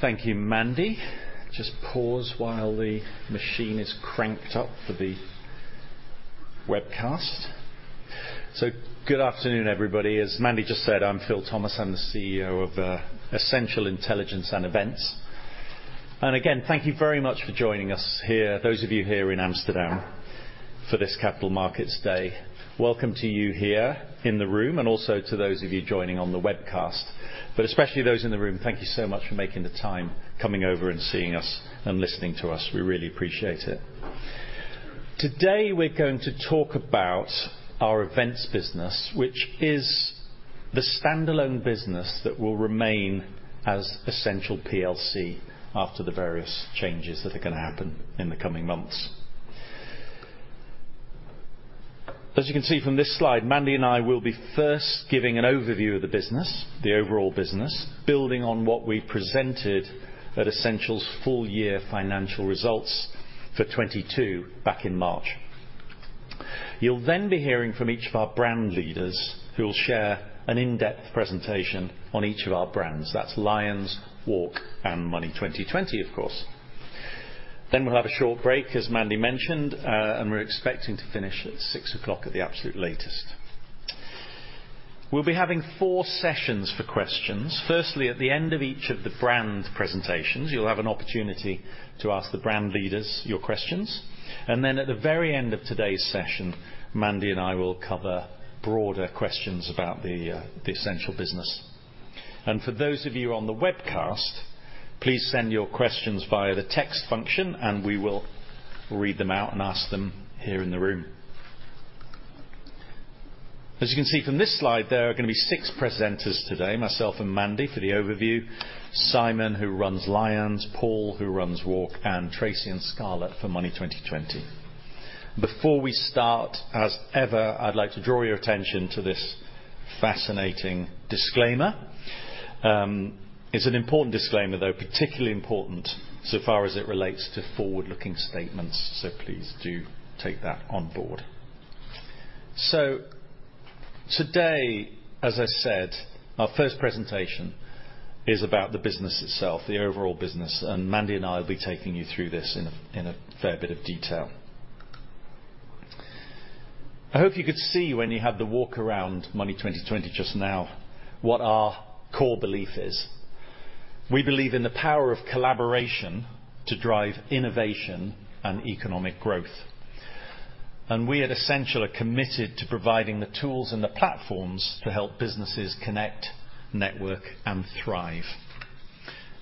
Thank you, Mandy. Just pause while the machine is cranked up for the webcast. Good afternoon, everybody. As Mandy just said, I'm Phil Thomas. I'm the CEO of Ascential Intelligence & Events. Again, thank you very much for joining us here, those of you here in Amsterdam, for this Capital Markets Day. Welcome to you here in the room, and also to those of you joining on the webcast. Especially those in the room, thank you so much for making the time, coming over and seeing us and listening to us. We really appreciate it. Today, we're going to talk about our events business, which is the standalone business that will remain as Ascential plc after the various changes that are going to happen in the coming months. As you can see from this slide, Mandy and I will be first giving an overview of the business, the overall business, building on what we presented at Ascential's full year financial results for 2022 back in March. You'll then be hearing from each of our brand leaders, who will share an in-depth presentation on each of our brands. That's LIONS, WARC and Money20/20, of course. We'll have a short break, as Mandy mentioned, and we're expecting to finish at 6:00 P.M. at the absolute latest. We'll be having four sessions for questions. Firstly, at the end of each of the brand presentations, you'll have an opportunity to ask the brand leaders your questions. At the very end of today's session, Mandy and I will cover broader questions about the Ascential business. For those of you on the webcast, please send your questions via the text function, and we will read them out and ask them here in the room. As you can see from this slide, there are going to be six presenters today, myself and Mandy for the overview, Simon, who runs LIONS, Paul, who runs WARC, and Tracy and Scarlett for Money20/20. Before we start, as ever, I'd like to draw your attention to this fascinating disclaimer. It's an important disclaimer, though, particularly important so far as it relates to forward-looking statements, please do take that on board. Today, as I said, our first presentation is about the business itself, the overall business, and Mandy and I will be taking you through this in a fair bit of detail. I hope you could see when you had the walk around Money20/20 just now, what our core belief is. We believe in the power of collaboration to drive innovation and economic growth. we at Ascential are committed to providing the tools and the platforms to help businesses connect, network, and thrive.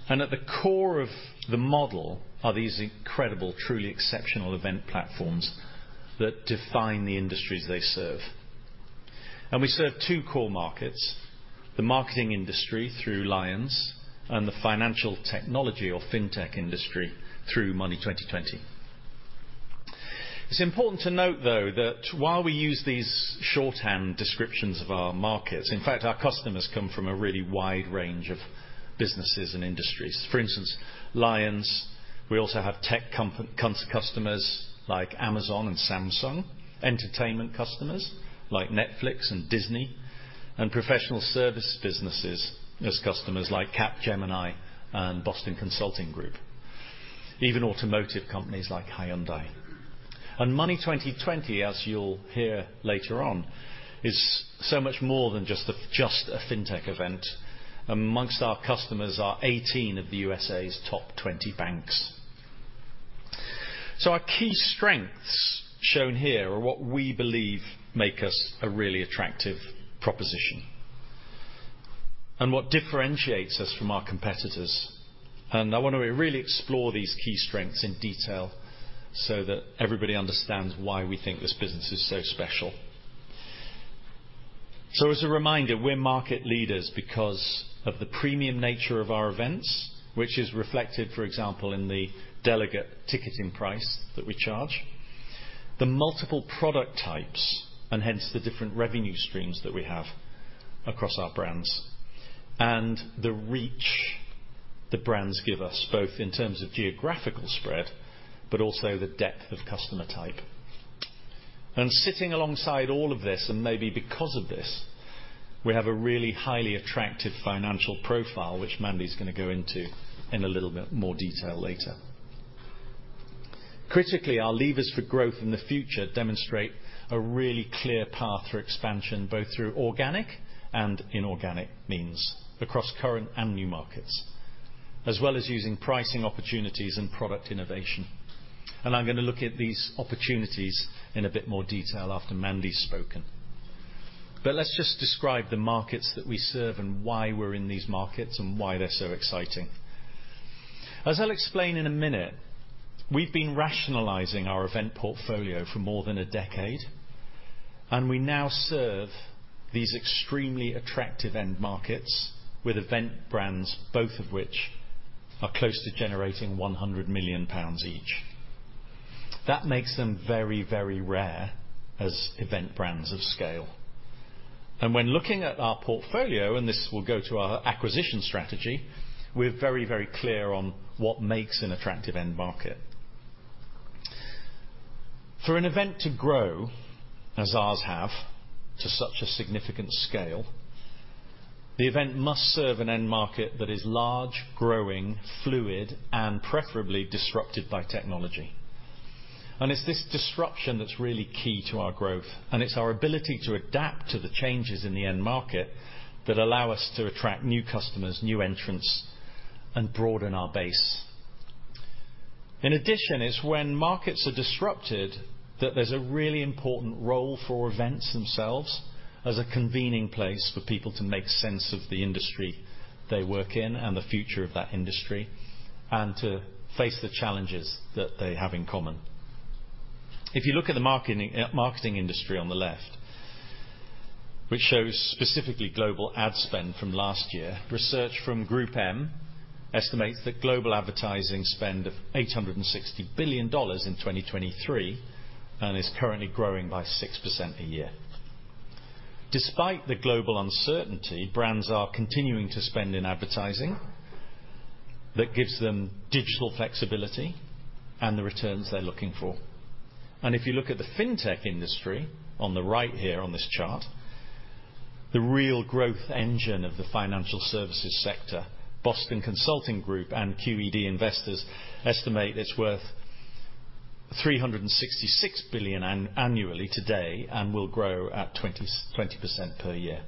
At the core of the model are these incredible, truly exceptional event platforms that define the industries they serve. We serve two core markets, the marketing industry through LIONS and the financial technology or fintech industry through Money20/20. It's important to note, though, that while we use these shorthand descriptions of our markets, in fact, our customers come from a really wide range of businesses and industries. For instance, LIONS, we also have customers like Amazon and Samsung, entertainment customers like Netflix and Disney, and professional service businesses as customers like Capgemini and Boston Consulting Group, even automotive companies like Hyundai. Money20/20, as you'll hear later on, is so much more than just a fintech event. Among our customers are 18 of the USA's top 20 banks. Our key strengths, shown here, are what we believe make us a really attractive proposition, and what differentiates us from our competitors. I want to really explore these key strengths in detail so that everybody understands why we think this business is so special. As a reminder, we're market leaders because of the premium nature of our events, which is reflected, for example, in the delegate ticketing price that we charge, the multiple product types, and hence the different revenue streams that we have across our brands, and the reach the brands give us, both in terms of geographical spread, but also the depth of customer type. Sitting alongside all of this, and maybe because of this, we have a really highly attractive financial profile, which Mandy is going to go into in a little bit more detail later. Critically, our levers for growth in the future demonstrate a really clear path for expansion, both through organic and inorganic means across current and new markets, as well as using pricing opportunities and product innovation. I'm going to look at these opportunities in a bit more detail after Mandy's spoken. Let's just describe the markets that we serve and why we're in these markets and why they're so exciting. As I'll explain in a minute, we've been rationalizing our event portfolio for more than a decade, and we now serve these extremely attractive end markets with event brands, both of which are close to generating 100 million pounds each. That makes them very, very rare as event brands of scale. When looking at our portfolio, and this will go to our acquisition strategy, we're very, very clear on what makes an attractive end market. For an event to grow, as ours have, to such a significant scale, the event must serve an end market that is large, growing, fluid, and preferably disrupted by technology. It's this disruption that's really key to our growth, and it's our ability to adapt to the changes in the end market that allow us to attract new customers, new entrants, and broaden our base. In addition, when markets are disrupted, that there's a really important role for events themselves as a convening place for people to make sense of the industry they work in and the future of that industry, and to face the challenges that they have in common. If you look at the marketing industry on the left, which shows specifically global ad spend from last year, research from GroupM estimates that global advertising spend of $860 billion in 2023, and is currently growing by 6% a year. Despite the global uncertainty, brands are continuing to spend in advertising that gives them digital flexibility and the returns they're looking for. If you look at the fintech industry on the right here on this chart, the real growth engine of the financial services sector, Boston Consulting Group and QED Investors estimate it's worth $366 billion annually today and will grow at 20% per year.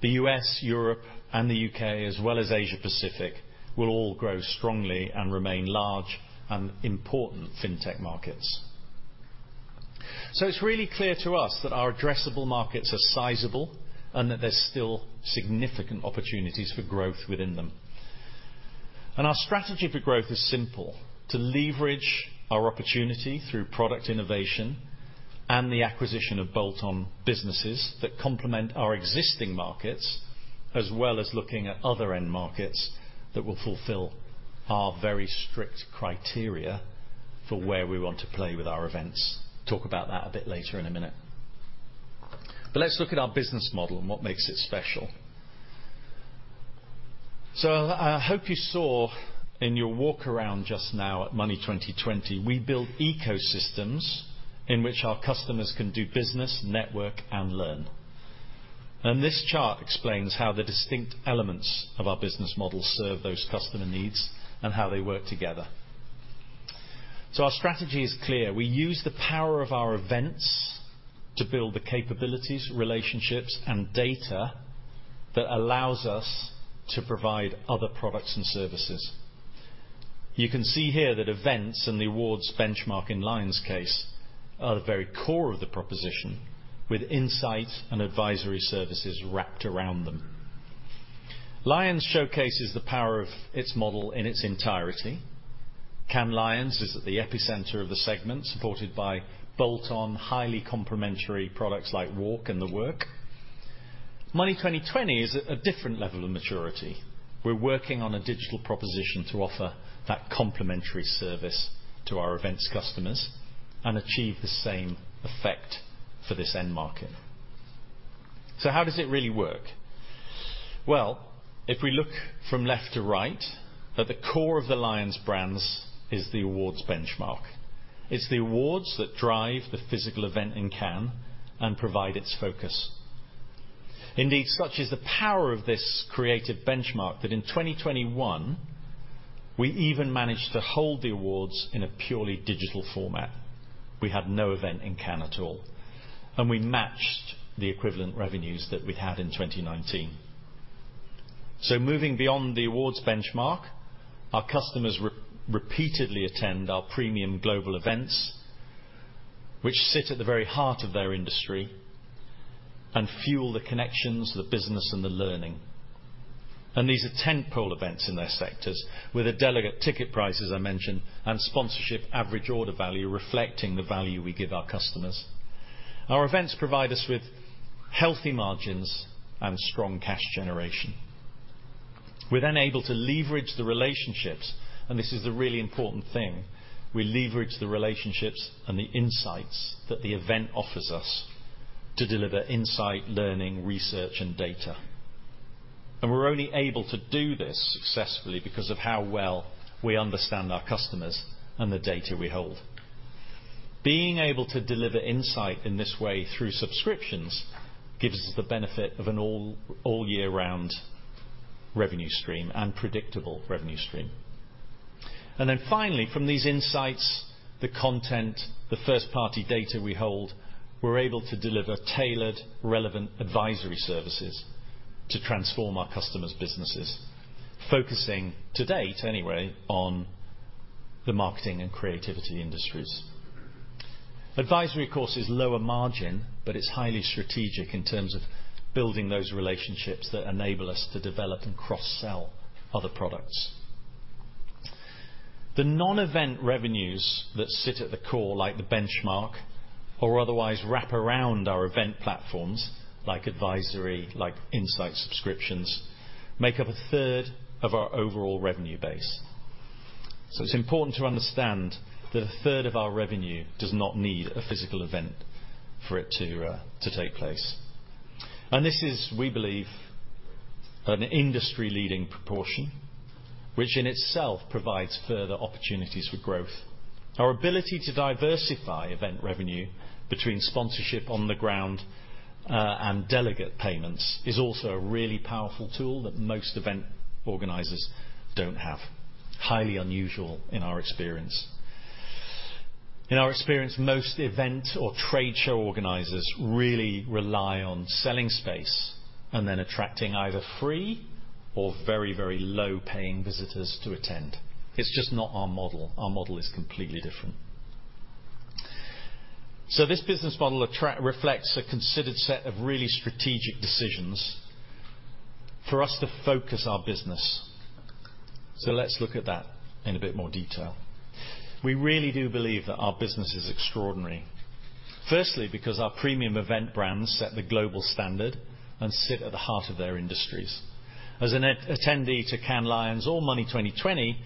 The U.S., Europe, and the U.K., as well as Asia Pacific, will all grow strongly and remain large and important fintech markets. It's really clear to us that our addressable markets are sizable and that there's still significant opportunities for growth within them. Our strategy for growth is simple: to leverage our opportunity through product innovation and the acquisition of bolt-on businesses that complement our existing markets, as well as looking at other end markets that will fulfill our very strict criteria for where we want to play with our events. Talk about that a bit later in a minute. Let's look at our business model and what makes it special. I hope you saw in your walk around just now at Money20/20, we build ecosystems in which our customers can do business, network, and learn. This chart explains how the distinct elements of our business model serve those customer needs and how they work together. Our strategy is clear. We use the power of our events to build the capabilities, relationships, and data that allows us to provide other products and services. You can see here that events and the awards benchmark in LIONS case, are the very core of the proposition, with insight and advisory services wrapped around them. LIONS showcases the power of its model in its entirety. Cannes Lions is at the epicenter of the segment, supported by bolt-on, highly complementary products like WARC and The Work. Money20/20 is at a different level of maturity. We're working on a digital proposition to offer that complementary service to our events customers and achieve the same effect for this end market. How does it really work? If we look from left to right, at the core of the LIONS brands is the awards benchmark. It's the awards that drive the physical event in Cannes and provide its focus. Indeed, such is the power of this creative benchmark that in 2021, we even managed to hold the awards in a purely digital format. We had no event in Cannes at all. We matched the equivalent revenues that we'd had in 2019. Moving beyond the awards benchmark, our customers repeatedly attend our premium global events, which sit at the very heart of their industry and fuel the connections, the business, and the learning. These are tentpole events in their sectors with a delegate ticket price, as I mentioned, and sponsorship average order value reflecting the value we give our customers. Our events provide us with healthy margins and strong cash generation. We're able to leverage the relationships, and this is the really important thing, we leverage the relationships and the insights that the event offers us to deliver insight, learning, research, and data. We're only able to do this successfully because of how well we understand our customers and the data we hold. Being able to deliver insight in this way through subscriptions, gives us the benefit of an all year round revenue stream and predictable revenue stream. Finally, from these insights, the content, the first-party data we hold, we're able to deliver tailored, relevant advisory services to transform our customers' businesses, focusing, to date anyway, on the marketing and creativity industries. Advisory, of course, is lower margin. It's highly strategic in terms of building those relationships that enable us to develop and cross-sell other products. The non-event revenues that sit at the core, like the benchmark, or otherwise wrap around our event platforms, like advisory, like insight subscriptions, make up a third of our overall revenue base. It's important to understand that a third of our revenue does not need a physical event for it to take place. This is, we believe, an industry-leading proportion, which in itself provides further opportunities for growth. Our ability to diversify event revenue between sponsorship on the ground and delegate payments is also a really powerful tool that most event organizers don't have. Highly unusual in our experience. In our experience, most event or trade show organizers really rely on selling space and then attracting either free or very low-paying visitors to attend. It's just not our model. Our model is completely different. This business model reflects a considered set of really strategic decisions for us to focus our business. Let's look at that in a bit more detail. We really do believe that our business is extraordinary. Firstly, because our premium event brands set the global standard and sit at the heart of their industries. As an attendee to Cannes Lions or Money20/20,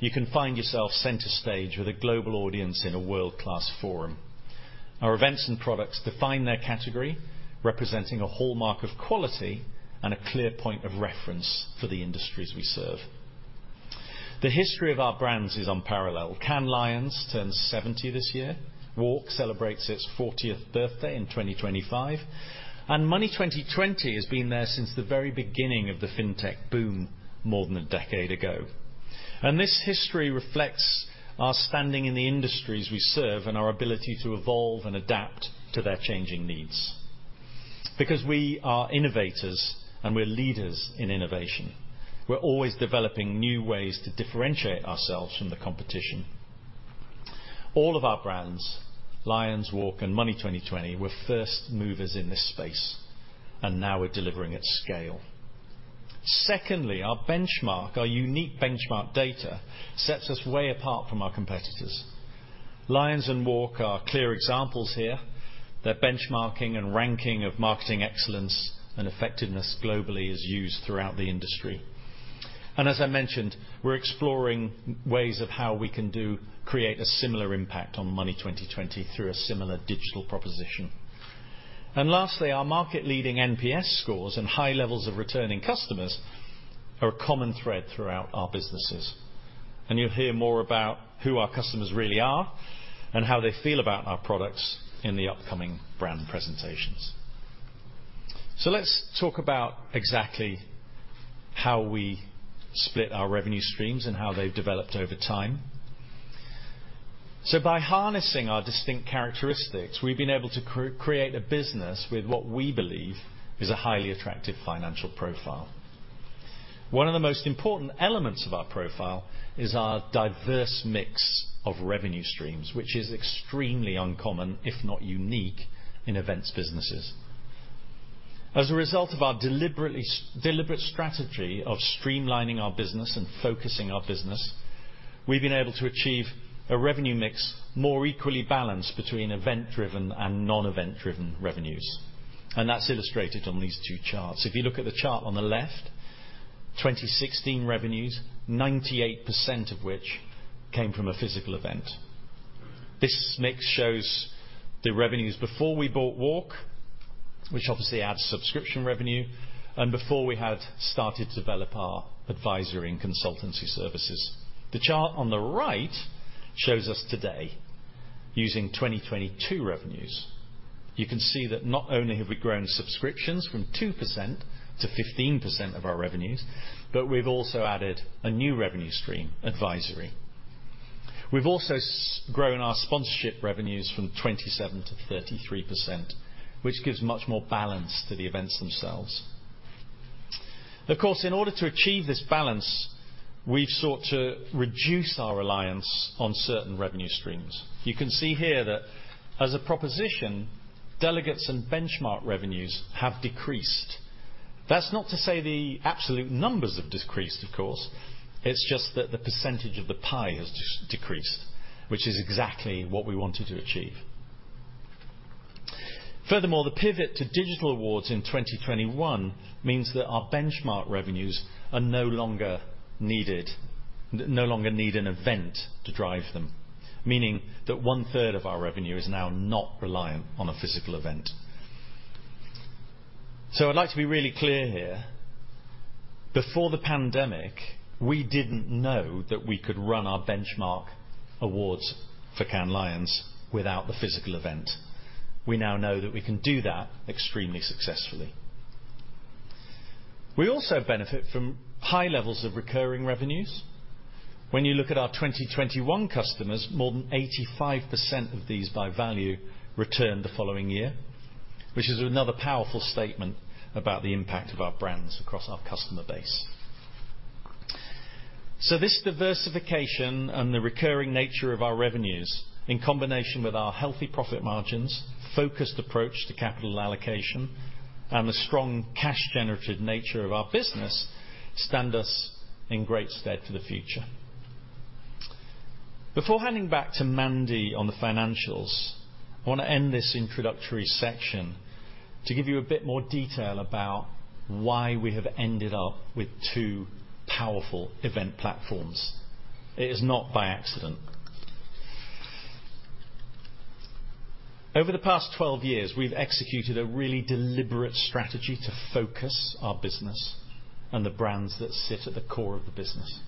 you can find yourself center stage with a global audience in a world-class forum. Our events and products define their category, representing a hallmark of quality and a clear point of reference for the industries we serve. The history of our brands is unparalleled. Cannes Lions turns 70 this year, WARC celebrates its 40th birthday in 2025, Money20/20 has been there since the very beginning of the Fintech boom, more than a decade ago. This history reflects our standing in the industries we serve and our ability to evolve and adapt to their changing needs, because we are innovators, and we're leaders in innovation. We're always developing new ways to differentiate ourselves from the competition. All of our brands, LIONS, WARC, and Money20/20, were first movers in this space, and now we're delivering at scale. Secondly, our benchmark, our unique benchmark data, sets us way apart from our competitors. LIONS and WARC are clear examples here. Their benchmarking and ranking of marketing excellence and effectiveness globally is used throughout the industry. As I mentioned, we're exploring ways of how we can create a similar impact on Money20/20 through a similar digital proposition. Lastly, our market-leading NPS scores and high levels of returning customers are a common thread throughout our businesses. You'll hear more about who our customers really are and how they feel about our products in the upcoming brand presentations. Let's talk about exactly how we split our revenue streams and how they've developed over time. By harnessing our distinct characteristics, we've been able to create a business with what we believe is a highly attractive financial profile. One of the most important elements of our profile is our diverse mix of revenue streams, which is extremely uncommon, if not unique, in events businesses. As a result of our deliberately deliberate strategy of streamlining our business and focusing our business, we've been able to achieve a revenue mix more equally balanced between event-driven and non-event driven revenues. That's illustrated on these two charts. If you look at the chart on the left, 2016 revenues, 98% of which came from a physical event. This mix shows the revenues before we bought WARC, which obviously adds subscription revenue, and before we had started to develop our advisory and consultancy services. The chart on the right shows us today, using 2022 revenues. You can see that not only have we grown subscriptions from 2%-15% of our revenues, we've also added a new revenue stream, advisory. We've also grown our sponsorship revenues from 27%-33%, which gives much more balance to the events themselves. Of course, in order to achieve this balance, we've sought to reduce our reliance on certain revenue streams. You can see here that as a proposition, delegates and benchmark revenues have decreased. That's not to say the absolute numbers have decreased, of course, it's just that the percentage of the pie has decreased, which is exactly what we wanted to achieve. The pivot to digital awards in 2021 means that our benchmark revenues are no longer needed, no longer need an event to drive them, meaning that 1/3 of our revenue is now not reliant on a physical event. I'd like to be really clear here, before the pandemic, we didn't know that we could run our benchmark awards for Cannes Lions without the physical event. We now know that we can do that extremely successfully. We also benefit from high levels of recurring revenues. When you look at our 2021 customers, more than 85% of these, by value, return the following year, which is another powerful statement about the impact of our brands across our customer base. This diversification and the recurring nature of our revenues, in combination with our healthy profit margins, focused approach to capital allocation, and the strong cash generative nature of our business, stand us in great stead for the future. Before handing back to Mandy on the financials, I want to end this introductory section to give you a bit more detail about why we have ended up with two powerful event platforms. It is not by accident. Over the past 12 years, we've executed a really deliberate strategy to focus our business and the brands that sit at the core of the business.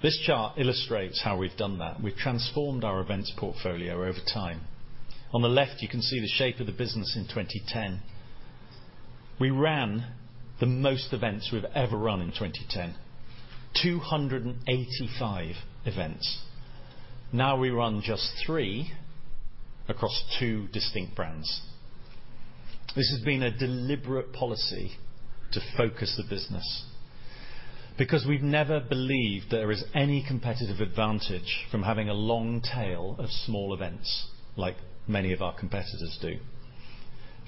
This chart illustrates how we've done that. We've transformed our events portfolio over time. On the left, you can see the shape of the business in 2010. We ran the most events we've ever run in 2010, 285 events. Now we run just three across two distinct brands. This has been a deliberate policy to focus the business, because we've never believed there is any competitive advantage from having a long tail of small events, like many of our competitors do.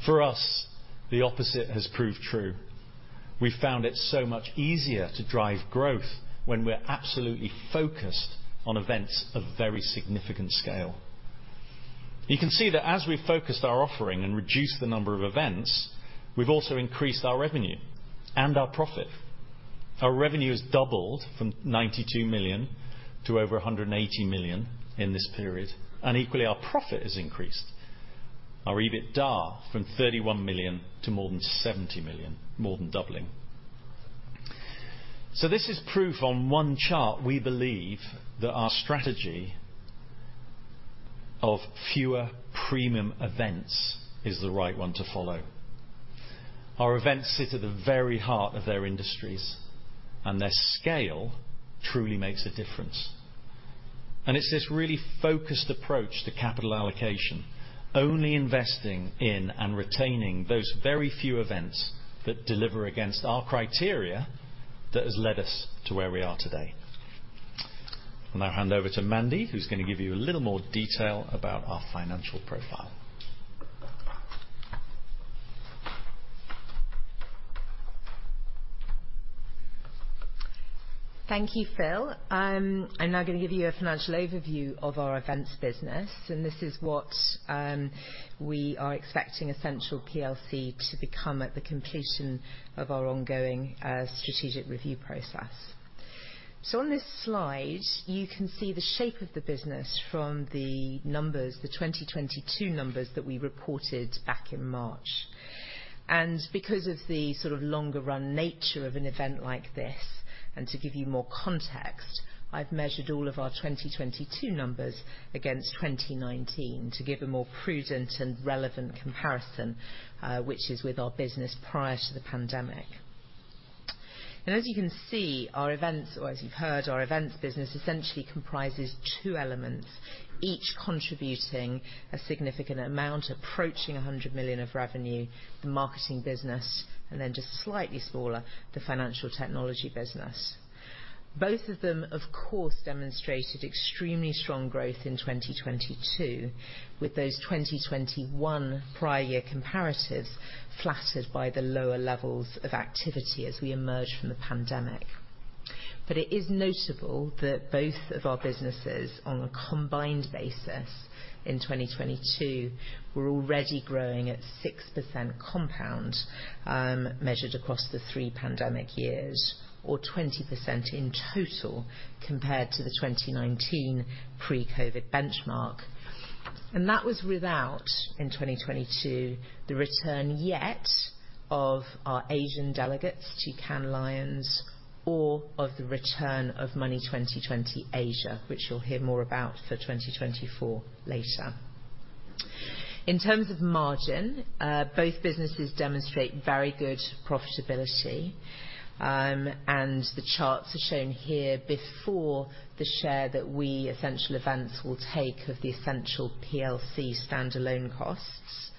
For us, the opposite has proved true. We found it so much easier to drive growth when we're absolutely focused on events of very significant scale. You can see that as we focused our offering and reduced the number of events, we've also increased our revenue and our profit. Our revenue has doubled from 92 million to over 180 million in this period, and equally, our profit has increased. Our EBITDA from 31 million to more than 70 million, more than doubling. This is proof on one chart, we believe that our strategy of fewer premium events is the right one to follow. Our events sit at the very heart of their industries, and their scale truly makes a difference. It's this really focused approach to capital allocation, only investing in and retaining those very few events that deliver against our criteria, that has led us to where we are today. I'll now hand over to Mandy, who's going to give you a little more detail about our financial profile. Thank you, Phil. I'm now going to give you a financial overview of our events business, and this is what we are expecting Ascential plc to become at the completion of our ongoing strategic review process. On this slide, you can see the shape of the business from the numbers, the 2022 numbers that we reported back in March. Because of the sort of longer-run nature of an event like this, and to give you more context, I've measured all of our 2022 numbers against 2019 to give a more prudent and relevant comparison, which is with our business prior to the pandemic. As you can see, our events, or as you've heard, our events business essentially comprises two elements, each contributing a significant amount, approaching 100 million of revenue, the marketing business, and then just slightly smaller, the financial technology business. Both of them, of course, demonstrated extremely strong growth in 2022, with those 2021 prior year comparatives, flattered by the lower levels of activity as we emerged from the pandemic. It is notable that both of our businesses, on a combined basis in 2022, were already growing at 6% compound, measured across the three pandemic years, or 20% in total compared to the 2019 pre-COVID benchmark. That was without, in 2022, the return yet of our Asian delegates to Cannes Lions or of the return of Money20/20 Asia, which you'll hear more about for 2024 later. In terms of margin, both businesses demonstrate very good profitability, the charts are shown here before the share that we, Ascential Events, will take of the Ascential plc standalone costs,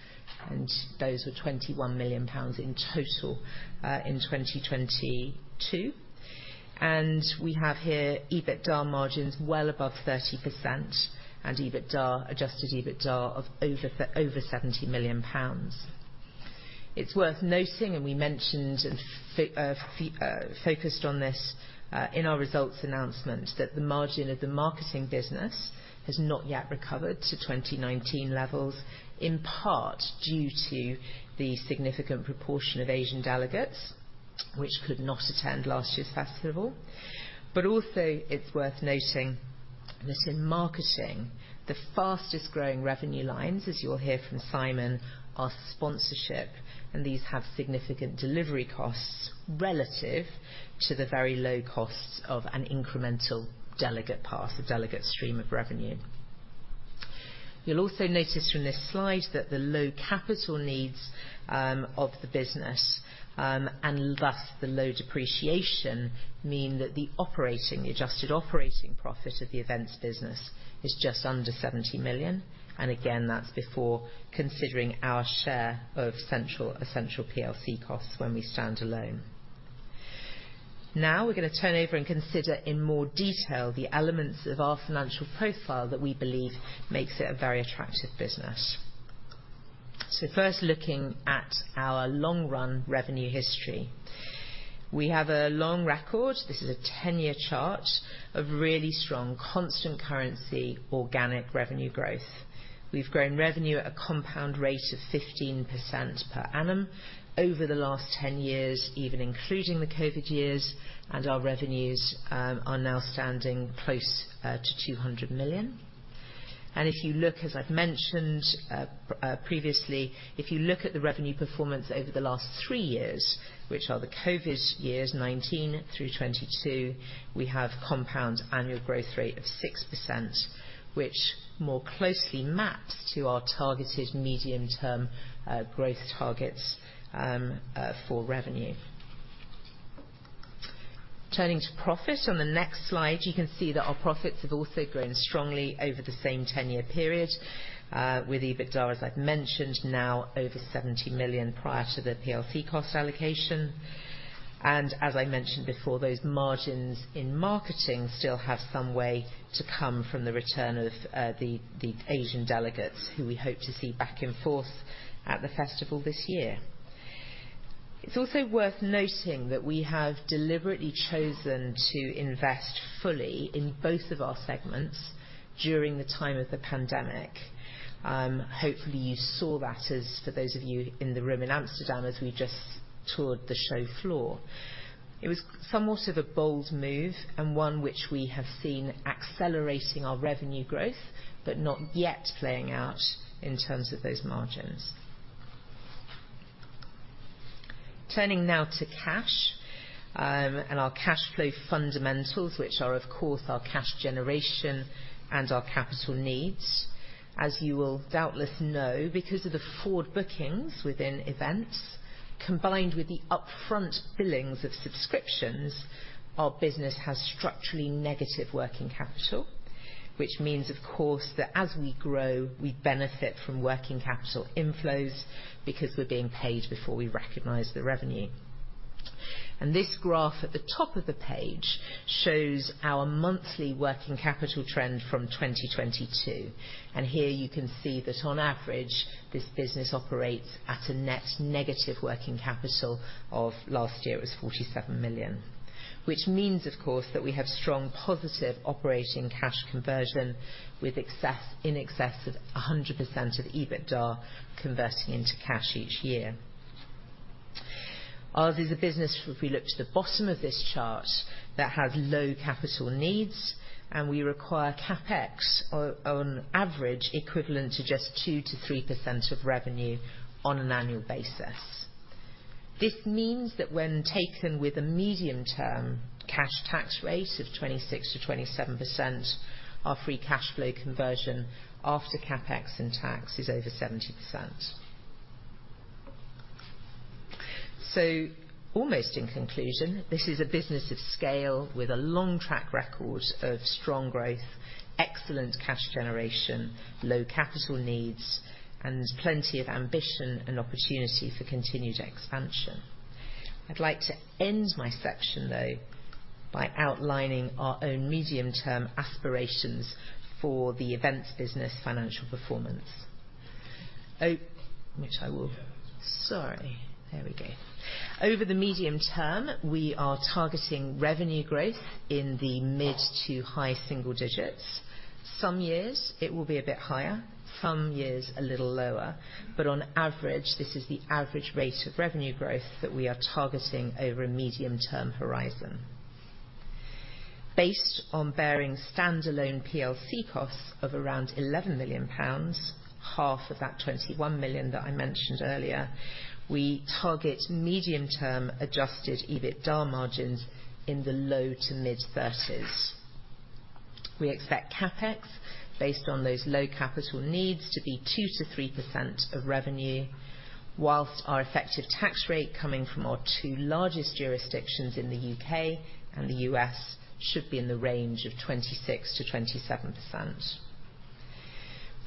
those were 21 million pounds in total in 2022. We have here EBITDA margins well above 30%, and EBITDA, adjusted EBITDA, of over 70 million pounds. It's worth noting, we mentioned and focused on this in our results announcement, that the margin of the marketing business has not yet recovered to 2019 levels, in part due to the significant proportion of Asian delegates which could not attend last year's festival. Also, it's worth noting that in marketing, the fastest-growing revenue lines, as you'll hear from Simon, are sponsorship, and these have significant delivery costs relative to the very low costs of an incremental delegate pass, a delegate stream of revenue. You'll also notice from this slide that the low capital needs of the business, and thus the low depreciation, mean that the operating, the adjusted operating profit of the events business is just under 70 million. Again, that's before considering our share of Central Ascential plc costs when we stand alone. Now, we're going to turn over and consider in more detail the elements of our financial profile that we believe makes it a very attractive business. First, looking at our long-run revenue history. We have a long record, this is a 10-year chart, of really strong constant currency, organic revenue growth. We've grown revenue at a compound rate of 15% per annum over the last 10 years, even including the COVID years, and our revenues are now standing close to 200 million. If you look, as I've mentioned, previously, if you look at the revenue performance over the last three years, which are the COVID years, 2019-2022, we have compound annual growth rate of 6%, which more closely maps to our targeted medium-term growth targets for revenue. Turning to profit, on the next slide, you can see that our profits have also grown strongly over the same 10-year period, with EBITDA, as I've mentioned, now over 70 million prior to the PLC cost allocation. As I mentioned before, those margins in marketing still have some way to come from the return of the Asian delegates, who we hope to see back in force at the festival this year. It's also worth noting that we have deliberately chosen to invest fully in both of our segments during the time of the pandemic. Hopefully, you saw that as for those of you in the room in Amsterdam, as we just toured the show floor. It was somewhat of a bold move and one which we have seen accelerating our revenue growth, but not yet playing out in terms of those margins. Turning now to cash, and our cash flow fundamentals, which are, of course, our cash generation and our capital needs. As you will doubtless know, because of the forward bookings within events, combined with the upfront billings of subscriptions, our business has structurally negative working capital, which means, of course, that as we grow, we benefit from working capital inflows because we're being paid before we recognize the revenue. This graph at the top of the page shows our monthly working capital trend from 2022. Here you can see that on average, this business operates at a net negative working capital of last year was 47 million. Which means, of course, that we have strong positive operating cash conversion in excess of 100% of EBITDA converting into cash each year. Ours is a business, if we look to the bottom of this chart, that has low capital needs, and we require CapEx on average, equivalent to just 2%-3% of revenue on an annual basis. This means that when taken with a medium-term cash tax rate of 26%-27%, our free cash flow conversion after CapEx and tax is over 70%. Almost in conclusion, this is a business of scale with a long track record of strong growth, excellent cash generation, low capital needs, and plenty of ambition and opportunity for continued expansion. I'd like to end my section, though, by outlining our own medium-term aspirations for the events business financial performance. Yeah. Sorry, there we go. Over the medium term, we are targeting revenue growth in the mid to high single digits. Some years it will be a bit higher, some years a little lower. On average, this is the average rate of revenue growth that we are targeting over a medium-term horizon. Based on bearing standalone PLC costs of around 11 million pounds, half of that 21 million that I mentioned earlier, we target medium-term adjusted EBITDA margins in the low to mid-thirties. We expect CapEx, based on those low capital needs, to be 2%-3% of revenue, whilst our effective tax rate coming from our two largest jurisdictions in the U.K. and the U.S., should be in the range of 26%-27%.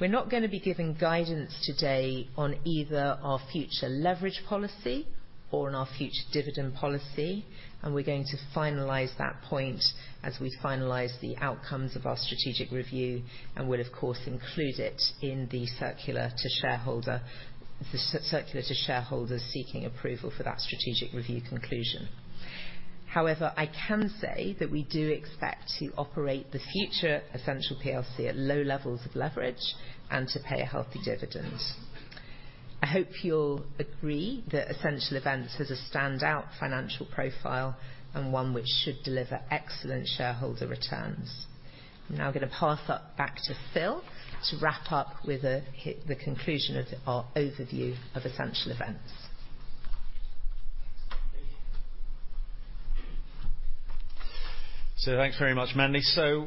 We're not going to be giving guidance today on either our future leverage policy or on our future dividend policy. We're going to finalize that point as we finalize the outcomes of our strategic review. We'll, of course, include it in the circular to shareholders seeking approval for that strategic review conclusion. However, I can say that we do expect to operate the future Ascential plc at low levels of leverage and to pay a healthy dividend. I hope you'll agree that Ascential Events has a standout financial profile and one which should deliver excellent shareholder returns. I'm now going to pass up back to Phil to wrap up with the conclusion of our overview of Ascential Events. Thanks very much, Mandy.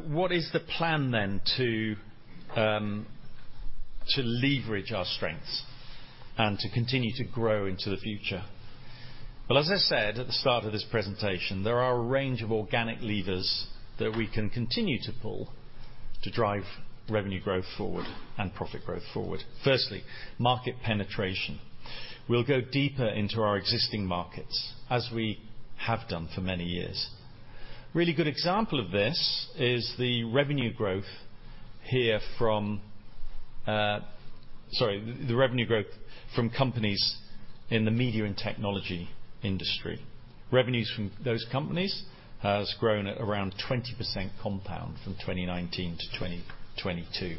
What is the plan then, to leverage our strengths and to continue to grow into the future? Well, as I said at the start of this presentation, there are a range of organic levers that we can continue to pull to drive revenue growth forward and profit growth forward. Firstly, market penetration. We'll go deeper into our existing markets, as we have done for many years. Really good example of this is the revenue growth from companies in the media and technology industry. Revenues from those companies has grown at around 20% compound from 2019 to 2022.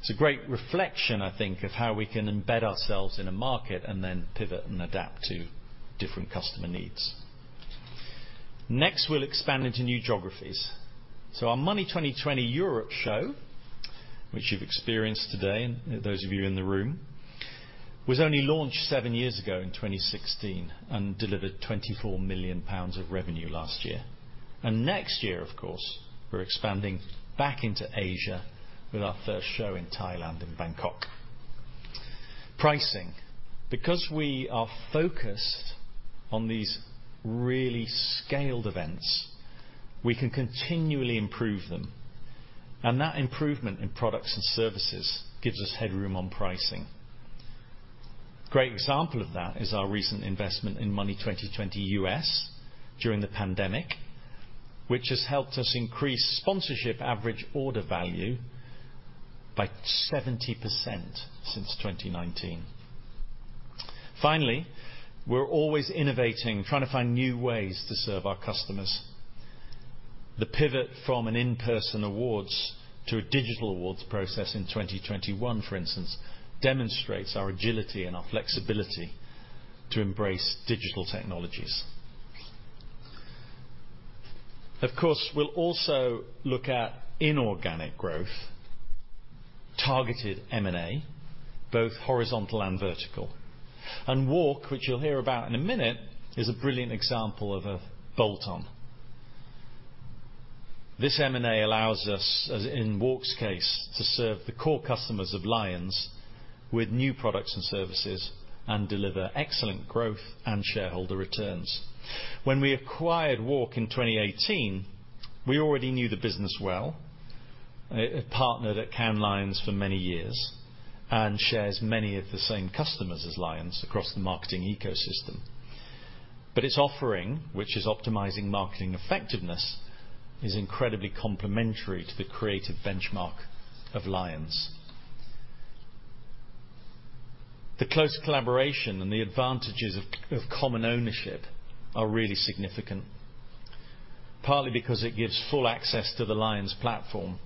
It's a great reflection, I think, of how we can embed ourselves in a market and then pivot and adapt to different customer needs. Next, we'll expand into new geographies. Our Money20/20 Europe show, which you've experienced today, and those of you in the room, was only launched seven years ago in 2016, and delivered 24 million pounds of revenue last year. Next year, of course, we're expanding back into Asia with our first show in Thailand, in Bangkok. Pricing. Because we are focused on these really scaled events, we can continually improve them, and that improvement in products and services gives us headroom on pricing. Great example of that is our recent investment in Money20/20 US during the pandemic, which has helped us increase sponsorship average order value by 70% since 2019. Finally, we're always innovating, trying to find new ways to serve our customers. The pivot from an in-person awards to a digital awards process in 2021, for instance, demonstrates our agility and our flexibility to embrace digital technologies. Of course, we'll also look at inorganic growth, targeted M&A, both horizontal and vertical. WARC, which you'll hear about in a minute, is a brilliant example of a bolt-on. This M&A allows us, as in WARC's case, to serve the core customers of LIONS with new products and services, and deliver excellent growth and shareholder returns. When we acquired WARC in 2018, we already knew the business well. It partnered at Cannes Lions for many years and shares many of the same customers as LIONS across the marketing ecosystem. Its offering, which is optimizing marketing effectiveness, is incredibly complementary to the creative benchmark of LIONS. The close collaboration and the advantages of common ownership are really significant, partly because it gives full access to the LIONS platform.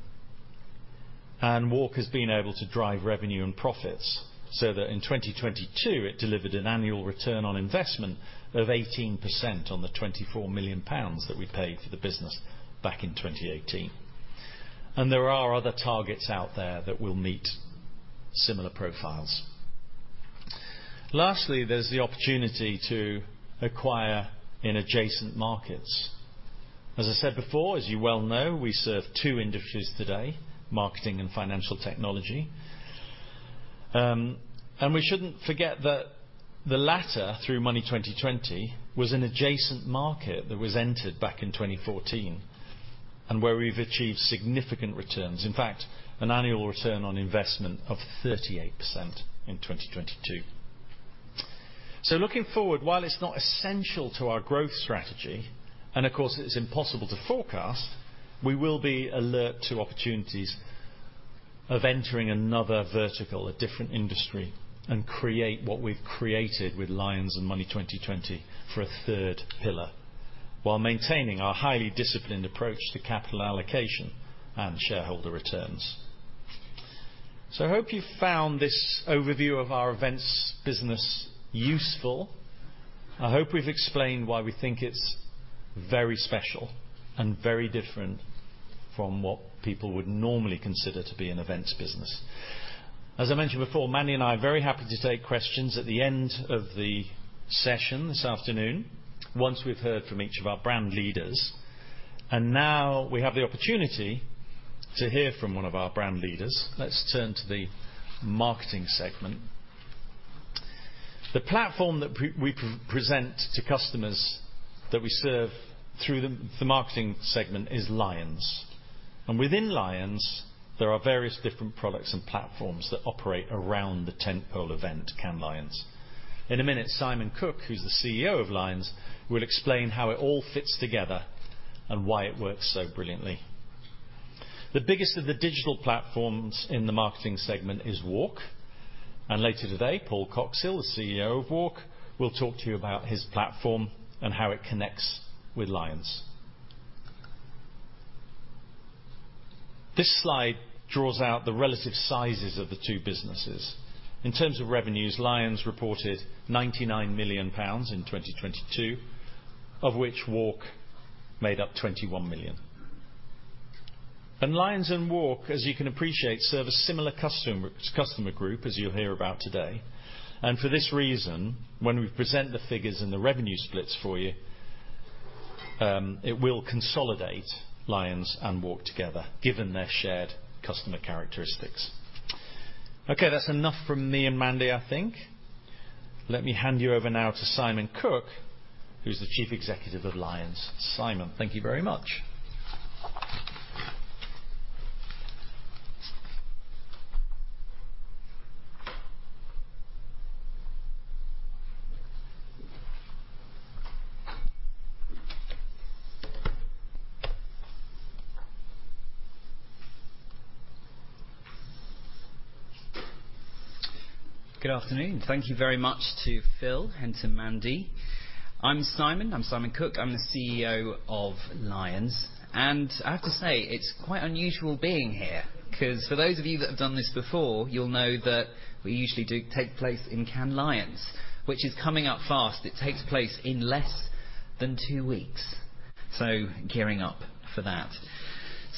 WARC has been able to drive revenue and profits. That in 2022, it delivered an annual return on investment of 18% on the 24 million pounds that we paid for the business back in 2018. There are other targets out there that will meet similar profiles. Lastly, there's the opportunity to acquire in adjacent markets. As I said before, as you well know, we serve two industries today: marketing and financial technology. We shouldn't forget that the latter, through Money20/20, was an adjacent market that was entered back in 2014. Where we've achieved significant returns. In fact, an annual return on investment of 38% in 2022. Looking forward, while it's not essential to our growth strategy, and of course, it's impossible to forecast, we will be alert to opportunities of entering another vertical, a different industry, and create what we've created with LIONS and Money20/20 for a third pillar, while maintaining our highly disciplined approach to capital allocation and shareholder returns. I hope you found this overview of our events business useful. I hope we've explained why we think it's very special and very different from what people would normally consider to be an events business. Now we have the opportunity to hear from one of our brand leaders. Let's turn to the marketing segment. The platform that we pre-present to customers that we serve through the marketing segment is LIONS. Within LIONS, there are various different products and platforms that operate around the tentpole event, Cannes Lions. In a minute, Simon Cook, who's the CEO of LIONS, will explain how it all fits together and why it works so brilliantly. The biggest of the digital platforms in the marketing segment is WARC, and later today, Paul Coxhill, the CEO of WARC, will talk to you about his platform and how it connects with LIONS. This slide draws out the relative sizes of the two businesses. In terms of revenues, LIONS reported 99 million pounds in 2022, of which WARC made up 21 million. LIONS and WARC, as you can appreciate, serve a similar customer group, as you'll hear about today. For this reason, when we present the figures and the revenue splits for you, it will consolidate LIONS and WARC together, given their shared customer characteristics. Okay, that's enough from me and Mandy, I think. Let me hand you over now to Simon Cook, who's the chief executive of LIONS. Simon, thank you very much. Good afternoon. Thank you very much to Phil and to Mandy. I'm Simon. I'm Simon Cook. I'm the CEO of LIONS. I have to say, it's quite unusual being here, 'cause for those of you that have done this before, you'll know that we usually do take place in Cannes LIONS, which is coming up fast. It takes place in less than two weeks. Gearing up for that.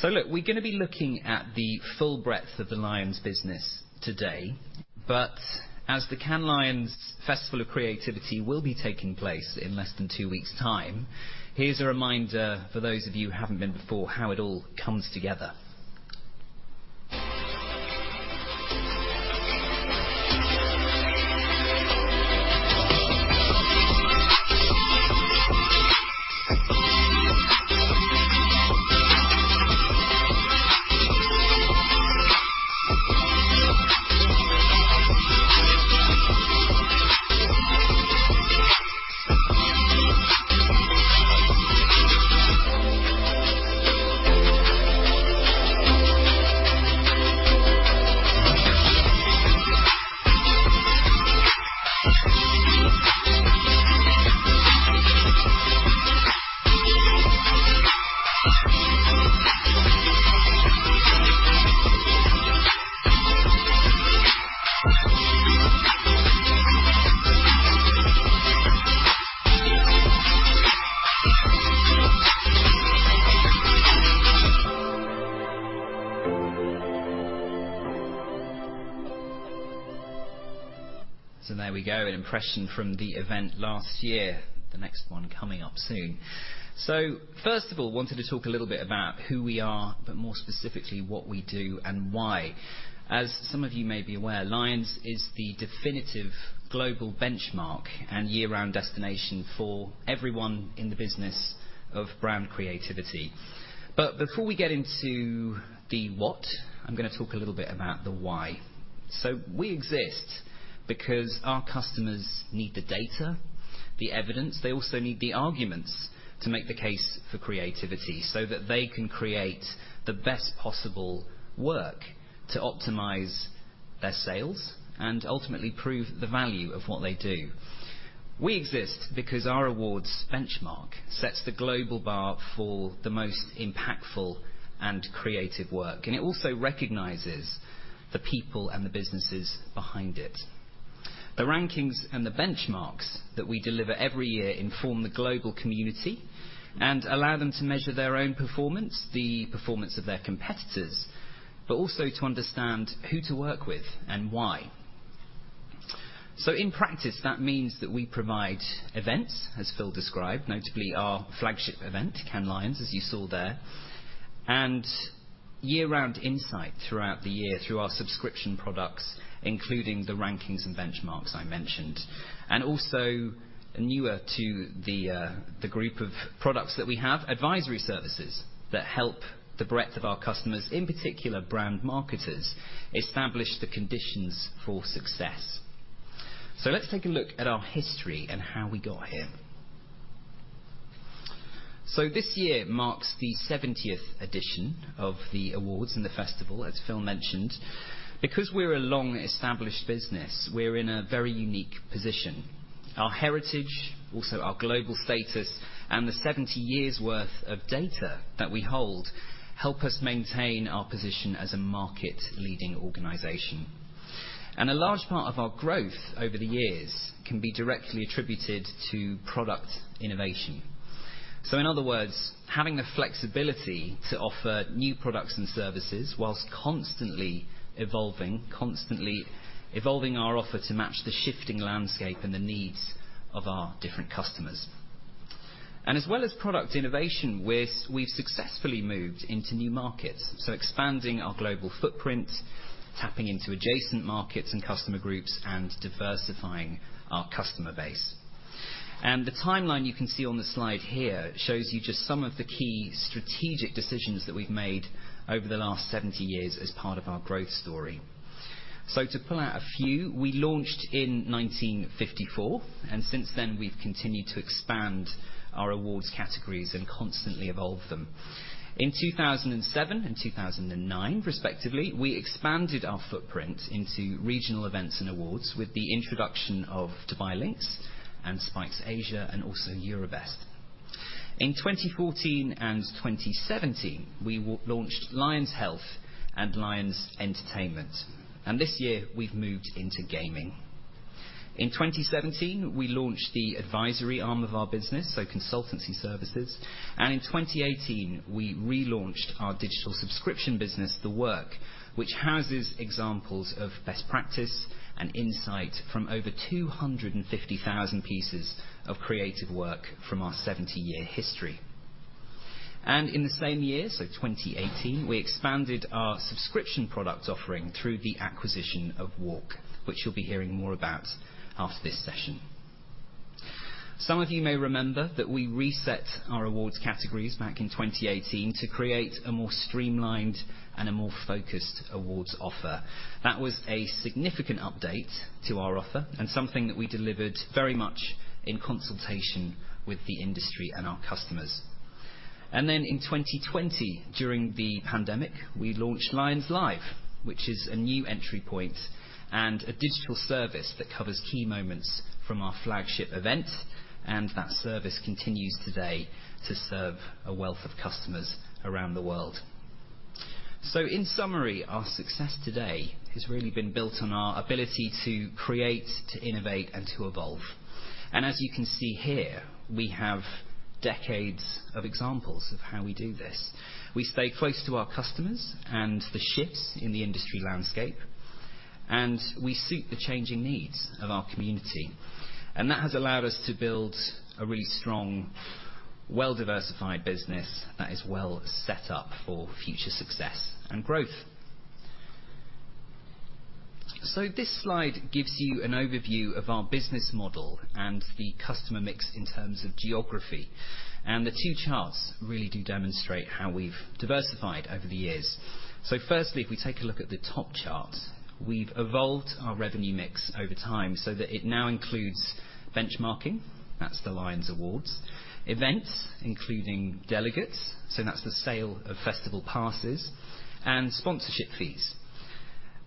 Look, we're gonna be looking at the full breadth of the LIONS business today, but as the Cannes LIONS Festival of Creativity will be taking place in less than two weeks' time, here's a reminder, for those of you who haven't been before, how it all comes together. There we go, an impression from the event last year. The next one coming up soon. First of all, wanted to talk a little bit about who we are, but more specifically, what we do and why. As some of you may be aware, LIONS is the definitive global benchmark and year-round destination for everyone in the business of brand creativity. Before we get into the what, I'm gonna talk a little bit about the why. We exist because our customers need the data, the evidence. They also need the arguments to make the case for creativity, so that they can create the best possible work to optimize their sales and ultimately prove the value of what they do. We exist because our awards benchmark sets the global bar for the most impactful and creative work, and it also recognizes the people and the businesses behind it. The rankings and the benchmarks that we deliver every year inform the global community and allow them to measure their own performance, the performance of their competitors, but also to understand who to work with and why. In practice, that means that we provide events, as Phil described, notably our flagship event, Cannes Lions, as you saw there, and year-round insight throughout the year through our subscription products, including the rankings and benchmarks I mentioned. Also newer to the group of products that we have, advisory services that help the breadth of our customers, in particular, brand marketers, establish the conditions for success. Let's take a look at our history and how we got here. This year marks the 70th edition of the awards and the festival, as Phil mentioned. Because we're a long-established business, we're in a very unique position. Our heritage, also our global status, and the 70 years' worth of data that we hold, help us maintain our position as a market-leading organization. A large part of our growth over the years can be directly attributed to product innovation. In other words, having the flexibility to offer new products and services whilst constantly evolving our offer to match the shifting landscape and the needs of our different customers. As well as product innovation, we've successfully moved into new markets, expanding our global footprint, tapping into adjacent markets and customer groups, and diversifying our customer base. The timeline you can see on the slide here shows you just some of the key strategic decisions that we've made over the last 70 years as part of our growth story. To pull out a few, we launched in 1954, and since then, we've continued to expand our awards categories and constantly evolve them. In 2007 and 2009, respectively, we expanded our footprint into regional events and awards with the introduction of Dubai Lynx and Spikes Asia, and also Eurobest. In 2014 and 2017, we launched Lions Health and Lions Entertainment, and this year we've moved into gaming. In 2017, we launched the advisory arm of our business, so consultancy services. In 2018, we relaunched our digital subscription business, The Work, which houses examples of best practice and insight from over 250,000 pieces of creative work from our 70-year history. In the same year, 2018, we expanded our subscription product offering through the acquisition of WARC, which you'll be hearing more about after this session. Some of you may remember that we reset our awards categories back in 2018 to create a more streamlined and a more focused awards offer. That was a significant update to our offer and something that we delivered very much in consultation with the industry and our customers. In 2020, during the pandemic, we launched LIONS Live, which is a new entry point and a digital service that covers key moments from our flagship event, and that service continues today to serve a wealth of customers around the world. In summary, our success today has really been built on our ability to create, to innovate, and to evolve. As you can see here, we have decades of examples of how we do this. We stay close to our customers and the shifts in the industry landscape, and we suit the changing needs of our community. That has allowed us to build a really strong, well-diversified business that is well set up for future success and growth. This slide gives you an overview of our business model and the customer mix in terms of geography, and the two charts really do demonstrate how we've diversified over the years. Firstly, if we take a look at the top chart, we've evolved our revenue mix over time so that it now includes benchmarking, that's the LIONS Awards, events, including delegates, so that's the sale of festival passes, and sponsorship fees,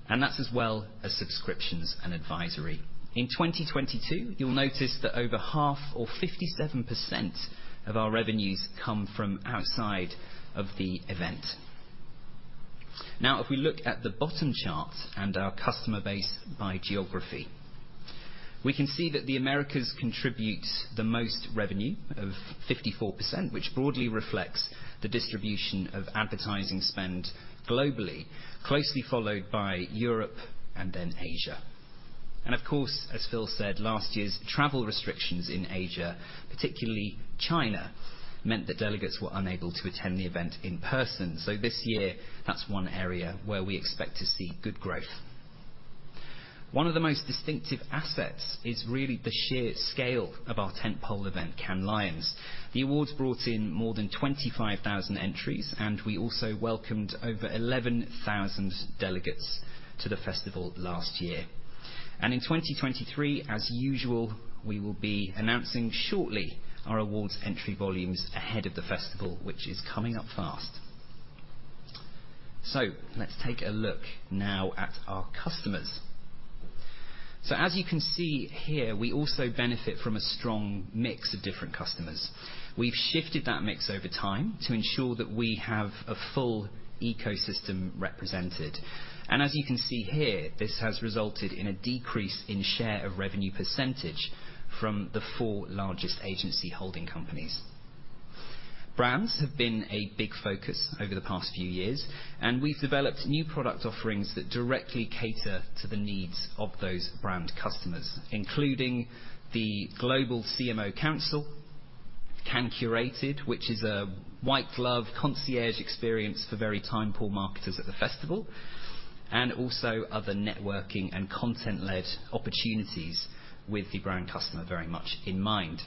and that's as well as subscriptions and advisory. In 2022, you'll notice that over half or 57% of our revenues come from outside of the event. If we look at the bottom chart and our customer base by geography, we can see that the Americas contributes the most revenue of 54%, which broadly reflects the distribution of advertising spend globally, closely followed by Europe and then Asia. Of course, as Phil said, last year's travel restrictions in Asia, particularly China, meant that delegates were unable to attend the event in person. This year, that's one area where we expect to see good growth. One of the most distinctive assets is really the sheer scale of our tentpole event, Cannes Lions. The awards brought in more than 25,000 entries, and we also welcomed over 11,000 delegates to the festival last year. In 2023, as usual, we will be announcing shortly our awards entry volumes ahead of the festival, which is coming up fast. Let's take a look now at our customers. As you can see here, we also benefit from a strong mix of different customers. We've shifted that mix over time to ensure that we have a full ecosystem represented. As you can see here, this has resulted in a decrease in share of revenue percentage from the four largest agency holding companies. Brands have been a big focus over the past few years. We've developed new product offerings that directly cater to the needs of those brand customers, including the Global CMO Council, Cannes Curated, which is a white glove concierge experience for very time-poor marketers at the festival, and also other networking and content-led opportunities with the brand customer very much in mind.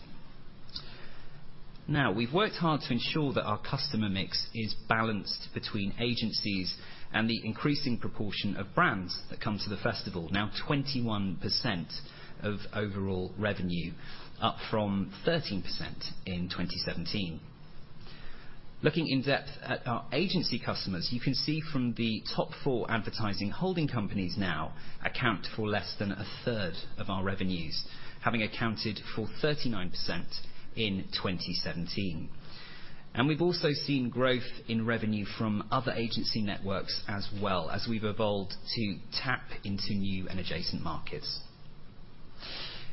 We've worked hard to ensure that our customer mix is balanced between agencies and the increasing proportion of brands that come to the festival. 21% of overall revenue, up from 13% in 2017. Looking in-depth at our agency customers, you can see from the top four advertising holding companies now account for less than 1/3 of our revenues, having accounted for 39% in 2017. We've also seen growth in revenue from other agency networks as well as we've evolved to tap into new and adjacent markets.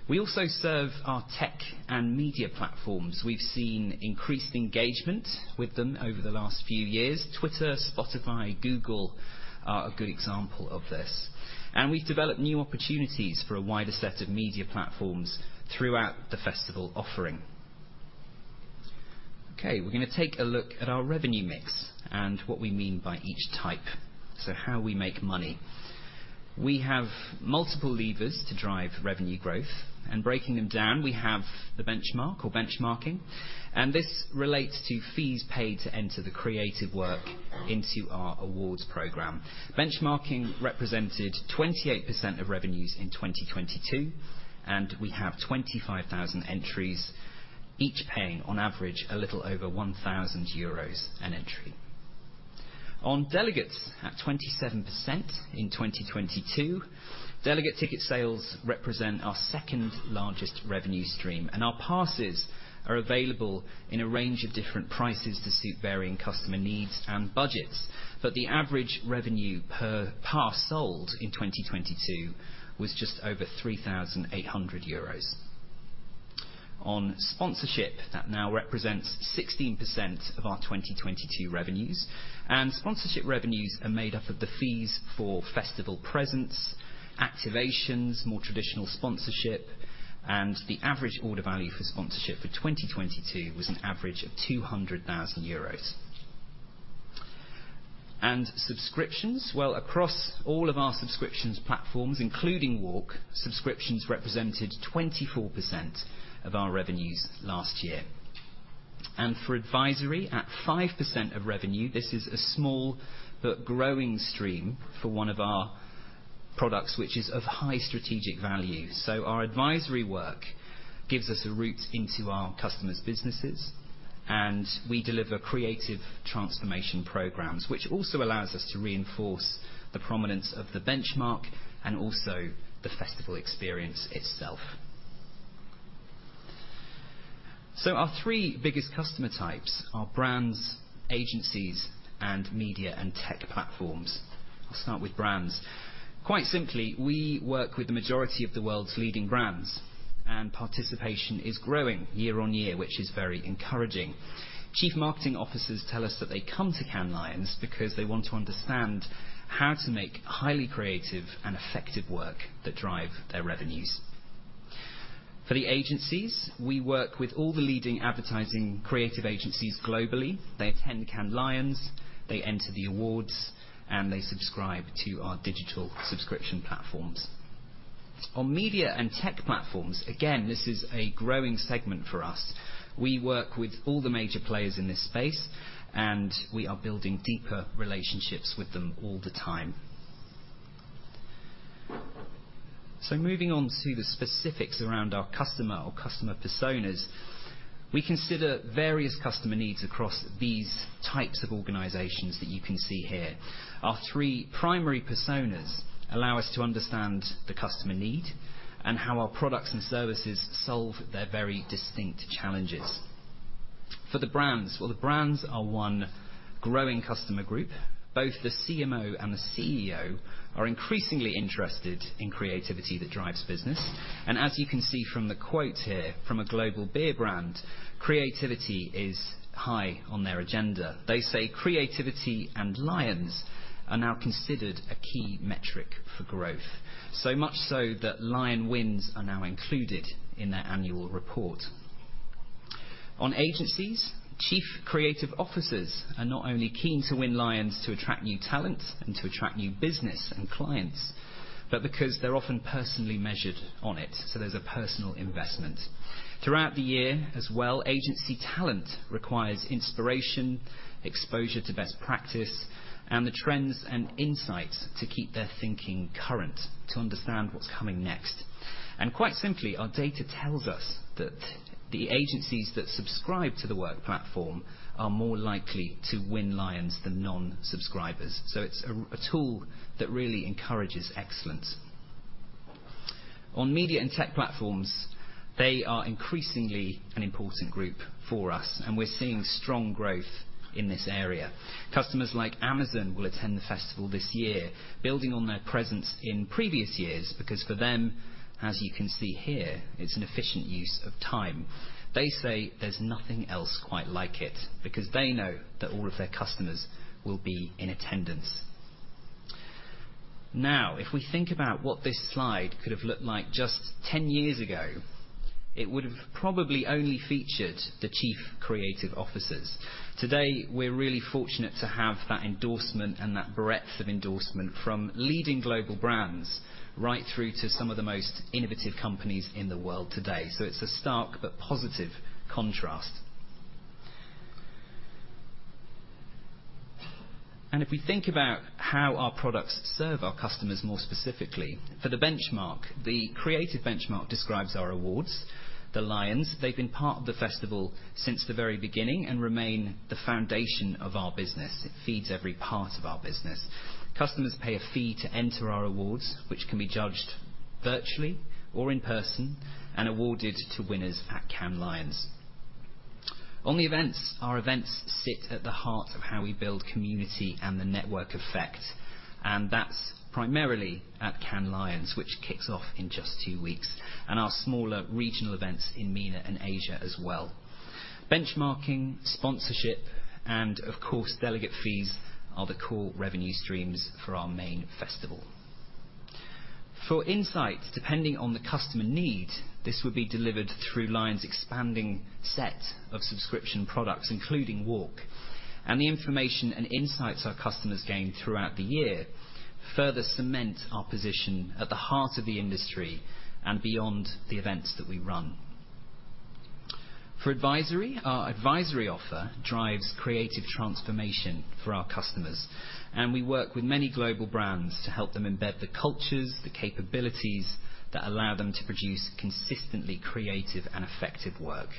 We also serve our tech and media platforms. We've seen increased engagement with them over the last few years. Twitter, Spotify, Google are a good example of this. We've developed new opportunities for a wider set of media platforms throughout the festival offering. Okay, we're going to take a look at our revenue mix and what we mean by each type, so how we make money. We have multiple levers to drive revenue growth, and breaking them down, we have the benchmark or benchmarking, and this relates to fees paid to enter the creative work into our awards program. Benchmarking represented 28% of revenues in 2022, and we have 25,000 entries, each paying on average a little over 1,000 euros an entry. On delegates, at 27% in 2022, delegate ticket sales represent our second largest revenue stream. Our passes are available in a range of different prices to suit varying customer needs and budgets. The average revenue per pass sold in 2022 was just over 3,800 euros. On sponsorship, that now represents 16% of our 2022 revenues. Sponsorship revenues are made up of the fees for festival presence, activations, more traditional sponsorship. The average order value for sponsorship for 2022 was an average of 200,000 euros. Subscriptions, well, across all of our subscriptions platforms, including WARC, subscriptions represented 24% of our revenues last year. For advisory, at 5% of revenue, this is a small but growing stream for one of our products, which is of high strategic value. Our advisory work gives us a route into our customers' businesses, and we deliver creative transformation programs, which also allows us to reinforce the prominence of the benchmark and also the festival experience itself. Our three biggest customer types are brands, agencies, and media and tech platforms. I'll start with brands. Quite simply, we work with the majority of the world's leading brands, and participation is growing year-on-year, which is very encouraging. Chief marketing officers tell us that they come to Cannes Lions because they want to understand how to make highly creative and effective work that drive their revenues. For the agencies, we work with all the leading advertising creative agencies globally. They attend Cannes Lions, they enter the awards, and they subscribe to our digital subscription platforms. On media and tech platforms, again, this is a growing segment for us. We work with all the major players in this space. We are building deeper relationships with them all the time. Moving on to the specifics around our customer or customer personas, we consider various customer needs across these types of organizations that you can see here. Our three primary personas allow us to understand the customer need and how our products and services solve their very distinct challenges. For the brands, well, the brands are one growing customer group. Both the CMO and the CEO are increasingly interested in creativity that drives business. As you can see from the quote here from a global beer brand, creativity is high on their agenda. They say creativity and LIONS are now considered a key metric for growth, so much so that LIONS wins are now included in their annual report. On agencies, chief creative officers are not only keen to win LIONS to attract new talent and to attract new business and clients, but because they're often personally measured on it, so there's a personal investment. Throughout the year as well, agency talent requires inspiration, exposure to best practice, and the trends and insights to keep their thinking current, to understand what's coming next. Quite simply, our data tells us that the agencies that subscribe to The Work platform are more likely to win LIONS than non-subscribers. It's a tool that really encourages excellence. On media and tech platforms, they are increasingly an important group for us, and we're seeing strong growth in this area. Customers like Amazon will attend the festival this year, building on their presence in previous years, because for them, as you can see here, it's an efficient use of time. They say there's nothing else quite like it, because they know that all of their customers will be in attendance. If we think about what this slide could have looked like just 10 years ago, it would have probably only featured the chief creative officers. Today, we're really fortunate to have that endorsement and that breadth of endorsement from leading global brands right through to some of the most innovative companies in the world today. It's a stark but positive contrast. If we think about how our products serve our customers more specifically, for the benchmark, the creative benchmark describes our awards, the LIONS. They've been part of the festival since the very beginning and remain the foundation of our business. It feeds every part of our business. Customers pay a fee to enter our awards, which can be judged virtually or in person, and awarded to winners at Cannes Lions. On the events, our events sit at the heart of how we build community and the network effect, and that's primarily at Cannes Lions, which kicks off in just two weeks, and our smaller regional events in MENA and Asia as well. Benchmarking, sponsorship, and of course, delegate fees are the core revenue streams for our main festival. For insights, depending on the customer need, this would be delivered through LIONS' expanding set of subscription products, including WARC, and the information and insights our customers gain throughout the year further cement our position at the heart of the industry and beyond the events that we run. For advisory, our advisory offer drives creative transformation for our customers, and we work with many global brands to help them embed the cultures, the capabilities that allow them to produce consistently creative and effective work.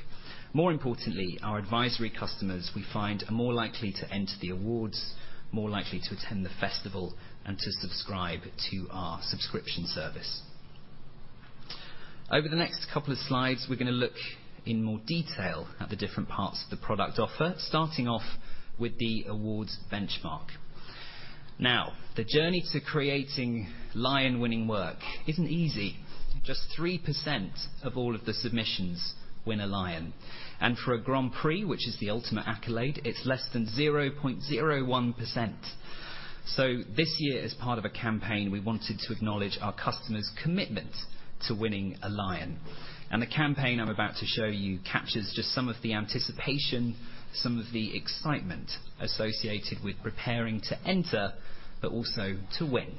More importantly, our advisory customers, we find, are more likely to enter the awards, more likely to attend the festival and to subscribe to our subscription service. Over the next couple of slides, we're gonna look in more detail at the different parts of the product offer, starting off with the awards benchmark. Now, the journey to creating LION-winning work isn't easy. Just 3% of all of the submissions win a LION, and for a Grand Prix, which is the ultimate accolade, it's less than 0.01%. This year, as part of a campaign, we wanted to acknowledge our customers' commitment to winning a LION. The campaign I'm about to show you captures just some of the anticipation, some of the excitement associated with preparing to enter, but also to win.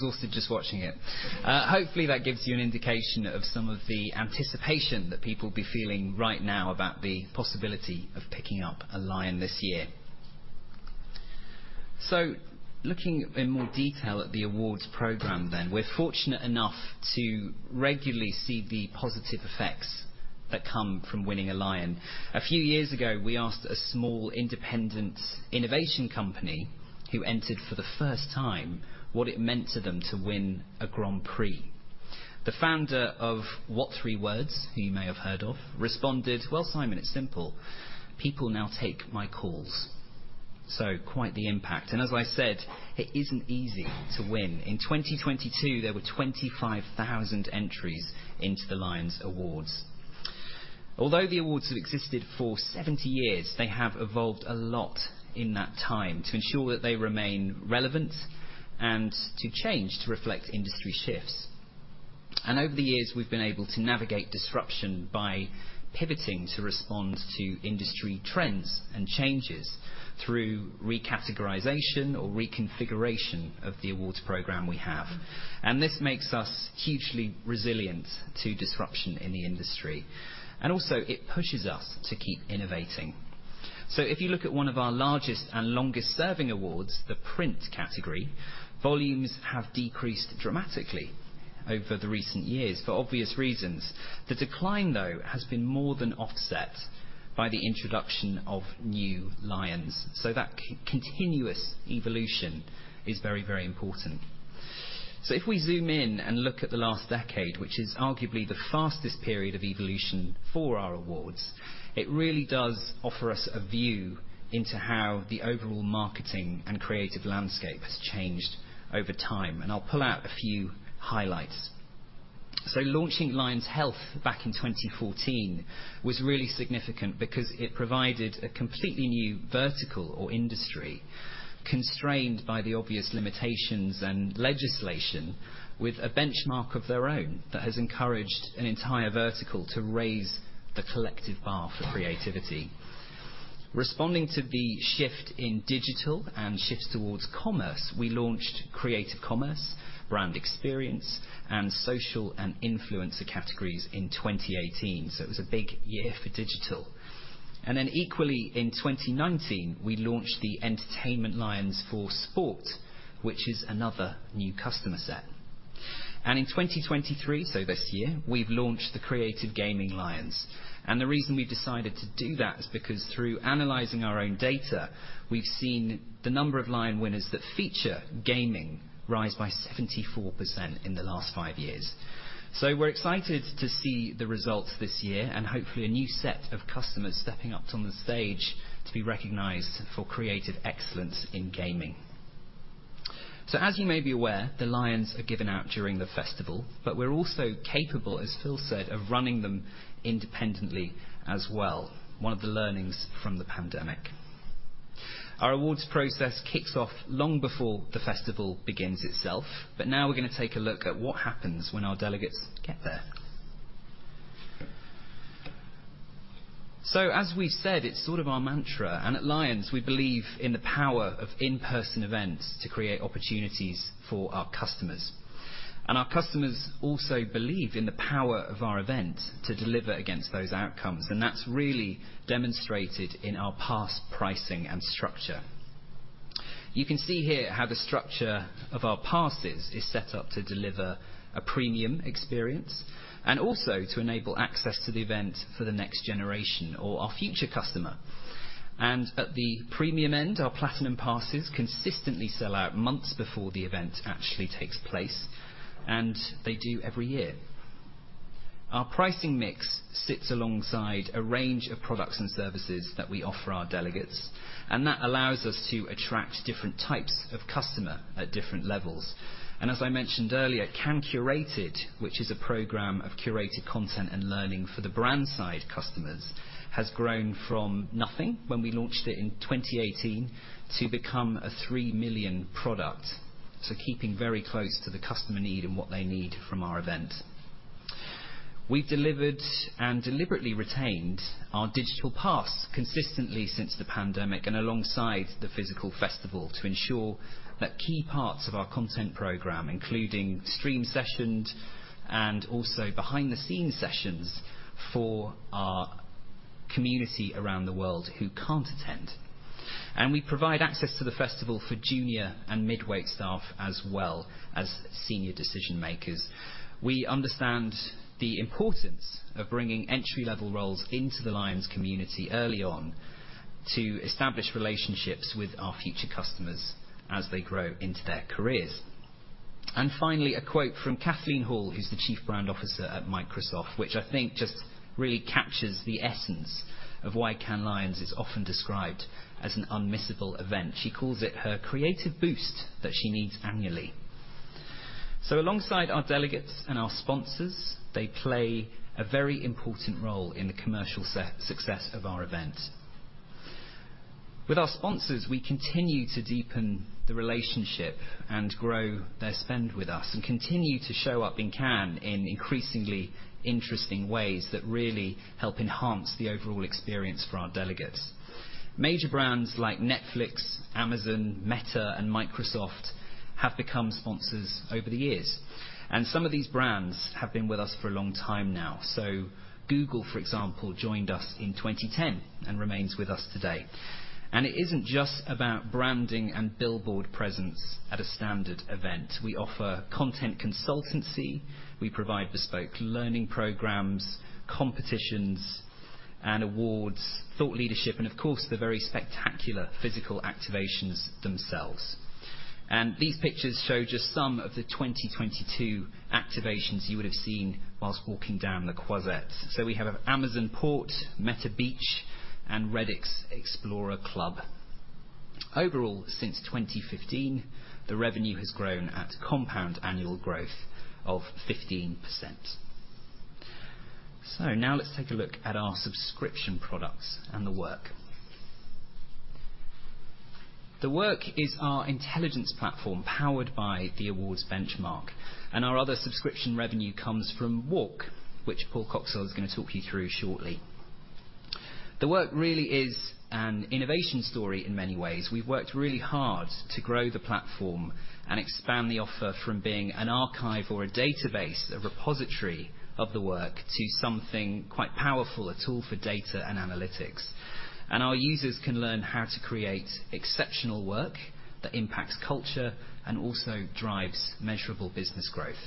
I'm exhausted just watching it. Hopefully, that gives you an indication of some of the anticipation that people will be feeling right now about the possibility of picking up a Lion this year. Looking in more detail at the awards program then, we're fortunate enough to regularly see the positive effects that come from winning a Lion. A few years ago, we asked a small, independent innovation company, who entered for the first time, what it meant to them to win a Grand Prix. The founder of what3words, who you may have heard of, responded: "Well, Simon, it's simple. People now take my calls." Quite the impact, and as I said, it isn't easy to win. In 2022, there were 25,000 entries into the LIONS awards. Although the awards have existed for 70 years, they have evolved a lot in that time to ensure that they remain relevant and to change to reflect industry shifts. Over the years, we've been able to navigate disruption by pivoting to respond to industry trends and changes through recategorization or reconfiguration of the awards program we have. This makes us hugely resilient to disruption in the industry, and also it pushes us to keep innovating. If you look at one of our largest and longest-serving awards, the Print category, volumes have decreased dramatically over the recent years, for obvious reasons. The decline, though, has been more than offset by the introduction of new LIONS, so that continuous evolution is very, very important. If we zoom in and look at the last decade, which is arguably the fastest period of evolution for our awards, it really does offer us a view into how the overall marketing and creative landscape has changed over time, and I'll pull out a few highlights. Launching Lions Health back in 2014 was really significant because it provided a completely new vertical or industry, constrained by the obvious limitations and legislation, with a benchmark of their own, that has encouraged an entire vertical to raise the collective bar for creativity. Responding to the shift in digital and shifts towards commerce, we launched Creative Commerce, Brand Experience, and Social & Influencer categories in 2018, so it was a big year for digital. Equally, in 2019, we launched the Entertainment Lions for Sport, which is another new customer set. In 2023, so this year, we've launched the Creative Gaming Lions, and the reason we've decided to do that is because through analyzing our own data, we've seen the number of LIONS winners that feature gaming rise by 74% in the last five years. We're excited to see the results this year, and hopefully a new set of customers stepping up on the stage to be recognized for creative excellence in gaming. As you may be aware, the LIONS are given out during the festival, but we're also capable, as Phil said, of running them independently as well. One of the learnings from the pandemic. Our awards process kicks off long before the festival begins itself, now we're going to take a look at what happens when our delegates get there. As we said, it's sort of our mantra, and at LIONS, we believe in the power of in-person events to create opportunities for our customers. Our customers also believe in the power of our event to deliver against those outcomes, and that's really demonstrated in our pass pricing and structure. You can see here how the structure of our passes is set up to deliver a premium experience, and also to enable access to the event for the next generation or our future customer. At the premium end, our Platinum passes consistently sell out months before the event actually takes place, and they do every year. Our pricing mix sits alongside a range of products and services that we offer our delegates, and that allows us to attract different types of customer at different levels. As I mentioned earlier, Cannes Curated, which is a program of curated content and learning for the brand side customers, has grown from nothing when we launched it in 2018 to become a 3 million product. Keeping very close to the customer need and what they need from our event. We've delivered and deliberately retained our digital pass consistently since the pandemic and alongside the physical festival, to ensure that key parts of our content program, including stream sessions and also behind-the-scenes sessions for our community around the world who can't attend, and we provide access to the festival for junior and mid-weight staff as well as senior decision-makers. We understand the importance of bringing entry-level roles into the LIONS community early on to establish relationships with our future customers as they grow into their careers. Finally, a quote from Kathleen Hall, who's the Chief Brand Officer at Microsoft, which I think just really captures the essence of why Cannes Lions is often described as an unmissable event. She calls it her creative boost that she needs annually. Alongside our delegates and our sponsors, they play a very important role in the commercial success of our event. With our sponsors, we continue to deepen the relationship and grow their spend with us, and continue to show up in Cannes in increasingly interesting ways that really help enhance the overall experience for our delegates. Major brands like Netflix, Amazon, Meta, and Microsoft have become sponsors over the years, and some of these brands have been with us for a long time now. Google, for example, joined us in 2010 and remains with us today. It isn't just about branding and billboard presence at a standard event. We offer content consultancy, we provide bespoke learning programs, competitions and awards, thought leadership, and of course, the very spectacular physical activations themselves. These pictures show just some of the 2022 activations you would have seen whilst walking down the Croisette. We have an Amazon Port, Meta Beach, and Reddit Explorer Club. Overall, since 2015, the revenue has grown at compound annual growth of 15%. Now let's take a look at our subscription products and The Work. The Work is our intelligence platform, powered by the awards benchmark, and our other subscription revenue comes from WARC, which Paul Coxhill is gonna talk you through shortly. The Work really is an innovation story in many ways. We've worked really hard to grow the platform and expand the offer from being an archive or a database, a repository of the work, to something quite powerful, a tool for data and analytics. Our users can learn how to create exceptional work that impacts culture and also drives measurable business growth.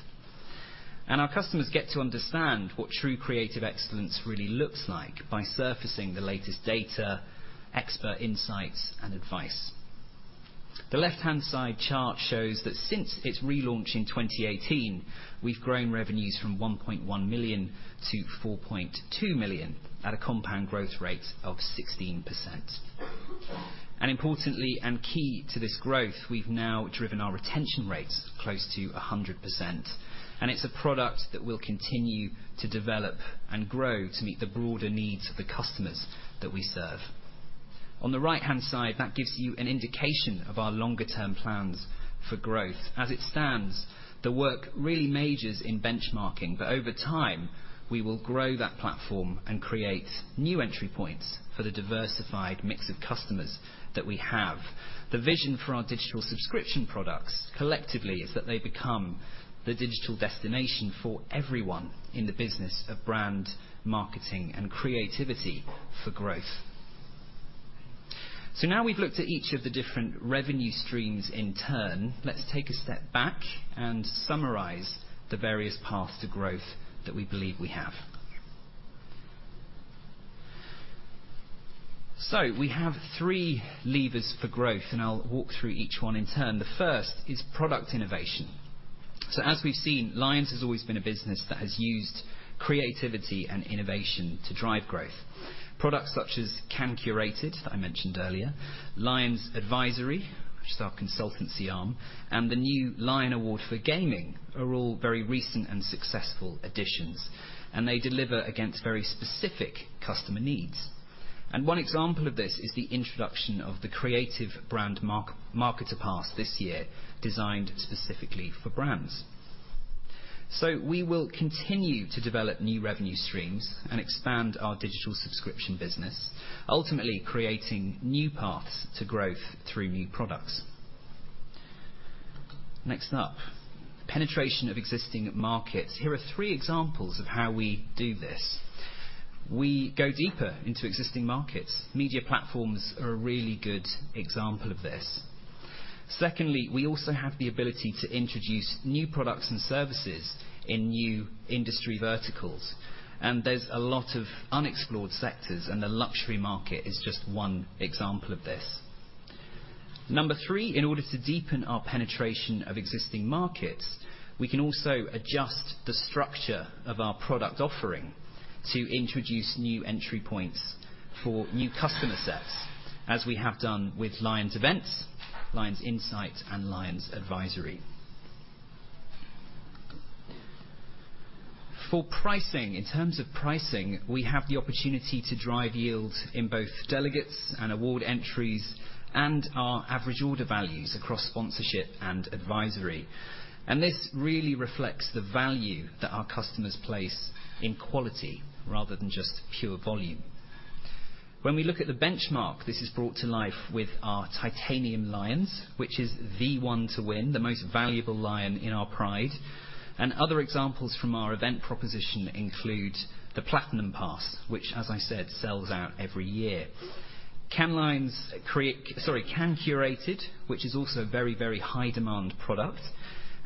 Our customers get to understand what true creative excellence really looks like by surfacing the latest data, expert insights, and advice. The left-hand side chart shows that since its relaunch in 2018, we've grown revenues from 1.1 million-4.2 million, at a compound growth rate of 16%. Importantly, and key to this growth, we've now driven our retention rates close to 100%, and it's a product that we'll continue to develop and grow to meet the broader needs of the customers that we serve. On the right-hand side, that gives you an indication of our longer term plans for growth. As it stands, The Work really majors in benchmarking, but over time, we will grow that platform and create new entry points for the diversified mix of customers that we have. The vision for our digital subscription products, collectively, is that they become the digital destination for everyone in the business of brand marketing and creativity for growth. Now we've looked at each of the different revenue streams in turn, let's take a step back and summarize the various paths to growth that we believe we have. We have three levers for growth, and I'll walk through each one in turn. The first is product innovation. As we've seen, LIONS has always been a business that has used creativity and innovation to drive growth. Products such as Cannes Curated, I mentioned earlier, LIONS Advisory, which is our consultancy arm, and the new Lion Award for Gaming, are all very recent and successful additions, and they deliver against very specific customer needs. One example of this is the introduction of the Creative Brand Marketer Pass this year, designed specifically for brands. We will continue to develop new revenue streams and expand our digital subscription business, ultimately creating new paths to growth through new products. Next up, penetration of existing markets. Here are three examples of how we do this. We go deeper into existing markets. Media platforms are a really good example of this. Secondly, we also have the ability to introduce new products and services in new industry verticals, and there's a lot of unexplored sectors, and the luxury market is just one example of this. Number three, in order to deepen our penetration of existing markets, we can also adjust the structure of our product offering to introduce new entry points for new customer sets, as we have done with LIONS Events, LIONS Insights, and LIONS Advisory. For pricing, in terms of pricing, we have the opportunity to drive yield in both delegates and award entries, and our average order values across sponsorship and advisory. This really reflects the value that our customers place in quality rather than just pure volume. When we look at the benchmark, this is brought to life with our Titanium Lions, which is the one to win, the most valuable lion in our pride. Other examples from our event proposition include the Platinum Pass, which, as I said, sells out every year. Cannes Curated, which is also a very, very high demand product,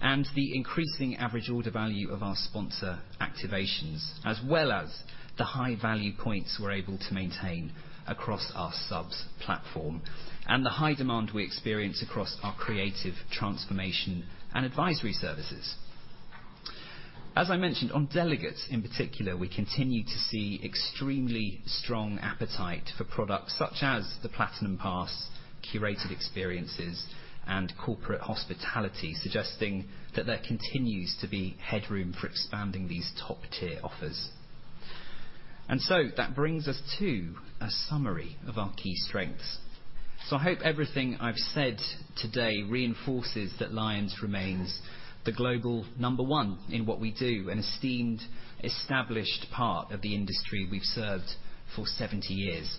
and the increasing average order value of our sponsor activations, as well as the high value points we're able to maintain across our subs platform, and the high demand we experience across our creative transformation and advisory services. As I mentioned, on delegates in particular, we continue to see extremely strong appetite for products such as the Platinum Pass, curated experiences, and corporate hospitality, suggesting that there continues to be headroom for expanding these top-tier offers. That brings us to a summary of our key strengths. So I hope everything I've said today reinforces that LIONS remains the global number one in what we do, an esteemed, established part of the industry we've served for 70 years.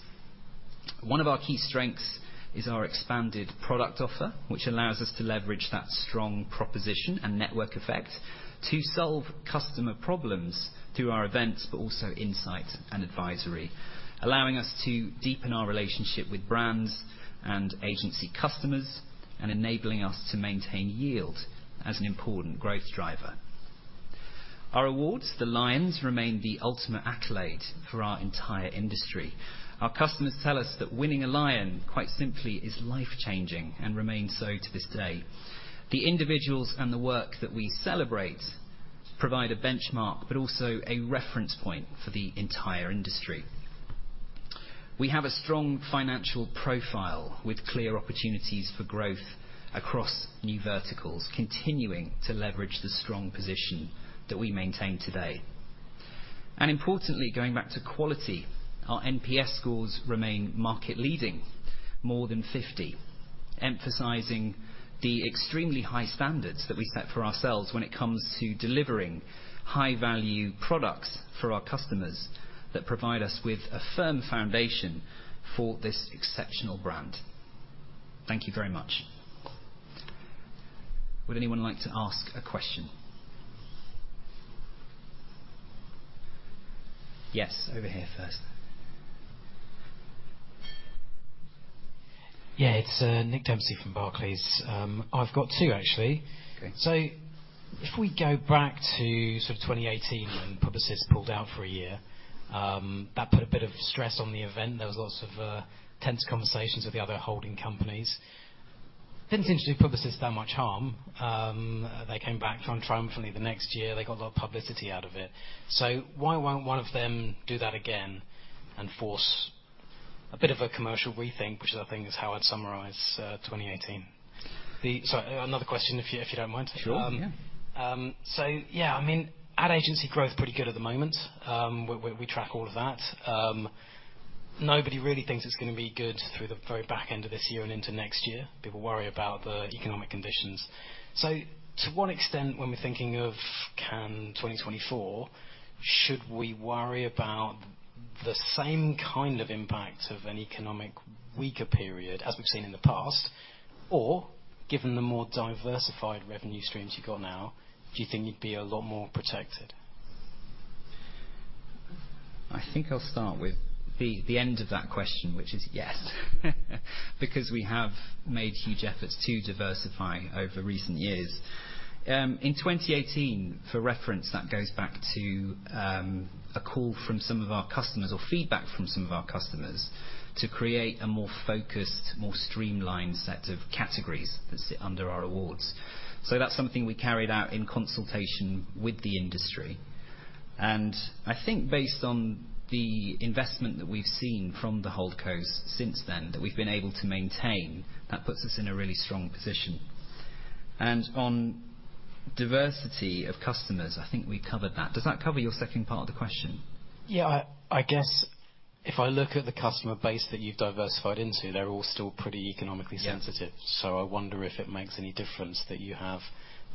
One of our key strengths is our expanded product offer, which allows us to leverage that strong proposition and network effect to solve customer problems through our events, but also insight and advisory, allowing us to deepen our relationship with brands and agency customers, and enabling us to maintain yield as an important growth driver. Our awards, the LIONS, remain the ultimate accolade for our entire industry. Our customers tell us that winning a LION, quite simply, is life-changing and remains so to this day. The individuals and the work that we celebrate provide a benchmark, but also a reference point for the entire industry. We have a strong financial profile with clear opportunities for growth across new verticals, continuing to leverage the strong position that we maintain today. Importantly, going back to quality, our NPS scores remain market leading, more than 50, emphasizing the extremely high standards that we set for ourselves when it comes to delivering high-value products for our customers that provide us with a firm foundation for this exceptional brand. Thank you very much. Would anyone like to ask a question? Yes, over here first. Yeah, it's Nick Dempsey from Barclays. I've got two, actually. Okay. If we go back to sort of 2018, when Publicis pulled out for a year, that put a bit of stress on the event. There was lots of tense conversations with the other holding companies. Didn't seem to do Publicis that much harm. They came back triumphantly the next year. They got a lot of publicity out of it. Why won't one of them do that again and force a bit of a commercial rethink, which I think is how I'd summarize 2018? Sorry, another question, if you don't mind. Sure, yeah. Yeah, I mean, ad agency growth is pretty good at the moment. We track all of that. Nobody really thinks it's gonna be good through the very back end of this year and into next year. People worry about the economic conditions. To what extent, when we're thinking of Cannes 2024, should we worry about the same kind of impact of an economic weaker period as we've seen in the past? Given the more diversified revenue streams you've got now, do you think you'd be a lot more protected? I think I'll start with the end of that question, which is yes, because we have made huge efforts to diversify over recent years. In 2018, for reference, that goes back to a call from some of our customers or feedback from some of our customers to create a more focused, more streamlined set of categories that sit under our awards. That's something we carried out in consultation with the industry. I think based on the investment that we've seen from the holdcos since then, that we've been able to maintain, that puts us in a really strong position. On diversity of customers, I think we covered that. Does that cover your second part of the question? Yeah, I guess if I look at the customer base that you've diversified into, they're all still pretty economically sensitive. Yeah. I wonder if it makes any difference that you have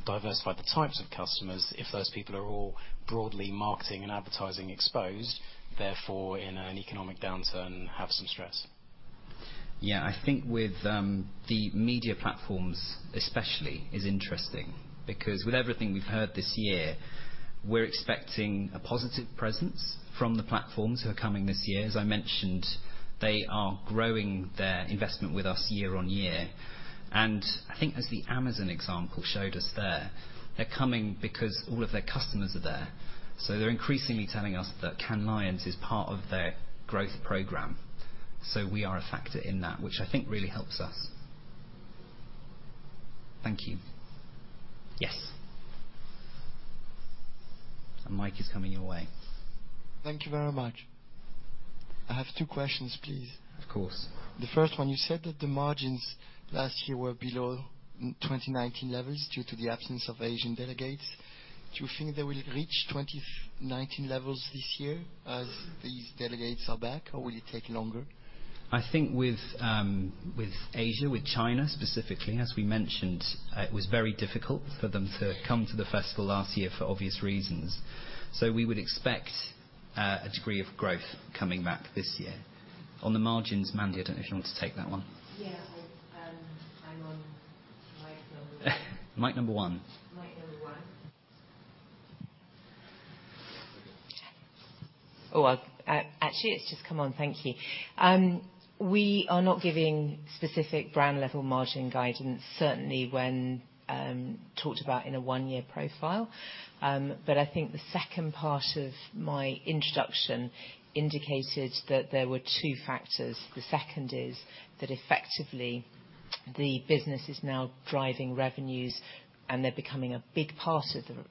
diversified the types of customers, if those people are all broadly marketing and advertising exposed, therefore, in an economic downturn, have some stress. I think with the media platforms especially, is interesting, because with everything we've heard this year, we're expecting a positive presence from the platforms who are coming this year. As I mentioned, they are growing their investment with us year-on-year, I think as the Amazon example showed us there, they're coming because all of their customers are there. They're increasingly telling us that Cannes Lions is part of their growth program. We are a factor in that, which I think really helps us. Thank you. Yes? The mic is coming your way. Thank you very much. I have two questions, please. Of course. The first one, you said that the margins last year were below 2019 levels due to the absence of Asian delegates. Do you think they will reach 2019 levels this year as these delegates are back, or will it take longer? I think with Asia, with China specifically, as we mentioned, it was very difficult for them to come to the festival last year for obvious reasons. We would expect, a degree of growth coming back this year. On the margins, Mandy, I don't know if you want to take that one? Mic number one. Actually, it's just come on. Thank you. We are not giving specific brand level margin guidance, certainly when talked about in a one-year profile. I think the second part of my introduction indicated that there were two factors. The second is that effectively, the business is now driving revenues, and they're becoming a big part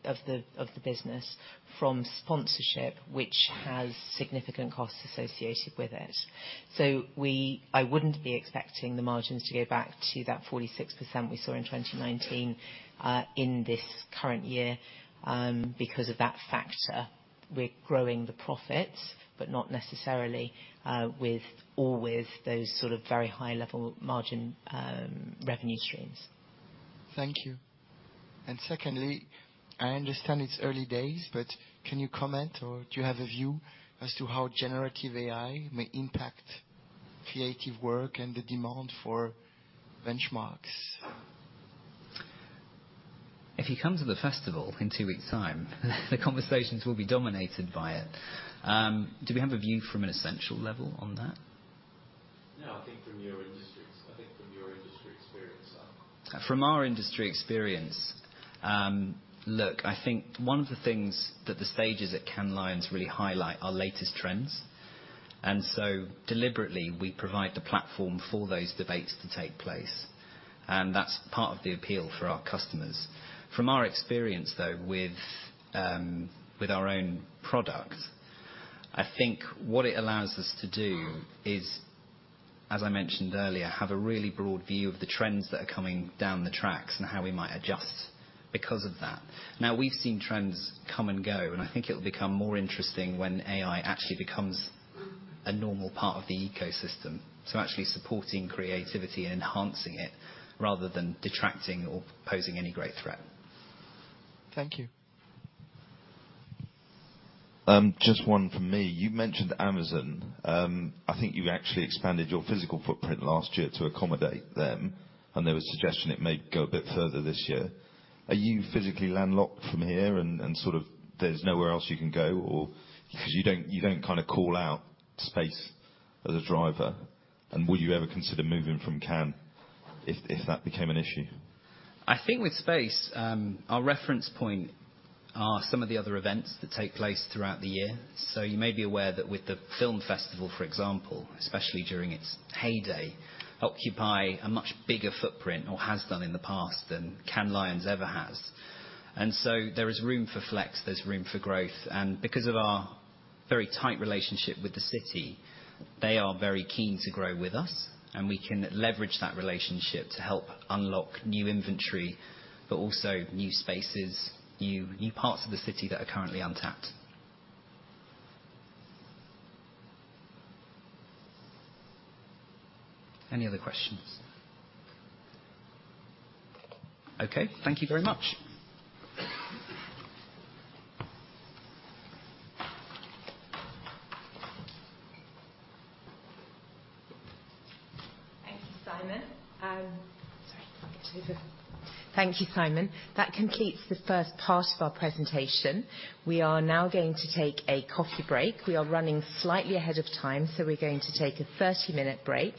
of the business from sponsorship, which has significant costs associated with it. I wouldn't be expecting the margins to go back to that 46% we saw in 2019 in this current year because of that factor. We're growing the profit, but not necessarily with all those sort of very high-level margin revenue streams. Thank you. Secondly, I understand it's early days, but can you comment or do you have a view as to how generative AI may impact creative work and the demand for benchmarks? If you come to the festival in two weeks' time, the conversations will be dominated by it. Do we have a view from an Ascential level on that? No, I think from your industry experience. From our industry experience, look, I think one of the things that the stages at Cannes Lions really highlight are latest trends. Deliberately, we provide the platform for those debates to take place, and that's part of the appeal for our customers. From our experience, though, with our own product, I think what it allows us to do is, as I mentioned earlier, have a really broad view of the trends that are coming down the tracks and how we might adjust because of that. We've seen trends come and go, and I think it'll become more interesting when AI actually becomes a normal part of the ecosystem. Actually supporting creativity and enhancing it, rather than detracting or posing any great threat. Thank you. Just one from me. You mentioned Amazon. I think you actually expanded your physical footprint last year to accommodate them, and there was suggestion it may go a bit further this year. Are you physically landlocked from here and sort of there's nowhere else you can go? 'cause you don't kind of call out space as a driver. Would you ever consider moving from Cannes if that became an issue? I think with space, our reference point are some of the other events that take place throughout the year. You may be aware that with the film festival, for example, especially during its heyday, occupy a much bigger footprint or has done in the past than Cannes Lions ever has. There is room for flex, there's room for growth. Because of our very tight relationship with the city, they are very keen to grow with us. We can leverage that relationship to help unlock new inventory, but also new spaces, new parts of the city that are currently untapped. Any other questions? Okay, thank you very much. Thank you, Simon. Thank you, Simon. That completes the first part of our presentation. We are now going to take a coffee break. We are running slightly ahead of time, so we're going to take a 30-minute break,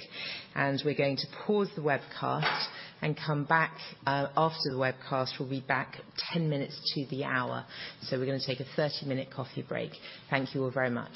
and we're going to pause the webcast and come back. After the webcast, we'll be back 10 minutes to the hour. We're gonna take a 30-minute coffee break. Thank you all very much.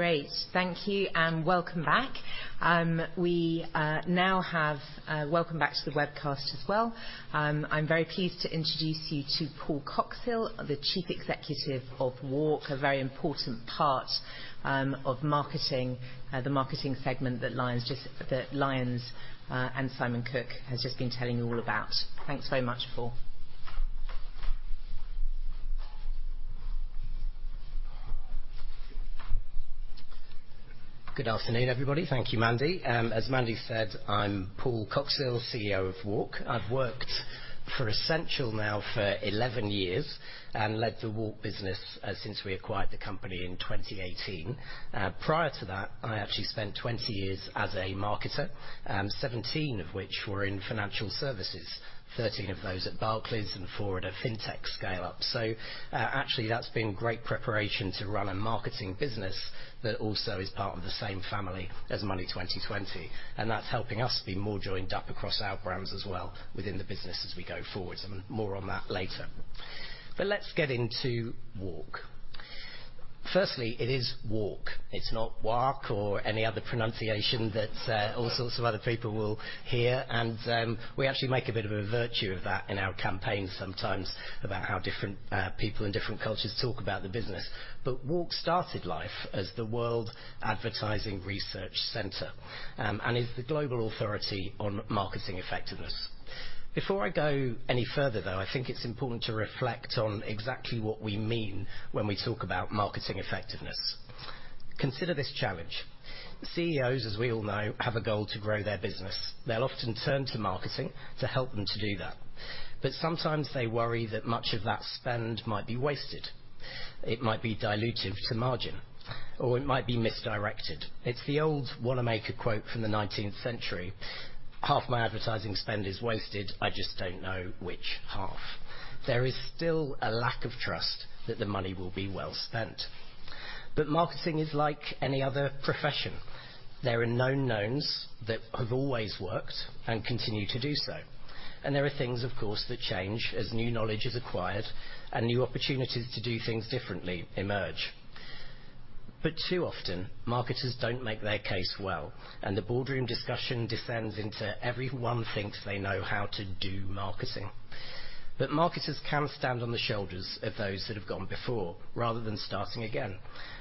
Great. Thank you, and welcome back. Welcome back to the webcast as well. I'm very pleased to introduce you to Paul Coxhill, the Chief Executive of WARC, a very important part of marketing, the marketing segment that LIONS, and Simon Cook has just been telling you all about. Thanks very much, Paul. Good afternoon, everybody. Thank you, Mandy. As Mandy said, I'm Paul Coxhill, CEO of WARC. I've worked for Ascential now for 11 years and led the WARC business since we acquired the company in 2018. Prior to that, I actually spent 20 years as a marketer, 17 years of which were in financial services. 13 years of those at Barclays and four years at a fintech scale-up. Actually, that's been great preparation to run a marketing business that also is part of the same family as Money20/20. That's helping us be more joined up across our brands as well within the business as we go forward. More on that later. Let's get into WARC. Firstly, it is WARC. It's not WARC or any other pronunciation that all sorts of other people will hear, and we actually make a bit of a virtue of that in our campaigns sometimes about how different people in different cultures talk about the business. WARC started life as the World Advertising Research Center, and is the global authority on marketing effectiveness. Before I go any further, though, I think it's important to reflect on exactly what we mean when we talk about marketing effectiveness. Consider this challenge: CEOs, as we all know, have a goal to grow their business. They'll often turn to marketing to help them to do that, but sometimes they worry that much of that spend might be wasted, it might be diluted to margin, or it might be misdirected. It's the old Wanamaker quote from the nineteenth century, "Half my advertising spend is wasted, I just don't know which half." There is still a lack of trust that the money will be well spent. Marketing is like any other profession. There are known knowns that have always worked and continue to do so, and there are things, of course, that change as new knowledge is acquired and new opportunities to do things differently emerge. Too often, marketers don't make their case well, and the boardroom discussion descends into everyone thinks they know how to do marketing. Marketers can stand on the shoulders of those that have gone before, rather than starting again,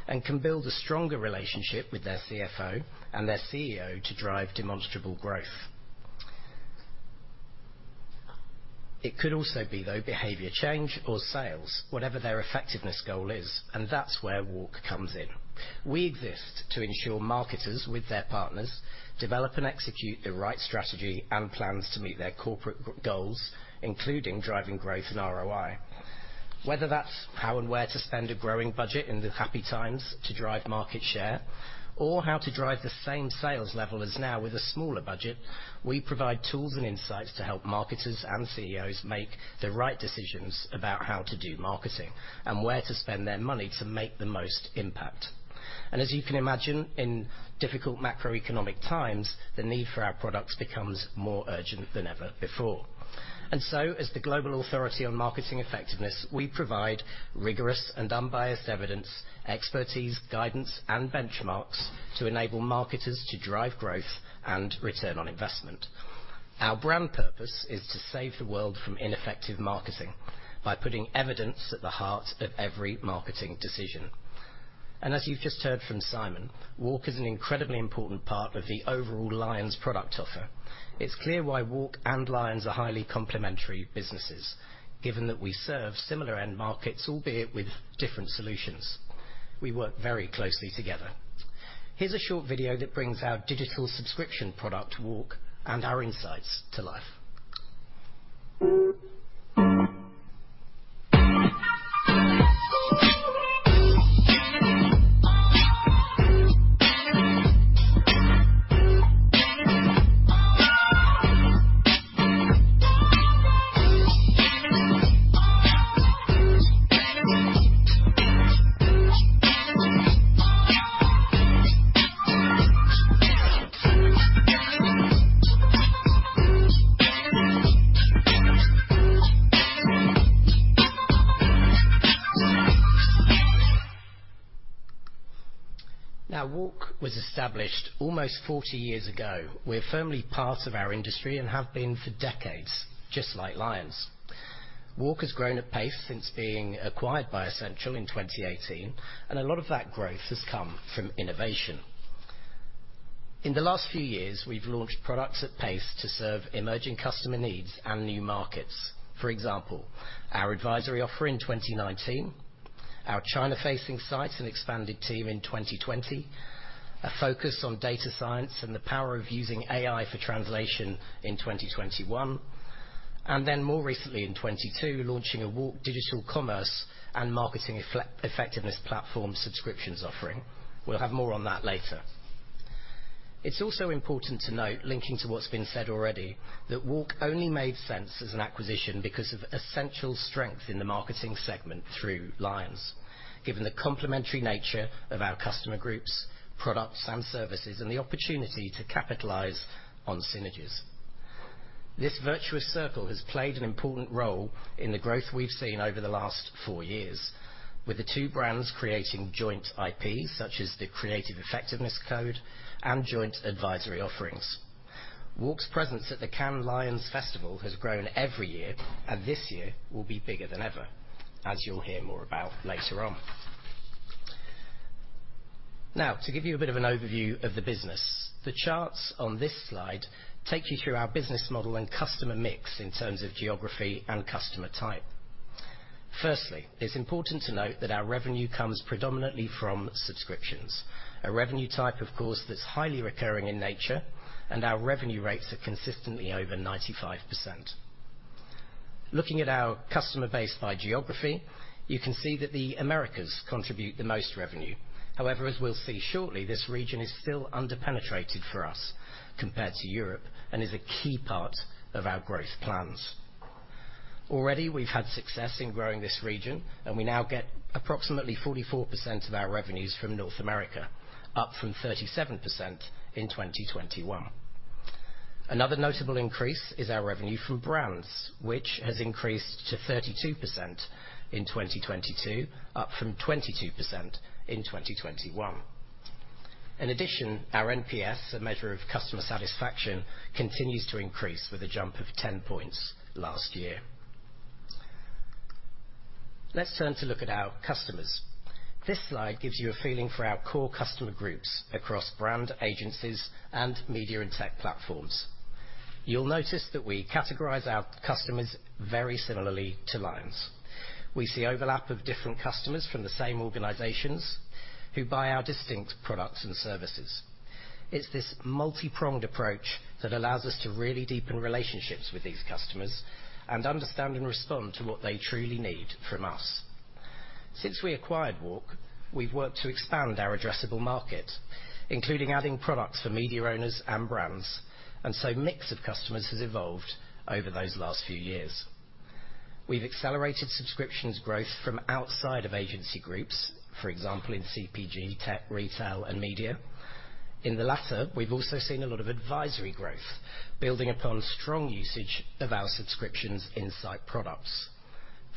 and can build a stronger relationship with their CFO and their CEO to drive demonstrable growth. It could also be, though, behavior change or sales, whatever their effectiveness goal is, and that's where WARC comes in. We exist to ensure marketers, with their partners, develop and execute the right strategy and plans to meet their corporate goals, including driving growth and ROI. Whether that's how and where to spend a growing budget in the happy times to drive market share, or how to drive the same sales level as now with a smaller budget, we provide tools and insights to help marketers and CEOs make the right decisions about how to do marketing and where to spend their money to make the most impact. As you can imagine, in difficult macroeconomic times, the need for our products becomes more urgent than ever before. As the global authority on marketing effectiveness, we provide rigorous and unbiased evidence, expertise, guidance, and benchmarks to enable marketers to drive growth and return on investment. Our brand purpose is to save the world from ineffective marketing by putting evidence at the heart of every marketing decision. As you've just heard from Simon, WARC is an incredibly important part of the overall LIONS product offer. It's clear why WARC and LIONS are highly complementary businesses, given that we serve similar end markets, albeit with different solutions. We work very closely together. Here's a short video that brings our digital subscription product, WARC, and our insights to life. WARC was established almost 40 years ago. We're firmly part of our industry and have been for decades, just like LIONS. WARC has grown at pace since being acquired by Ascential in 2018, and a lot of that growth has come from innovation. In the last few years, we've launched products at pace to serve emerging customer needs and new markets. For example, our advisory offer in 2019, our China-facing sites and expanded team in 2020, a focus on data science and the power of using AI for translation in 2021, and then more recently, in 2022, launching a WARC Digital Commerce and Marketing Effectiveness Platform subscriptions offering. We'll have more on that later. It's also important to note, linking to what's been said already, that WARC only made sense as an acquisition because of Ascential's strength in the marketing segment through LIONS, given the complementary nature of our customer groups, products, and services, and the opportunity to capitalize on synergies. This virtuous circle has played an important role in the growth we've seen over the last four years, with the two brands creating joint IPs, such as the Creative Effectiveness Ladder and joint advisory offerings. WARC's presence at the Cannes Lions Festival has grown every year, and this year will be bigger than ever, as you'll hear more about later on. Now, to give you a bit of an overview of the business, the charts on this slide take you through our business model and customer mix in terms of geography and customer type. Firstly, it's important to note that our revenue comes predominantly from subscriptions. A revenue type, of course, that's highly recurring in nature, and our revenue rates are consistently over 95%. Looking at our customer base by geography, you can see that the Americas contribute the most revenue. However, as we'll see shortly, this region is still under-penetrated for us compared to Europe and is a key part of our growth plans. Already, we've had success in growing this region, we now get approximately 44% of our revenues from North America, up from 37% in 2021. Another notable increase is our revenue from brands, which has increased to 32% in 2022, up from 22% in 2021. In addition, our NPS, a measure of customer satisfaction, continues to increase with a jump of 10 points last year. Let's turn to look at our customers. This slide gives you a feeling for our core customer groups across brand, agencies, and media and tech platforms. You'll notice that we categorize our customers very similarly to LIONS. We see overlap of different customers from the same organizations who buy our distinct products and services. It's this multi-pronged approach that allows us to really deepen relationships with these customers and understand and respond to what they truly need from us. Since we acquired WARC, we've worked to expand our addressable market, including adding products for media owners and brands, and so mix of customers has evolved over those last few years. We've accelerated subscriptions growth from outside of agency groups, for example, in CPG, tech, retail, and media. In the latter, we've also seen a lot of advisory growth, building upon strong usage of our subscriptions insight products.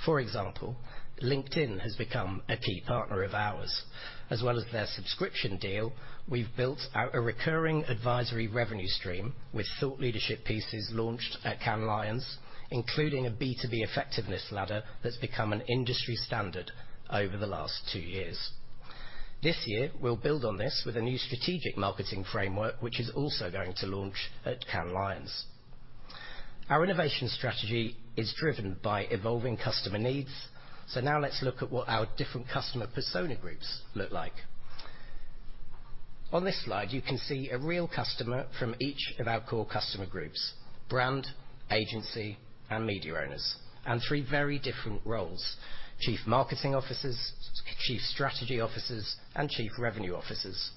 For example, LinkedIn has become a key partner of ours. As well as their subscription deal, we've built out a recurring advisory revenue stream with thought leadership pieces launched at Cannes Lions, including a B2B Effectiveness Ladder that's become an industry standard over the last two years. This year, we'll build on this with a new strategic marketing framework, which is also going to launch at Cannes Lions. Our innovation strategy is driven by evolving customer needs. Now let's look at what our different customer persona groups look like. On this slide, you can see a real customer from each of our core customer groups, brand, agency, and media owners, and three very different roles: chief marketing officers, chief strategy officers, and chief revenue officers.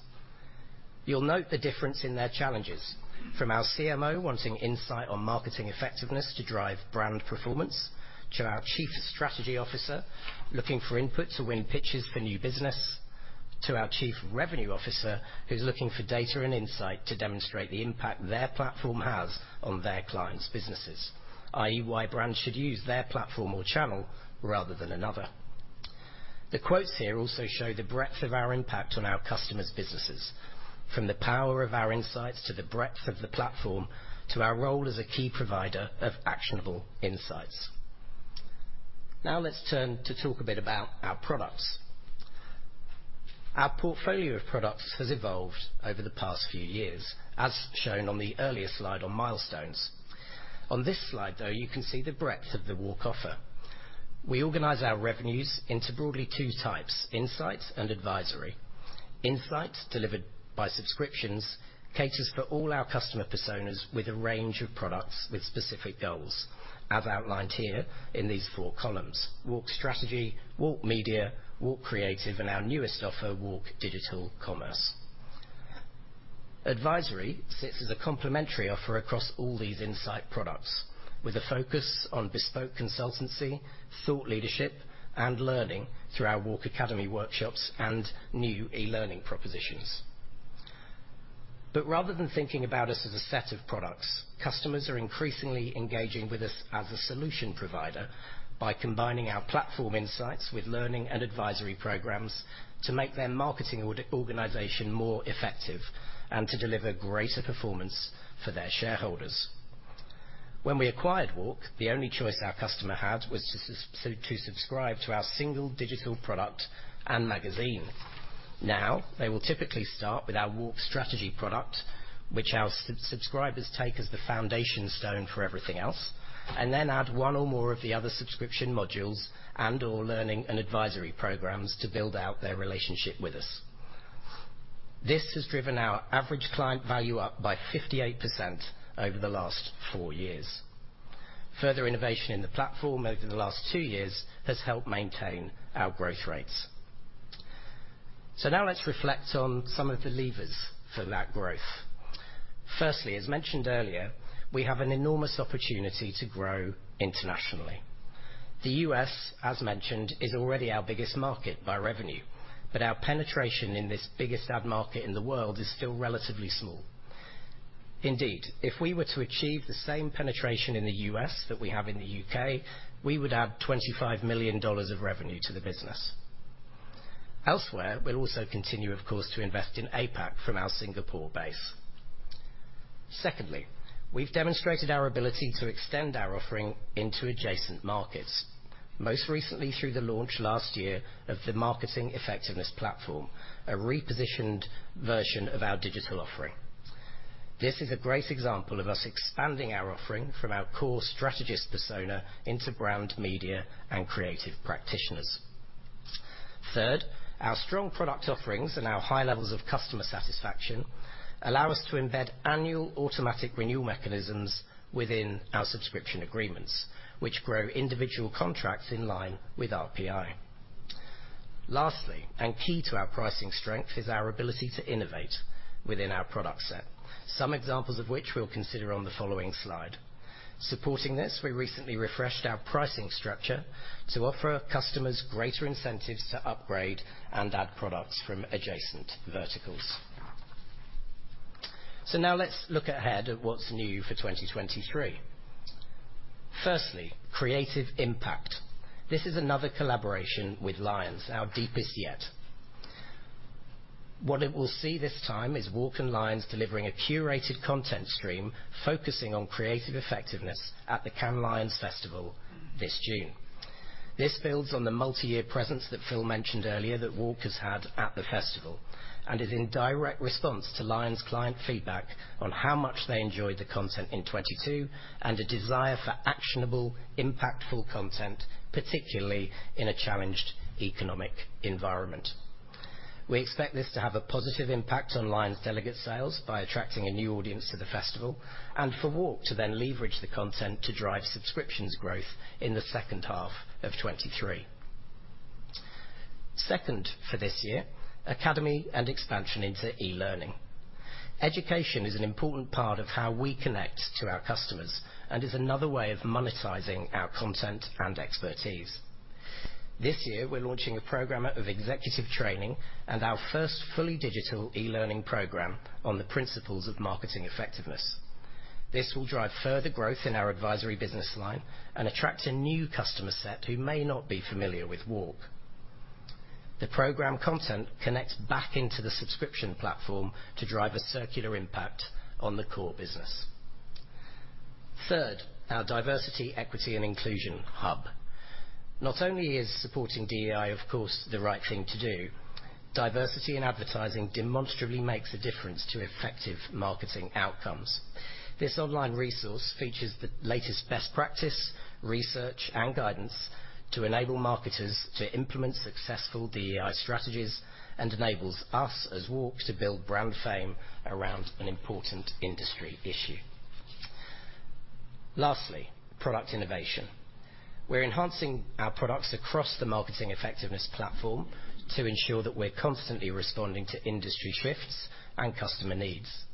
You'll note the difference in their challenges, from our CMO wanting insight on marketing effectiveness to drive brand performance, to our chief strategy officer looking for input to win pitches for new business, to our chief revenue officer, who's looking for data and insight to demonstrate the impact their platform has on their clients' businesses, i.e., why brands should use their platform or channel rather than another. The quotes here also show the breadth of our impact on our customers' businesses, from the power of our insights, to the breadth of the platform, to our role as a key provider of actionable insights. Now let's turn to talk a bit about our products. Our portfolio of products has evolved over the past few years, as shown on the earlier slide on milestones. On this slide, though, you can see the breadth of the WARC offer. We organize our revenues into broadly two types: insights and advisory. Insights, delivered by subscriptions, caters for all our customer personas with a range of products with specific goals, as outlined here in these four columns: WARC Strategy, WARC Media, WARC Creative, and our newest offer, WARC Digital Commerce. Advisory sits as a complementary offer across all these insight products, with a focus on bespoke consultancy, thought leadership, and learning through our WARC Academy workshops and new e-learning propositions. Rather than thinking about us as a set of products, customers are increasingly engaging with us as a solution provider by combining our platform insights with learning and advisory programs to make their marketing or organization more effective and to deliver greater performance for their shareholders. When we acquired WARC, the only choice our customer had was to subscribe to our single digital product and magazine. Now, they will typically start with our WARC Strategy product, which our subscribers take as the foundation stone for everything else, and then add one or more of the other subscription modules and/or learning and advisory programs to build out their relationship with us. This has driven our average client value up by 58% over the last four years. Further innovation in the platform over the last two years has helped maintain our growth rates. Now let's reflect on some of the levers for that growth. Firstly, as mentioned earlier, we have an enormous opportunity to grow internationally. The U.S., as mentioned, is already our biggest market by revenue, but our penetration in this biggest ad market in the world is still relatively small. Indeed, if we were to achieve the same penetration in the U.S. that we have in the U.K., we would add $25 million of revenue to the business. Elsewhere, we'll also continue, of course, to invest in APAC from our Singapore base. Secondly, we've demonstrated our ability to extend our offering into adjacent markets, most recently through the launch last year of the Marketing Effectiveness Platform, a repositioned version of our digital offering. This is a great example of us expanding our offering from our core strategist persona into brand, media, and creative practitioners. Third, our strong product offerings and our high levels of customer satisfaction allow us to embed annual automatic renewal mechanisms within our subscription agreements, which grow individual contracts in line with RPI. Lastly, and key to our pricing strength, is our ability to innovate within our product set, some examples of which we'll consider on the following slide. Supporting this, we recently refreshed our pricing structure to offer customers greater incentives to upgrade and add products from adjacent verticals. Now let's look ahead at what's new for 2023. Firstly, creative impact. This is another collaboration with LIONS, our deepest yet. What it will see this time is WARC and LIONS delivering a curated content stream, focusing on creative effectiveness at the Cannes Lions Festival this June. This builds on the multi-year presence that Phil mentioned earlier, that WARC has had at the festival, and is in direct response to LIONS client feedback on how much they enjoyed the content in 2022, and a desire for actionable, impactful content, particularly in a challenged economic environment. We expect this to have a positive impact on LIONS' delegate sales by attracting a new audience to the festival, and for WARC to then leverage the content to drive subscriptions growth in the second half of 2023. Second, for this year, academy and expansion into e-learning. Education is an important part of how we connect to our customers and is another way of monetizing our content and expertise. This year, we're launching a program of executive training and our first fully digital e-learning program on the principles of marketing effectiveness. This will drive further growth in our advisory business line and attract a new customer set who may not be familiar with WARC. The program content connects back into the subscription platform to drive a circular impact on the core business. Third, our diversity, equity, and inclusion hub. Not only is supporting DEI, of course, the right thing to do, diversity in advertising demonstrably makes a difference to effective marketing outcomes. This online resource features the latest best practice, research, and guidance to enable marketers to implement successful DEI strategies and enables us, as WARC, to build brand fame around an important industry issue. Lastly, product innovation. We're enhancing our products across the Marketing Effectiveness Platform to ensure that we're constantly responding to industry shifts and customer needs.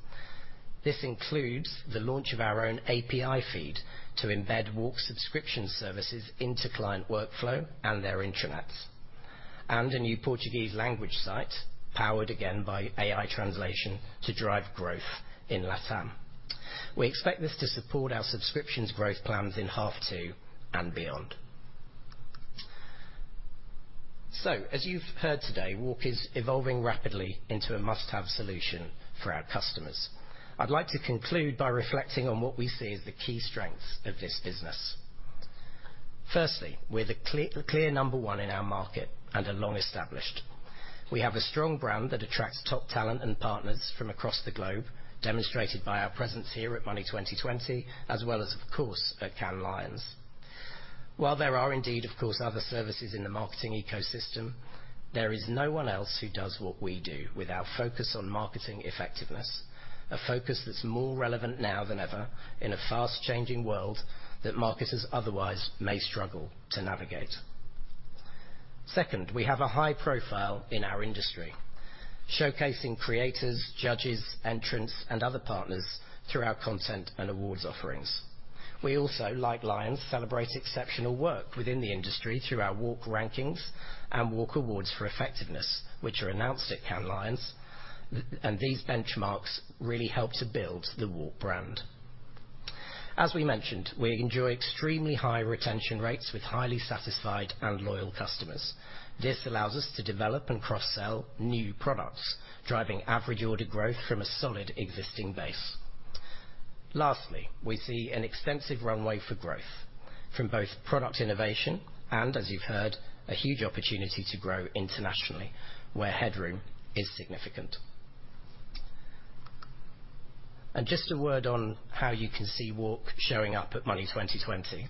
This includes the launch of our own API feed to embed WARC subscription services into client workflow and their intranets, and a new Portuguese language site, powered again by AI translation, to drive growth in LATAM. We expect this to support our subscriptions growth plans in half two and beyond. As you've heard today, WARC is evolving rapidly into a must-have solution for our customers. I'd like to conclude by reflecting on what we see as the key strengths of this business. Firstly, we're the clear number one in our market, and are long-established. We have a strong brand that attracts top talent and partners from across the globe, demonstrated by our presence here at Money20/20, as well as, of course, at Cannes Lions. While there are indeed, of course, other services in the marketing ecosystem, there is no one else who does what we do with our focus on marketing effectiveness, a focus that's more relevant now than ever in a fast-changing world that marketers otherwise may struggle to navigate. Second, we have a high profile in our industry, showcasing creators, judges, entrants, and other partners through our content and awards offerings. We also, like LIONS, celebrate exceptional work within the industry through our WARC Rankings and WARC Awards for Effectiveness, which are announced at Cannes Lions, and these benchmarks really help to build the WARC brand. As we mentioned, we enjoy extremely high retention rates with highly satisfied and loyal customers. This allows us to develop and cross-sell new products, driving average order growth from a solid existing base. Lastly, we see an extensive runway for growth from both product innovation and, as you've heard, a huge opportunity to grow internationally, where headroom is significant. Just a word on how you can see WARC showing up at Money20/20.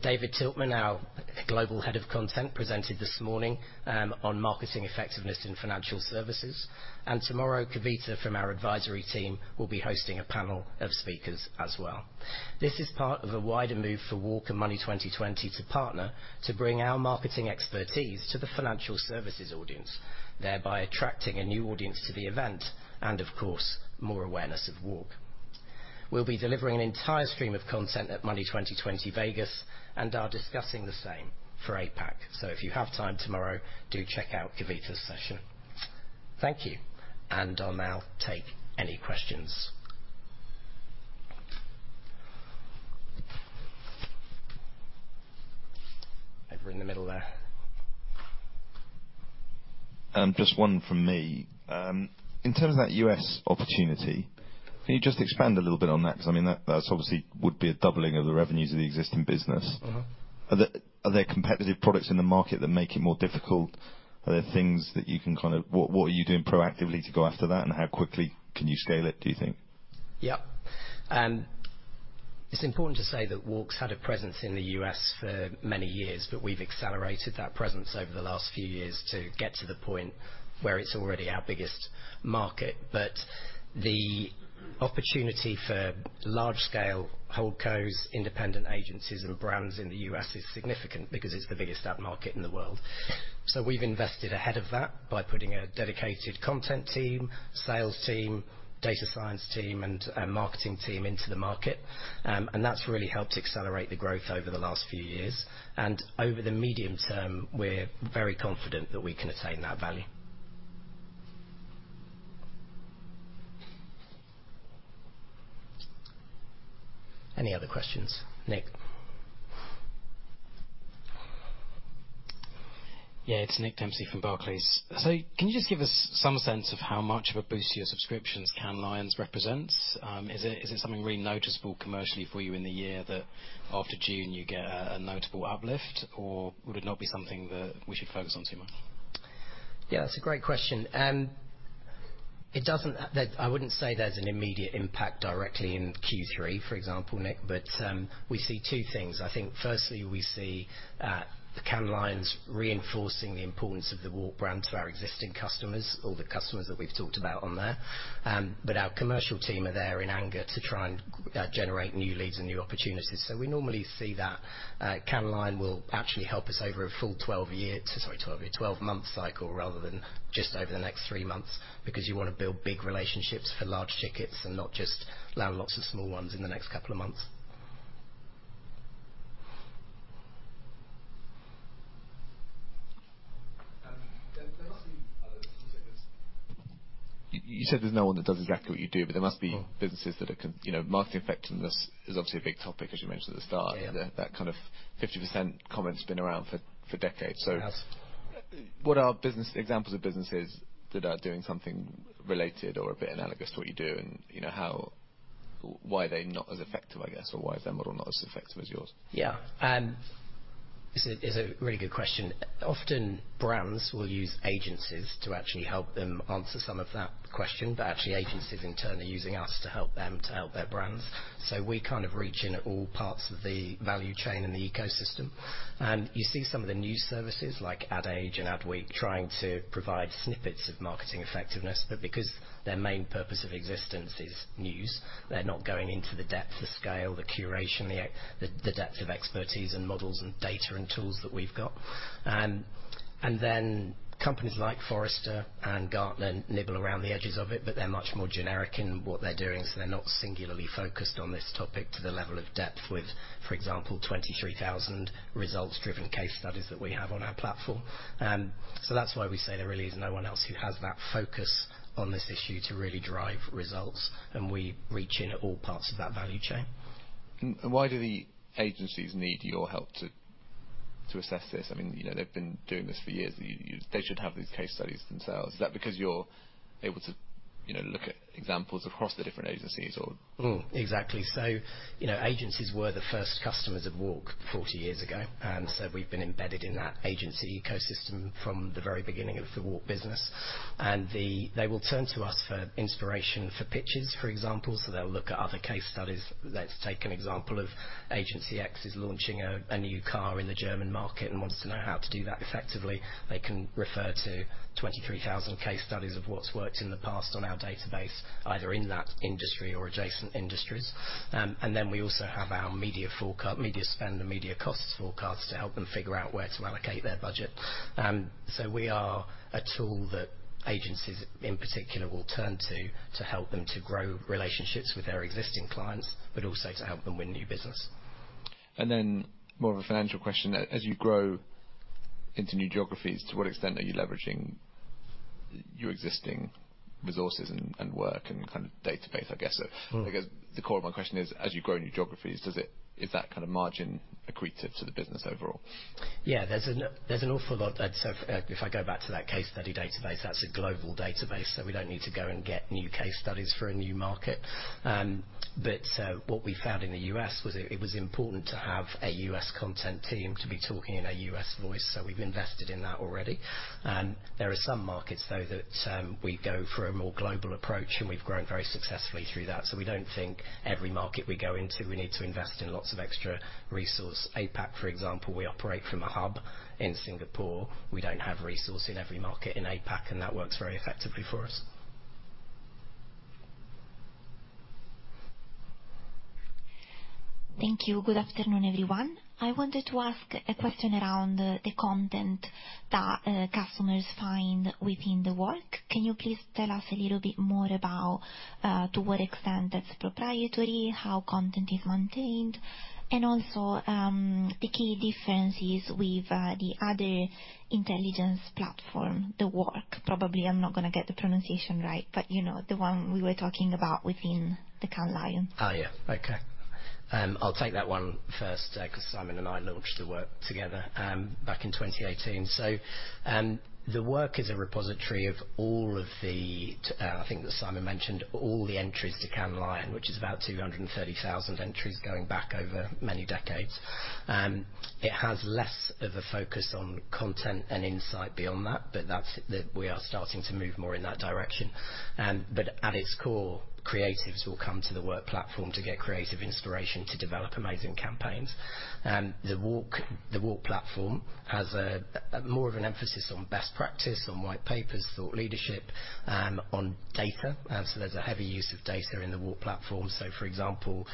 David Tiltman, our Global Head of Content, presented this morning on marketing effectiveness in financial services, and tomorrow, Kavita, from our advisory team, will be hosting a panel of speakers as well. This is part of a wider move for WARC and Money20/20 to partner to bring our marketing expertise to the financial services audience, thereby attracting a new audience to the event and, of course, more awareness of WARC. We'll be delivering an entire stream of content at Money20/20 Vegas, and are discussing the same for APAC. If you have time tomorrow, do check out Kavita's session. Thank you, and I'll now take any questions. Over in the middle there. Just one from me. In terms of that U.S. opportunity, can you just expand a little bit on that? 'Cause, I mean, that's obviously would be a doubling of the revenues of the existing business. Are there competitive products in the market that make it more difficult? Are there things that you can kind of, what are you doing proactively to go after that, and how quickly can you scale it, do you think? Yeah. It's important to say that WARC's had a presence in the U.S. for many years, we've accelerated that presence over the last few years to get to the point where it's already our biggest market. The opportunity for large-scale hold cos, independent agencies, and brands in the U.S. is significant because it's the biggest ad market in the world. We've invested ahead of that by putting a dedicated content team, sales team, data science team, and a marketing team into the market. That's really helped accelerate the growth over the last few years. Over the medium term, we're very confident that we can attain that value. Any other questions? Nick. Yeah, it's Nick Dempsey from Barclays. Can you just give us some sense of how much of a boost to your subscriptions Cannes Lions represents? Is it something really noticeable commercially for you in the year that after June, you get a notable uplift, or would it not be something that we should focus on too much? Yeah, that's a great question. That, I wouldn't say there's an immediate impact directly in Q3, for example, Nick. We see two things. I think, firstly, we see the Cannes Lions reinforcing the importance of the WARC brand to our existing customers or the customers that we've talked about on there. Our commercial team are there in anger to try and generate new leads and new opportunities. We normally see that Cannes Lions will actually help us over a full 12-month cycle, rather than just over the next three months, because you wanna build big relationships for large tickets and not just land lots of small ones in the next couple of months. There must be others. You said there's no one that does exactly what you do, but there must be businesses. You know, marketing effectiveness is obviously a big topic, as you mentioned at the start. Yeah. That kind of 50% comment's been around for decades. Yes. What are examples of businesses that are doing something related or a bit analogous to what you do? You know, why are they not as effective, I guess, or why is their model not as effective as yours? This is a really good question. Often, brands will use agencies to actually help them answer some of that question. Actually, agencies, in turn, are using us to help them to help their brands. We kind of reach in at all parts of the value chain and the ecosystem. You see some of the news services, like Ad Age and Adweek, trying to provide snippets of marketing effectiveness. Because their main purpose of existence is news, they're not going into the depth, the scale, the curation, the depth of expertise and models and data and tools that we've got. Companies like Forrester and Gartner nibble around the edges of it, but they're much more generic in what they're doing, so they're not singularly focused on this topic to the level of depth with, for example, 23,000 results-driven case studies that we have on our platform. That's why we say there really is no one else who has that focus on this issue to really drive results, and we reach in at all parts of that value chain. Why do the agencies need your help to assess this? I mean, you know, they've been doing this for years. You, they should have these case studies themselves. Is that because you're able to, you know, look at examples across the different agencies or? Exactly. You know, agencies were the first customers of WARC 40 years ago, we've been embedded in that agency ecosystem from the very beginning of the WARC business. They will turn to us for inspiration, for pitches, for example. They'll look at other case studies. Let's take an example of agency X is launching a new car in the German market and wants to know how to do that effectively. They can refer to 23,000 case studies of what's worked in the past on our database, either in that industry or adjacent industries. We also have our media spend and media costs forecasts to help them figure out where to allocate their budget. We are a tool that agencies, in particular, will turn to help them to grow relationships with their existing clients, but also to help them win new business. More of a financial question. As you grow into new geographies, to what extent are you leveraging your existing resources and work and kind of database, I guess? I guess, the core of my question is, as you grow new geographies, Is that kind of margin accretive to the business overall? Yeah, there's an awful lot that's, if I go back to that case study database, that's a global database, so we don't need to go and get new case studies for a new market. What we found in the U.S. was it was important to have a U.S. content team to be talking in a U.S. voice, so we've invested in that already. There are some markets, though, that we go for a more global approach, and we've grown very successfully through that. We don't think every market we go into, we need to invest in lots of extra resource. APAC, for example, we operate from a hub in Singapore. We don't have resource in every market in APAC, and that works very effectively for us. Thank you. Good afternoon, everyone. I wanted to ask a question around the content that customers find within The Work. Can you please tell us a little bit more about to what extent that's proprietary, how content is maintained, and also the key differences with the other intelligence platform, The Work? Probably, I'm not gonna get the pronunciation right, but you know, the one we were talking about within the Cannes Lions. Yeah. Okay. I'll take that one first, 'cause Simon and I launched The Work together back in 2018. The Work is a repository of all of the, I think that Simon mentioned, all the entries to Cannes Lions, which is about 230,000 entries going back over many decades. It has less of a focus on content and insight beyond that, but we are starting to move more in that direction. At its core, creatives will come to The Work platform to get creative inspiration to develop amazing campaigns. The Work platform has a more of an emphasis on best practice, on white papers, thought leadership, on data. There's a heavy use of data in The Work platform. For example,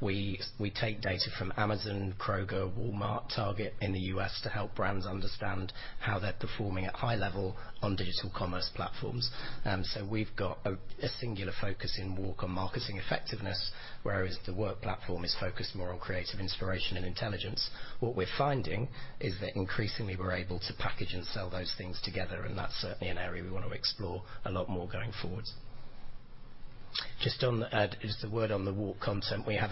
we take data from Amazon, Kroger, Walmart, Target in the U.S. to help brands understand how they're performing at high level on digital commerce platforms. We've got a singular focus in WARC on marketing effectiveness, whereas The Work platform is focused more on creative inspiration and intelligence. What we're finding is that increasingly we're able to package and sell those things together, and that's certainly an area we want to explore a lot more going forward. Just a word on the WARC content. We have,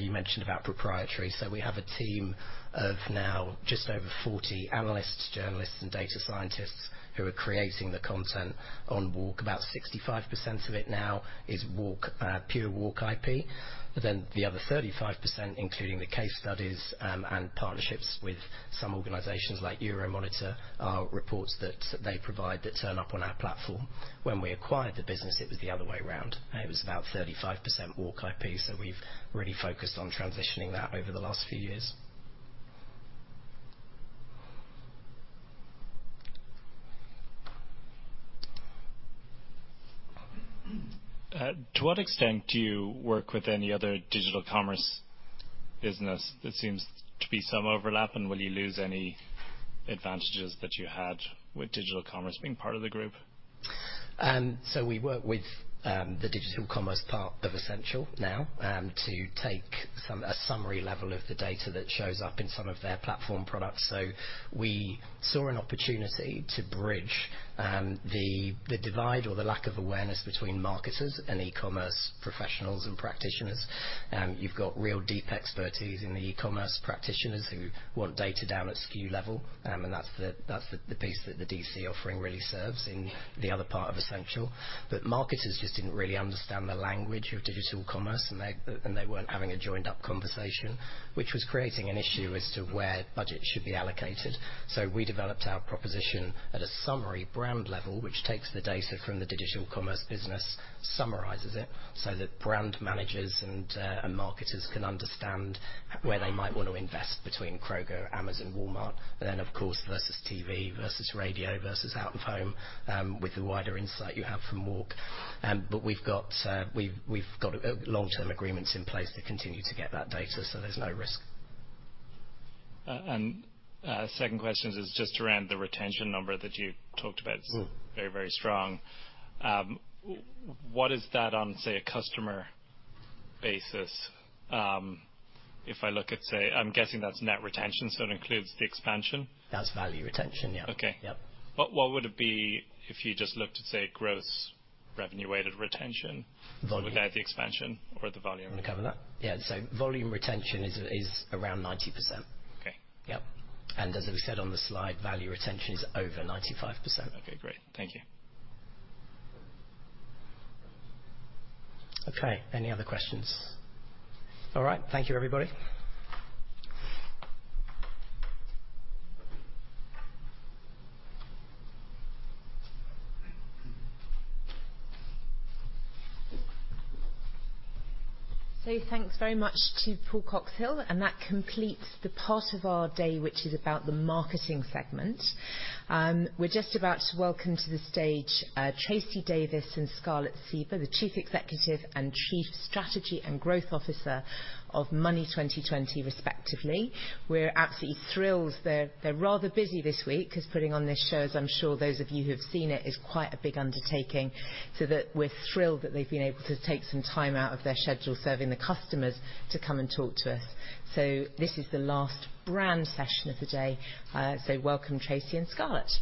you mentioned about proprietary, so we have a team of now just over 40 analysts, journalists, and data scientists who are creating the content on WARC. About 65% of it now is WARC, pure WARC I.P., but then the other 35%, including the case studies, and partnerships with some organizations like Euromonitor, reports that they provide that turn up on our platform. When we acquired the business, it was the other way around. It was about 35% WARC I.P., so we've really focused on transitioning that over the last few years. To what extent do you work with any other digital commerce business? There seems to be some overlap, and will you lose any advantages that you had with digital commerce being part of the group? We work with the digital commerce part of Ascential now to take some, a summary level of the data that shows up in some of their platform products. We saw an opportunity to bridge the divide or the lack of awareness between marketers and e-commerce professionals and practitioners. You've got real deep expertise in the e-commerce practitioners who want data down at SKU level, and that's the, that's the piece that the DC offering really serves in the other part of Ascential. Marketers just didn't really understand the language of digital commerce, and they weren't having a joined-up conversation, which was creating an issue as to where budget should be allocated. We developed our proposition at a summary brand level, which takes the data from the digital commerce business, summarizes it, so that brand managers and marketers can understand where they might want to invest between Kroger, Amazon, Walmart, and then, of course, versus TV, versus radio, versus out of home, with the wider insight you have from WARC. We've got long-term agreements in place to continue to get that data, so there's no risk. Second question is just around the retention number that you talked about. Is very, very strong. What is that on, say, a customer basis? If I look at, say, I'm guessing that's net retention, so it includes the expansion? That's value retention, yeah. Okay. Yeah. What would it be if you just looked at, say, revenue-weighted retention. Volume. without the expansion or the volume? You want to cover that? Yeah, volume retention is around 90%. Okay. Yep. As we said on the slide, value retention is over 95%. Okay, great. Thank you. Okay, any other questions? All right. Thank you, everybody. Thanks very much to Paul Coxhill, and that completes the part of our day, which is about the marketing segment. We're just about to welcome to the stage, Tracey Davies and Scarlett Sieber, the Chief Executive and Chief Strategy and Growth Officer of Money20/20, respectively. We're absolutely thrilled. They're rather busy this week 'cause putting on this show, as I'm sure those of you who have seen it, is quite a big undertaking. That we're thrilled that they've been able to take some time out of their schedule, serving the customers, to come and talk to us. This is the last brand session of the day. Welcome, Tracey and Scarlett.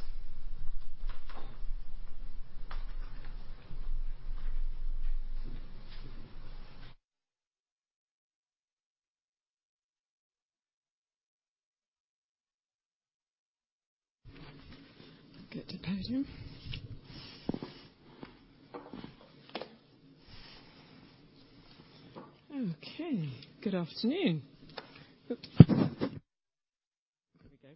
Get to the podium. Okay, good afternoon. Oops! Here we go.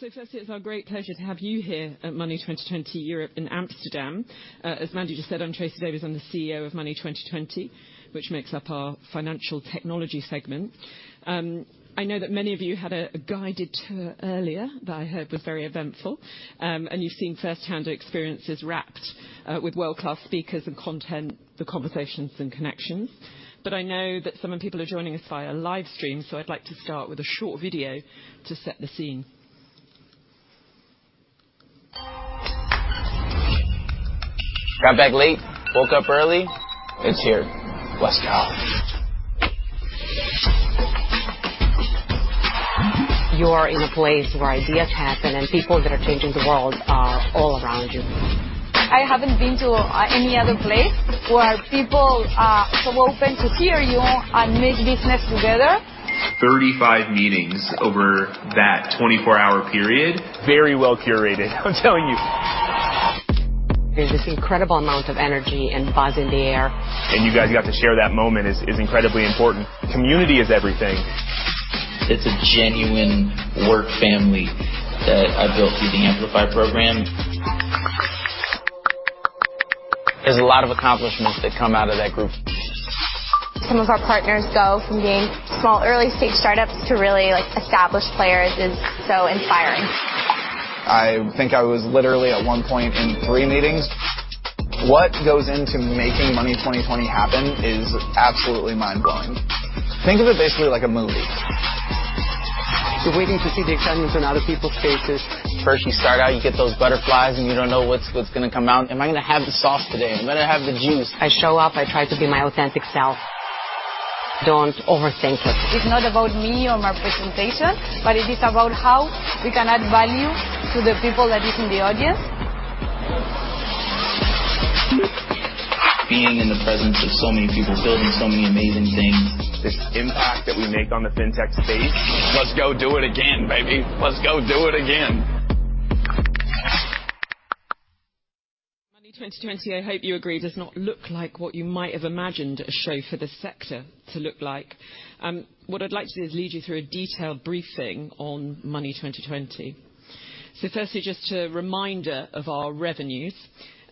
Firstly, it's our great pleasure to have you here at Money20/20 Europe in Amsterdam. As Mandy just said, I'm Tracey Davies. I'm the CEO of Money20/20, which makes up our financial technology segment. I know that many of you had a guided tour earlier that I heard was very eventful. And you've seen firsthand the experiences wrapped with world-class speakers and content, the conversations and connections. I know that some of the people are joining us via live stream, so I'd like to start with a short video to set the scene. Got back late, woke up early. It's here. West Palm. You're in a place where ideas happen, and people that are changing the world are all around you. I haven't been to any other place where people are so open to hear you and make business together. 35 meetings over that 24-hour period. Very well curated, I'm telling you. There's this incredible amount of energy and buzz in the air. You guys got to share that moment is incredibly important. Community is everything. It's a genuine work family that I built through the Amplify program. There's a lot of accomplishments that come out of that group. Some of our partners go from being small, early-stage startups to really, like, established players is so inspiring. I think I was literally at one point in three meetings. What goes into making Money20/20 happen is absolutely mind-blowing. Think of it basically like a movie. You're waiting to see the excitement on other people's faces. First, you start out, you get those butterflies, and you don't know what's gonna come out? Am I gonna have the sauce today? Am I gonna have the juice? I show up, I try to be my authentic self. Don't overthink it. It's not about me or my presentation, but it is about how we can add value to the people that is in the audience. Being in the presence of so many people building so many amazing things. This impact that we make on the fintech space. Let's go do it again, baby! Let's go do it again. Money20/20, I hope you agree, does not look like what you might have imagined a show for this sector to look like. What I'd like to do is lead you through a detailed briefing on Money20/20. Firstly, just a reminder of our revenues.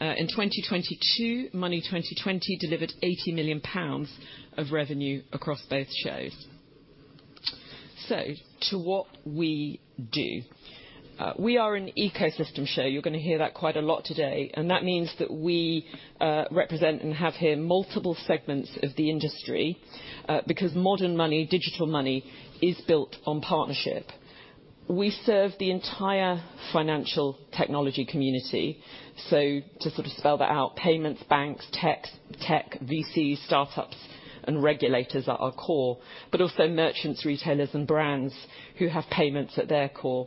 In 2022, Money20/20 delivered 80 million pounds of revenue across both shows. To what we do. We are an ecosystem show. You're going to hear that quite a lot today, and that means that we represent and have here multiple segments of the industry because modern money, digital money, is built on partnership. We serve the entire financial technology community. To sort of spell that out, payments, banks, tech, VCs, startups, and regulators are our core, but also merchants, retailers, and brands who have payments at their core.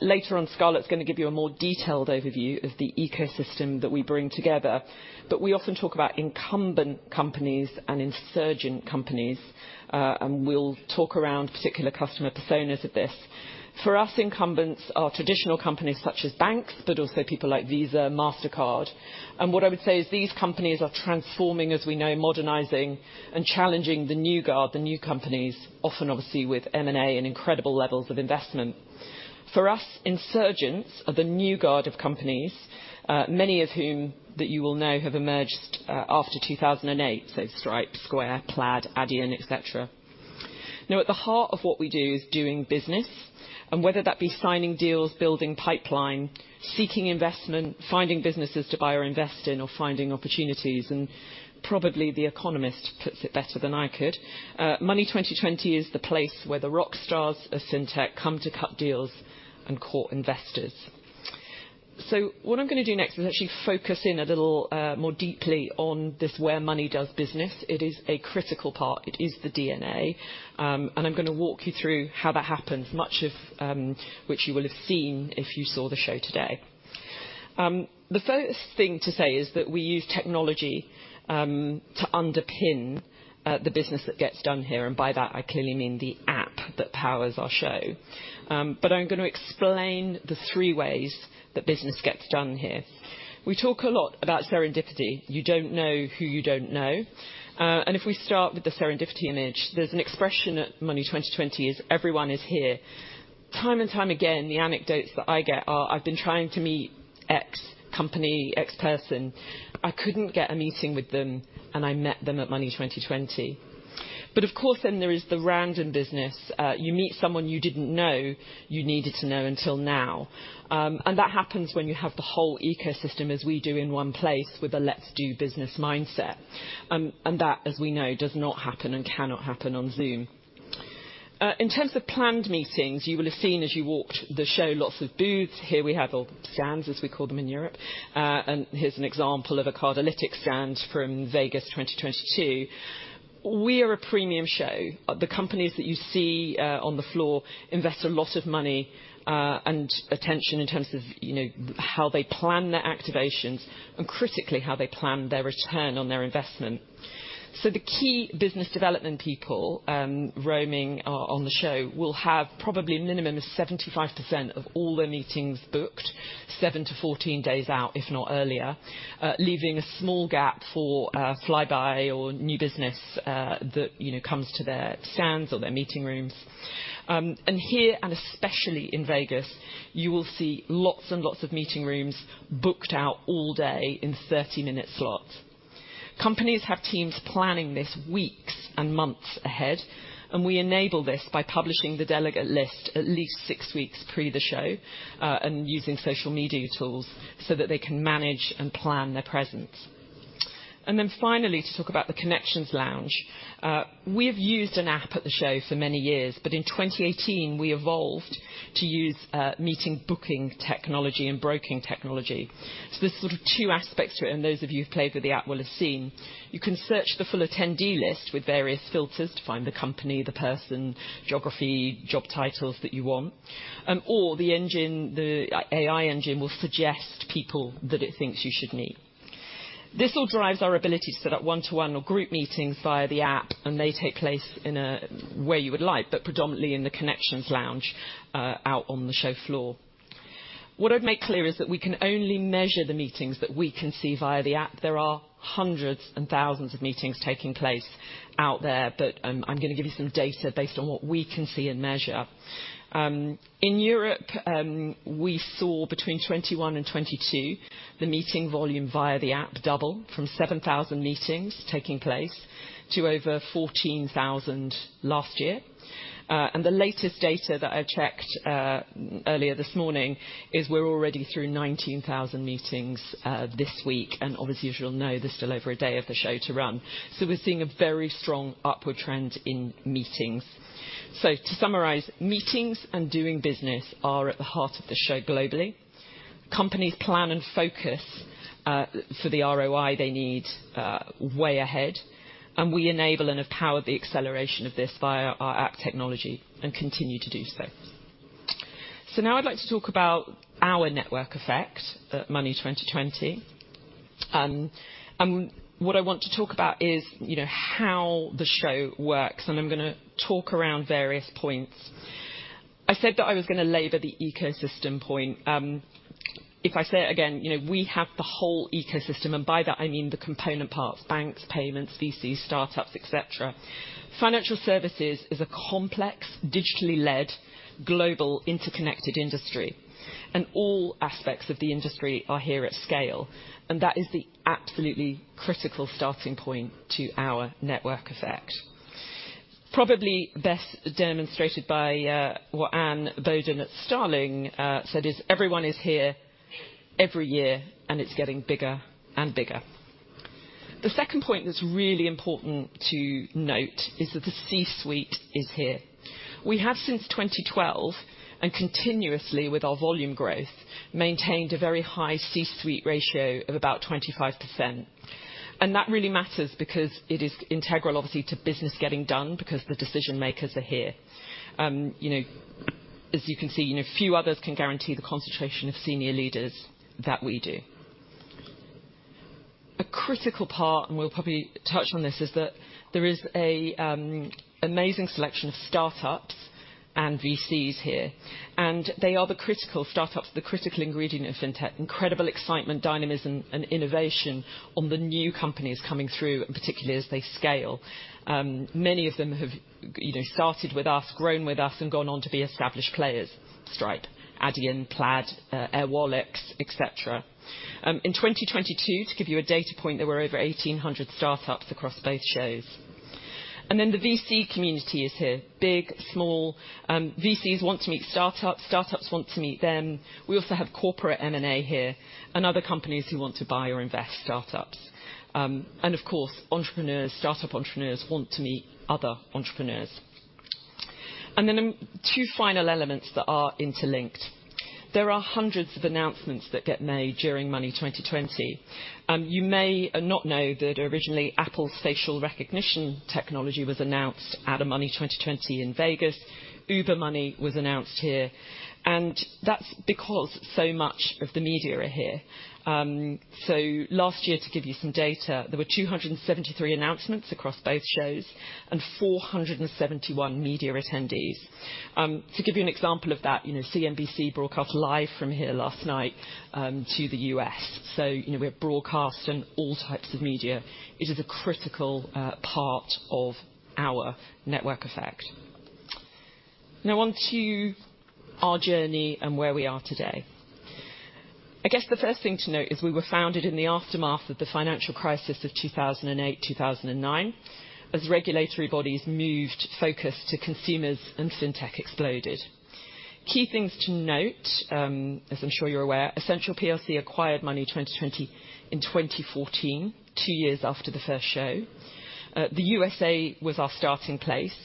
Later on, Scarlett's going to give you a more detailed overview of the ecosystem that we bring together. We often talk about incumbent companies and insurgent companies, and we'll talk around particular customer personas of this. For us, incumbents are traditional companies such as banks, but also people like Visa, Mastercard. What I would say is these companies are transforming, as we know, modernizing and challenging the new guard, the new companies, often obviously with M&A and incredible levels of investment. For us, insurgents are the new guard of companies, many of whom that you will know have emerged after 2008, so Stripe, Square, Plaid, Adyen, et cetera. At the heart of what we do is doing business, and whether that be signing deals, building pipeline, seeking investment, finding businesses to buy or invest in, or finding opportunities. Probably The Economist puts it better than I could. "Money20/20 is the place where the rock stars of fintech come to cut deals and court investors." What I'm going to do next is actually focus in a little more deeply on this, where Money does business. It is a critical part. It is the DNA. I'm going to walk you through how that happens, much of which you will have seen if you saw the show today. The first thing to say is that we use technology to underpin the business that gets done here, and by that, I clearly mean the app that powers our show. I'm going to explain the three ways that business gets done here. We talk a lot about serendipity. You don't know who you don't know. If we start with the serendipity image, there's an expression at Money20/20 is, "Everyone is here." Time and time again, the anecdotes that I get are: I've been trying to meet X company, X person. I couldn't get a meeting with them, and I met them at Money20/20. Of course, then there is the random business. You meet someone you didn't know you needed to know until now. That happens when you have the whole ecosystem as we do in one place, with a let's-do-business mindset. That, as we know, does not happen and cannot happen on Zoom. In terms of planned meetings, you will have seen as you walked the show, lots of booths. Here we have stands, as we call them, in Europe. Here's an example of a Cardlytics stand from Vegas 2022. We are a premium show. The companies that you see on the floor invest a lot of money and attention in terms of, you know, how they plan their activations and critically, how they plan their return on their investment. The key business development people roaming on the show will have probably a minimum of 75% of all their meetings booked seven to 14 days out, if not earlier, leaving a small gap for flyby or new business that, you know, comes to their stands or their meeting rooms. Here, and especially in Vegas, you will see lots and lots of meeting rooms booked out all day in 30-minute slots. Companies have teams planning this weeks and months ahead. We enable this by publishing the delegate list at least six weeks pre the show and using social media tools so that they can manage and plan their presence. Finally, to talk about the Connections Lounge. We have used an app at the show for many years. In 2018, we evolved to use meeting booking technology and broking technology. There's sort of two aspects to it, and those of you who've played with the app will have seen. You can search the full attendee list with various filters to find the company, the person, geography, job titles that you want, or the engine, the AI engine will suggest people that it thinks you should meet. This all drives our ability to set up one-to-one or group meetings via the app. They take place in a way you would like, predominantly in the Connections Lounge out on the show floor. What I'd make clear is that we can only measure the meetings that we can see via the app. There are hundreds and thousands of meetings taking place out there. I'm going to give you some data based on what we can see and measure. In Europe, we saw between 2021 and 2022, the meeting volume via the app double from 7,000 meetings taking place to over 14,000 last year. The latest data that I checked earlier this morning is we're already through 19,000 meetings this week, and obviously, as you'll know, there's still over a day of the show to run. We're seeing a very strong upward trend in meetings. To summarize, meetings and doing business are at the heart of the show globally. Companies plan and focus for the ROI they need way ahead, and we enable and have powered the acceleration of this via our app technology and continue to do so. Now I'd like to talk about our network effect at Money20/20. What I want to talk about is, you know, how the show works, and I'm going to talk around various points. I said that I was going to labor the ecosystem point. If I say it again, you know, we have the whole ecosystem, and by that I mean the component parts, banks, payments, VCs, startups, et cetera. Financial services is a complex, digitally led, global, interconnected industry, and all aspects of the industry are here at scale, and that is the absolutely critical starting point to our network effect. Probably best demonstrated by what Anne Boden at Starling said is: "Everyone is here every year, and it's getting bigger and bigger." The second point that's really important to note is that the C-suite is here. We have, since 2012, and continuously with our volume growth, maintained a very high C-suite ratio of about 25%. That really matters because it is integral, obviously, to business getting done because the decision-makers are here. you know, as you can see, you know, few others can guarantee the concentration of senior leaders that we do. A critical part, and we'll probably touch on this, is that there is a amazing selection of startups and VCs here, and they are the critical startups, the critical ingredient in fintech. Incredible excitement, dynamism, and innovation on the new companies coming through, and particularly as they scale. Many of them have, you know, started with us, grown with us, and gone on to be established players. Stripe, Adyen, Plaid, Airwallex, et cetera. In 2022, to give you a data point, there were over 1,800 startups across both shows. The VC community is here, big, small. VCs want to meet startups want to meet them. We also have corporate M&A here and other companies who want to buy or invest startups. Of course, entrepreneurs, startup entrepreneurs, want to meet other entrepreneurs. Then, two final elements that are interlinked. There are hundreds of announcements that get made during Money20/20. You may not know that originally, Apple's facial recognition technology was announced at a Money20/20 in Vegas. Uber Money was announced here, and that's because so much of the media are here. Last year, to give you some data, there were 273 announcements across both shows and 471 media attendees. To give you an example of that, you know, CNBC broadcast live from here last night, to the U.S.. You know, we have broadcast and all types of media. It is a critical part of our network effect. Now on to our journey and where we are today. I guess the first thing to note is we were founded in the aftermath of the financial crisis of 2008, 2009, as regulatory bodies moved focus to consumers and fintech exploded. Key things to note, as I'm sure you're aware, Ascential plc acquired Money20/20 in 2014, two years after the first show. The USA. was our starting place.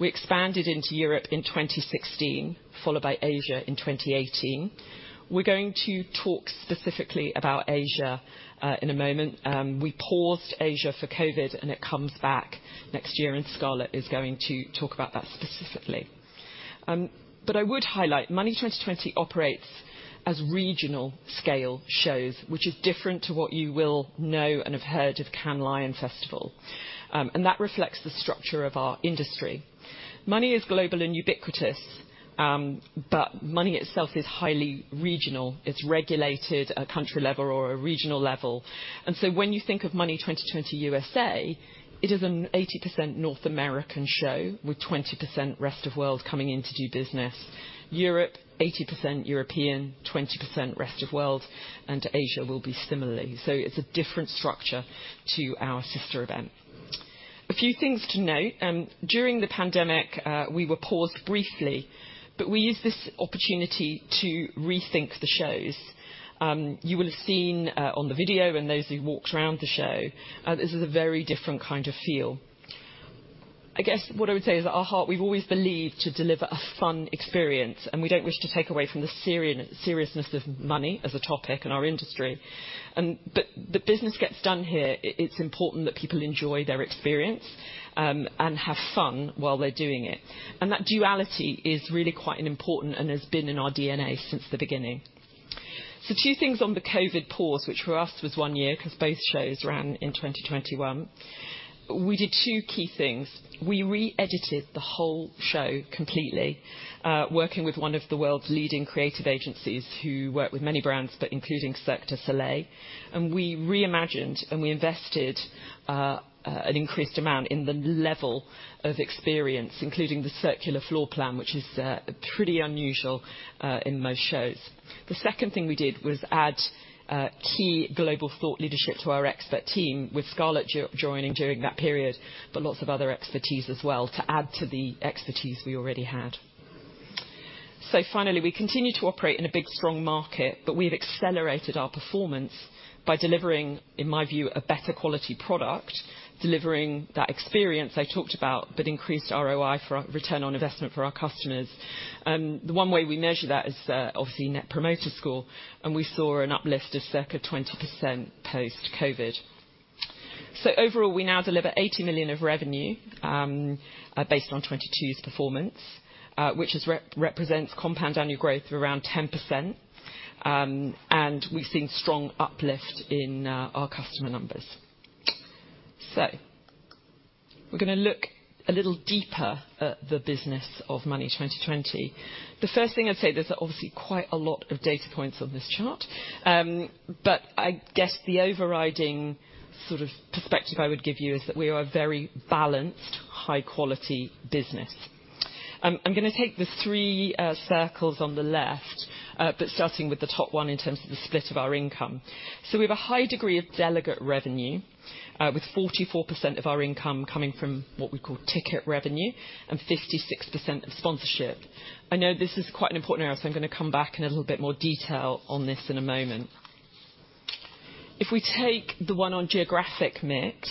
We expanded into Europe in 2016, followed by Asia in 2018. We're going to talk specifically about Asia in a moment. We paused Asia for COVID, and it comes back next year, and Scarlett is going to talk about that specifically. I would highlight, Money20/20 operates as regional scale shows, which is different to what you will know and have heard of Cannes Lions Festival, that reflects the structure of our industry. Money is global and ubiquitous, money itself is highly regional. It's regulated at country level or a regional level. When you think of Money20/20 USA, it is an 80% North American show, with 20% rest of world coming in to do business. Europe, 80% European, 20% rest of world, Asia will be similarly. It's a different structure to our sister event. A few things to note, during the pandemic, we were paused briefly, we used this opportunity to rethink the shows. You will have seen on the video and those who walked around the show, this is a very different kind of feel. I guess what I would say is, at our heart, we've always believed to deliver a fun experience, and we don't wish to take away from the seriousness of money as a topic in our industry. The business gets done here, it's important that people enjoy their experience and have fun while they're doing it, and that duality is really quite important and has been in our DNA since the beginning. Two things on the COVID pause, which for us was one year, because both shows ran in 2021. We did two key things. We re-edited the whole show completely, working with one of the world's leading creative agencies, who work with many brands, but including Cirque du Soleil. We reimagined, and we invested an increased amount in the level of experience, including the circular floor plan, which is pretty unusual in most shows. The second thing we did was add key global thought leadership to our expert team, with Scarlett joining during that period, but lots of other expertise as well to add to the expertise we already had. Finally, we continue to operate in a big, strong market, but we've accelerated our performance by delivering, in my view, a better quality product, delivering that experience I talked about, but increased ROI return on investment for our customers. The one way we measure that is, obviously, net promoter score. We saw an uplift of circa 20% post-COVID. Overall, we now deliver 80 million of revenue, based on 2022's performance, which represents compound annual growth of around 10%. We've seen strong uplift in our customer numbers. We're going to look a little deeper at the business of Money20/20. The first thing I'd say, there's obviously quite a lot of data points on this chart. I guess the overriding sort of perspective I would give you is that we are a very balanced, high-quality business. I'm going to take the three circles on the left, starting with the top one in terms of the split of our income. We have a high degree of delegate revenue, with 44% of our income coming from what we call ticket revenue and 56% of sponsorship. I know this is quite an important area, so I'm going to come back in a little bit more detail on this in a moment. If we take the one on geographic mix,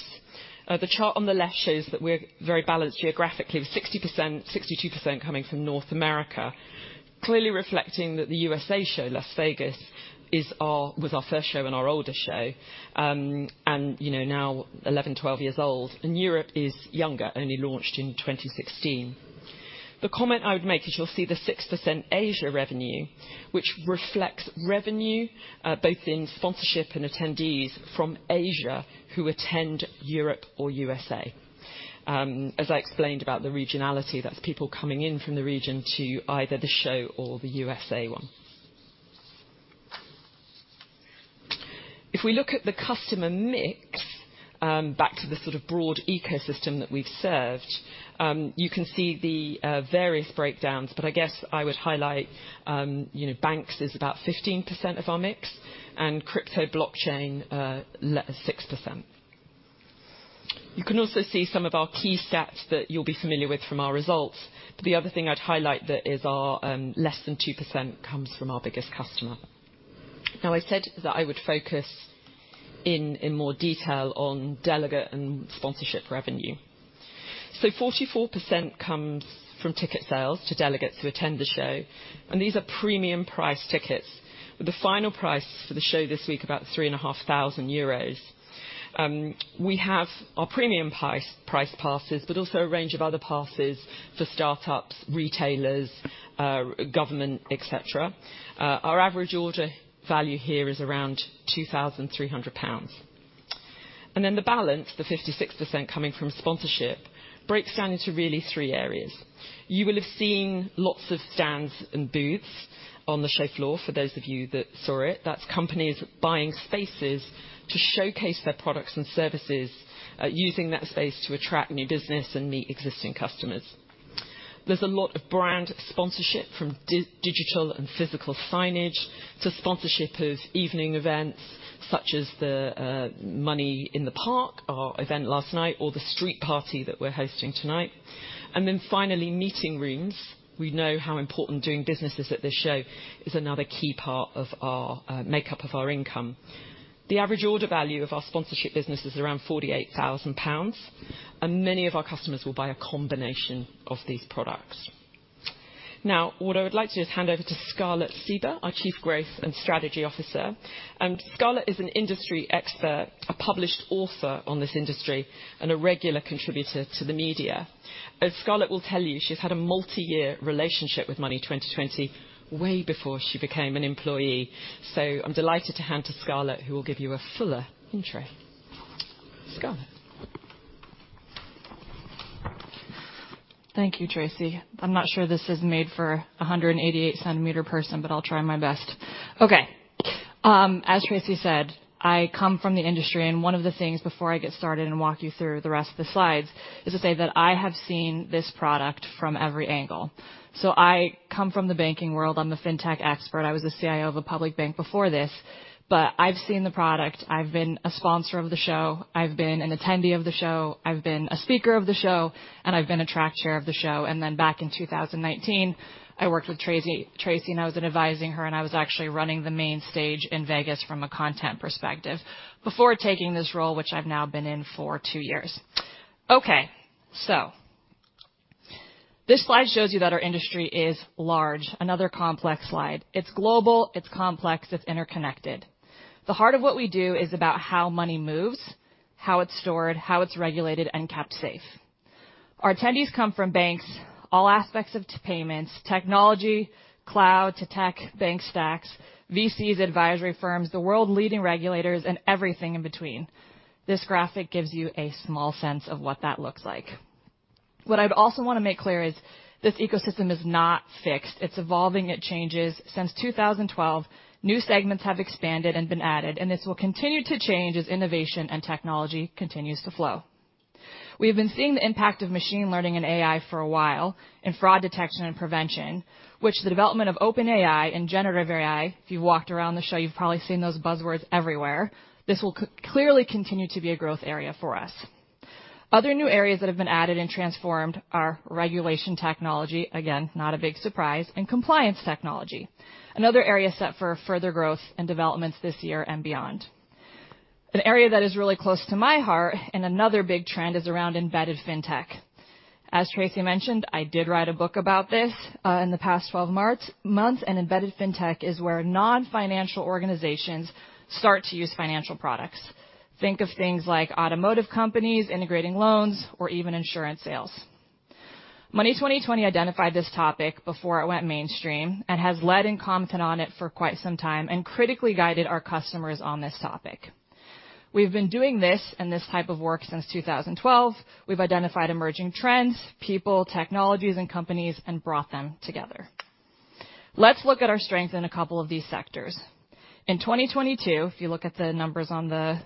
the chart on the left shows that we're very balanced geographically, with 60%, 62% coming from North America, clearly reflecting that the USA show, Las Vegas, is our first show and our oldest show, and you know, now 11, 12 years old. Europe is younger, only launched in 2016. The comment I would make is you'll see the 6% Asia revenue, which reflects revenue, both in sponsorship and attendees from Asia who attend Europe or USA. As I explained about the regionality, that's people coming in from the region to either the show or the USA one. If we look at the customer mix, back to the sort of broad ecosystem that we've served, you can see the various breakdowns, but I guess I would highlight, you know, banks is about 15% of our mix and crypto blockchain, 6%. You can also see some of our key stats that you'll be familiar with from our results. The other thing I'd highlight that is our, less than 2% comes from our biggest customer. Now, I said that I would focus in more detail on delegate and sponsorship revenue. 44% comes from ticket sales to delegates who attend the show, and these are premium price tickets, with the final price for the show this week, about three and a half thousand euros. We have our premium price passes, but also a range of other passes for startups, retailers, government, et cetera. Our average order value here is around 2,300 pounds. The balance, the 56% coming from sponsorship, breaks down into really three areas. You will have seen lots of stands and booths on the show floor, for those of you that saw it. That's companies buying spaces to showcase their products and services, using that space to attract new business and meet existing customers. There's a lot of brand sponsorship, from digital and physical signage to sponsorship of evening events such as the Money in the Park, our event last night, or the street party that we're hosting tonight. Finally, meeting rooms. We know how important doing business is at this show is another key part of our makeup of our income. The average order value of our sponsorship business is around 48,000 pounds, and many of our customers will buy a combination of these products. What I would like to do is hand over to Scarlett Sieber, our Chief Growth and Strategy Officer. Scarlett is an industry expert, a published author on this industry, and a regular contributor to the media. As Scarlett will tell you, she's had a multi-year relationship with Money20/20, way before she became an employee. I'm delighted to hand to Scarlett, who will give you a fuller intro. Scarlett? Thank you, Tracey. I'm not sure this is made for 188 centimeter person, but I'll try my best. Okay. As Tracey said, I come from the industry, and one of the things before I get started and walk you through the rest of the slides, is to say that I have seen this product from every angle. I come from the banking world. I'm a fintech expert. I was the CIO of a public bank before this, but I've seen the product. I've been a sponsor of the show, I've been an attendee of the show, I've been a speaker of the show, and I've been a track chair of the show. Back in 2019, I worked with Tracey, and I was advising her, and I was actually running the main stage in Vegas from a content perspective before taking this role, which I've now been in for two years. This slide shows you that our industry is large. Another complex slide. It's global, it's complex, it's interconnected. The heart of what we do is about how money moves, how it's stored, how it's regulated, and kept safe. Our attendees come from banks, all aspects of payments, technology, cloud to tech, bank stacks, VCs, advisory firms, the world-leading regulators, and everything in between. This graphic gives you a small sense of what that looks like. What I'd also want to make clear is this ecosystem is not fixed. It's evolving. It changes. Since 2012, new segments have expanded and been added, this will continue to change as innovation and technology continues to flow. We have been seeing the impact of machine learning and AI for a while in fraud detection and prevention, which the development of OpenAI and generative AI, if you've walked around the show, you've probably seen those buzzwords everywhere. This will clearly continue to be a growth area for us. Other new areas that have been added and transformed are regulation technology, again, not a big surprise, and compliance technology. Another area set for further growth and developments this year and beyond. An area that is really close to my heart and another big trend is around embedded fintech. As Tracey mentioned, I did write a book about this in the past 12 months. Embedded fintech is where non-financial organizations start to use financial products. Think of things like automotive companies, integrating loans or even insurance sales. Money20/20 identified this topic before it went mainstream and has led and commented on it for quite some time, and critically guided our customers on this topic. We've been doing this and this type of work since 2012. We've identified emerging trends, people, technologies, and companies and brought them together. Let's look at our strength in a couple of these sectors. In 2022, if you look at the numbers on the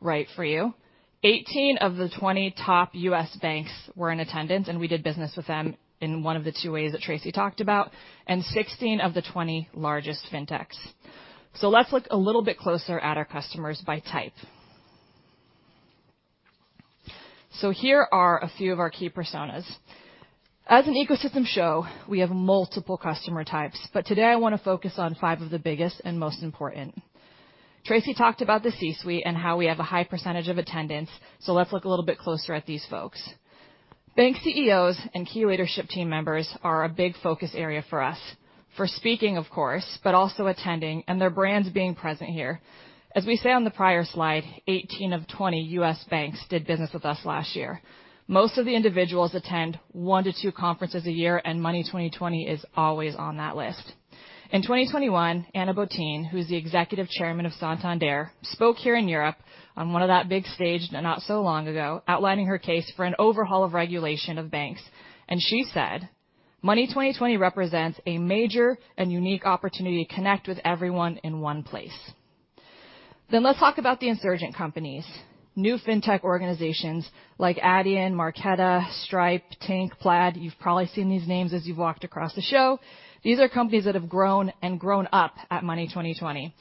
right for you, 18 of the 20 top U.S. banks were in attendance. We did business with them in one of the two ways that Tracey talked about. 16 of the 20 largest fintechs. Let's look a little bit closer at our customers by type. Here are a few of our key personas. As an ecosystem show, we have multiple customer types, but today I want to focus on five of the biggest and most important. Tracey talked about the C-suite and how we have a high percentage of attendance. Let's look a little bit closer at these folks. Bank CEOs and key leadership team members are a big focus area for us for speaking, of course, but also attending and their brands being present here. As we say on the prior slide, 18 of 20 US banks did business with us last year. Most of the individuals attend one to two conferences a year. Money20/20 is always on that list. In 2021, Ana Botín, who's the executive chairman of Santander, spoke here in Europe on one of that big stage not so long ago, outlining her case for an overhaul of regulation of banks. She said: "Money20/20 represents a major and unique opportunity to connect with everyone in one place." Let's talk about the insurgent companies. New fintech organizations like Adyen, Marqeta, Stripe, Tink, Plaid. You've probably seen these names as you've walked across the show. These are companies that have grown and grown up at Money20/20.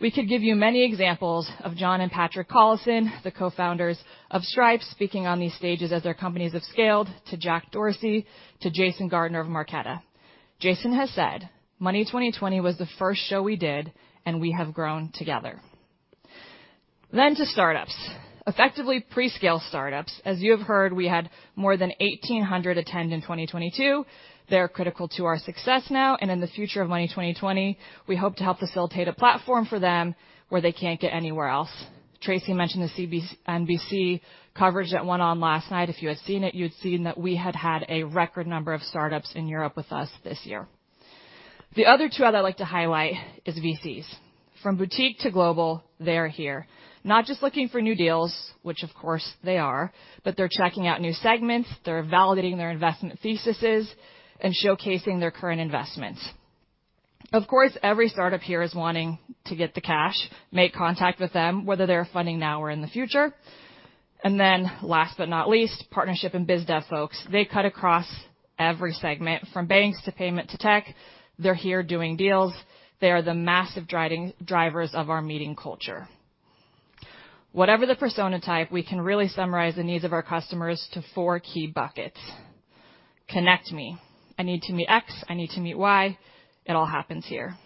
We could give you many examples of John and Patrick Collison, the cofounders of Stripe, speaking on these stages as their companies have scaled, to Jack Dorsey, to Jason Gardner of Marqeta. Jason has said: "Money20/20 was the first show we did, and we have grown together." To startups. Effectively, pre-scale startups. As you have heard, we had more than 1,800 attend in 2022. They're critical to our success now, and in the future of Money20/20, we hope to help facilitate a platform for them where they can't get anywhere else. Tracey mentioned the CNBC coverage that went on last night. If you had seen it, you'd seen that we had had a record number of startups in Europe with us this year. The other two I'd like to highlight is VCs. From boutique to global, they're here, not just looking for new deals, which, of course, they are, but they're checking out new segments, they're validating their investment thesises, and showcasing their current investments. Of course, every startup here is wanting to get the cash, make contact with them, whether they're funding now or in the future. Last but not least, partnership and biz dev folks. They cut across every segment, from banks to payment to tech. They're here doing deals. They are the massive drivers of our meeting culture. Whatever the persona type, we can really summarize the needs of our customers to four key buckets. Connect me. I need to meet X, I need to meet Y. It all happens here.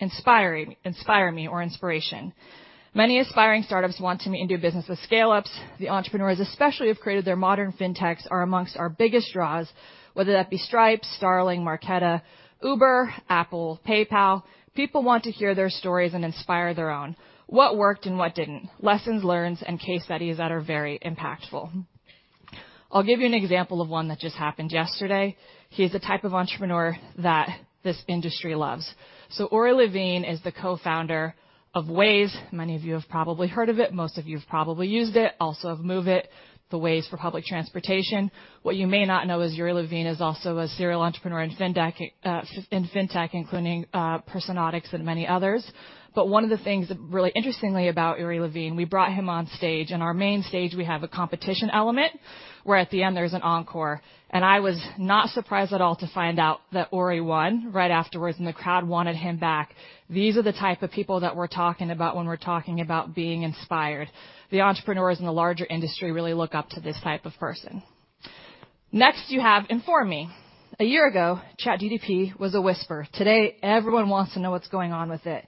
Inspire me or inspiration. Many aspiring startups want to meet and do business with scaleups. The entrepreneurs, especially, who've created their modern fintechs, are amongst our biggest draws, whether that be Stripe, Starling, Marqeta, Uber, Apple, PayPal. People want to hear their stories and inspire their own, what worked and what didn't, lessons learned, and case studies that are very impactful. I'll give you an example of one that just happened yesterday. He is the type of entrepreneur that this industry loves. Uri Levine is the cofounder of Waze. Many of you have probably heard of it, most of you have probably used it, also of Moovit, the Waze for public transportation. What you may not know is Uri Levine is also a serial entrepreneur in Fintech, including Personetics and many others. One of the things that really interestingly about Uri Levine, we brought him on stage, on our main stage, we have a competition element, where at the end there's an encore. I was not surprised at all to find out that Uri won right afterwards, and the crowd wanted him back. These are the type of people that we're talking about when we're talking about being inspired. The entrepreneurs in the larger industry really look up to this type of person. Next, you have inform me. A year ago, ChatGPT was a whisper. Today, everyone wants to know what's going on with it.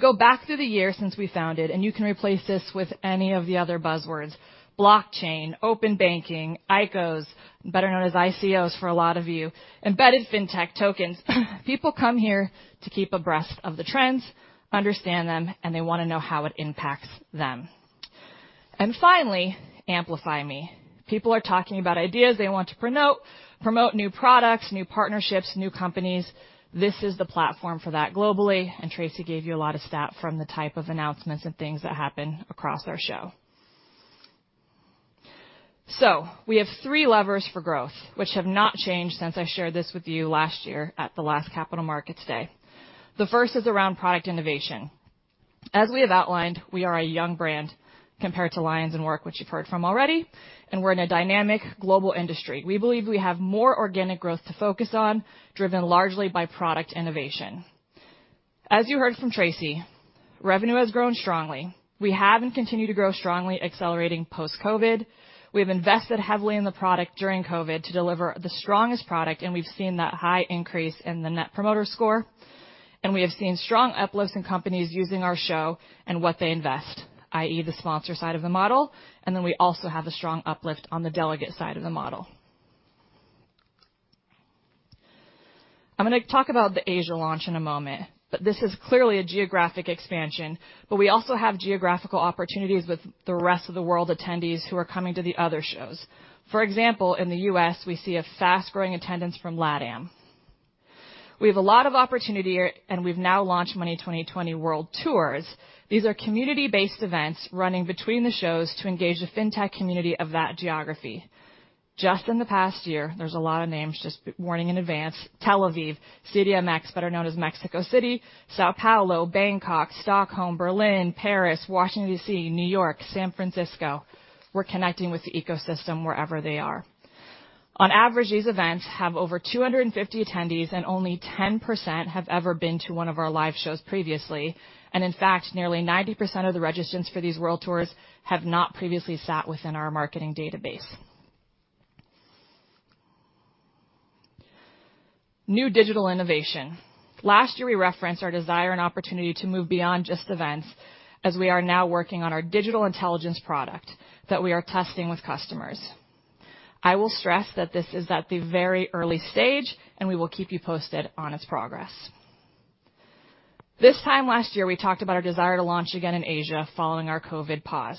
Go back to the year since we found it, and you can replace this with any of the other buzzwords: blockchain, open banking, ICOs, better known as ICOs for a lot of you, embedded fintech tokens. People come here to keep abreast of the trends, understand them, and they want to know how it impacts them. Finally, amplify me. People are talking about ideas they want to promote new products, new partnerships, new companies. This is the platform for that globally, and Tracey gave you a lot of stat from the type of announcements and things that happen across our show. We have three levers for growth, which have not changed since I shared this with you last year at the last Capital Markets Day. The first is around product innovation. As we have outlined, we are a young brand compared to LIONS and The Work, which you've heard from already, and we're in a dynamic global industry. We believe we have more organic growth to focus on, driven largely by product innovation. As you heard from Tracey, revenue has grown strongly. We have and continue to grow strongly, accelerating post-COVID. We have invested heavily in the product during COVID to deliver the strongest product, and we've seen that high increase in the net promoter score. We have seen strong uplifts in companies using our show and what they invest, i.e., the sponsor side of the model, and then we also have a strong uplift on the delegate side of the model. I'm going to talk about the Asia launch in a moment, but this is clearly a geographic expansion, but we also have geographical opportunities with the rest of the world attendees who are coming to the other shows. For example, in the U.S., we see a fast-growing attendance from LATAM. We have a lot of opportunity, and we've now launched Money20/20 World Tours. These are community-based events running between the shows to engage the fintech community of that geography. Just in the past year, there's a lot of names, just warning in advance, Tel Aviv, CDMX, better known as Mexico City, São Paulo, Bangkok, Stockholm, Berlin, Paris, Washington, D.C., New York, San Francisco. We're connecting with the ecosystem wherever they are. On average, these events have over 250 attendees, only 10% have ever been to one of our live shows previously. In fact, nearly 90% of the registrants for these World Tours have not previously sat within our marketing database. New digital innovation. Last year, we referenced our desire and opportunity to move beyond just events, as we are now working on our digital intelligence product that we are testing with customers. I will stress that this is at the very early stage. We will keep you posted on its progress. This time last year, we talked about our desire to launch again in Asia, following our COVID pause.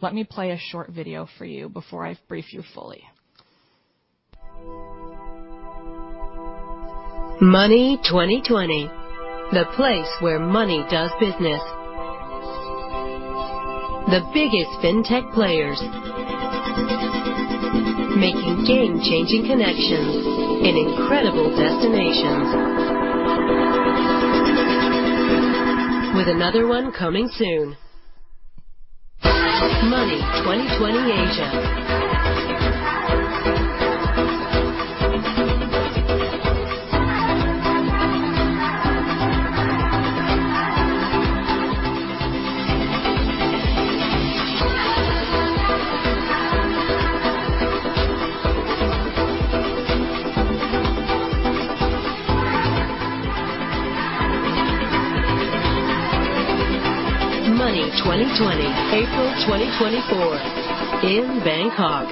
Let me play a short video for you before I brief you fully. Money20/20, the place where money does business. The biggest fintech players making game-changing connections in incredible destinations. With another one coming soon. Money20/20 Asia. Money20/20, April 2024 in Bangkok.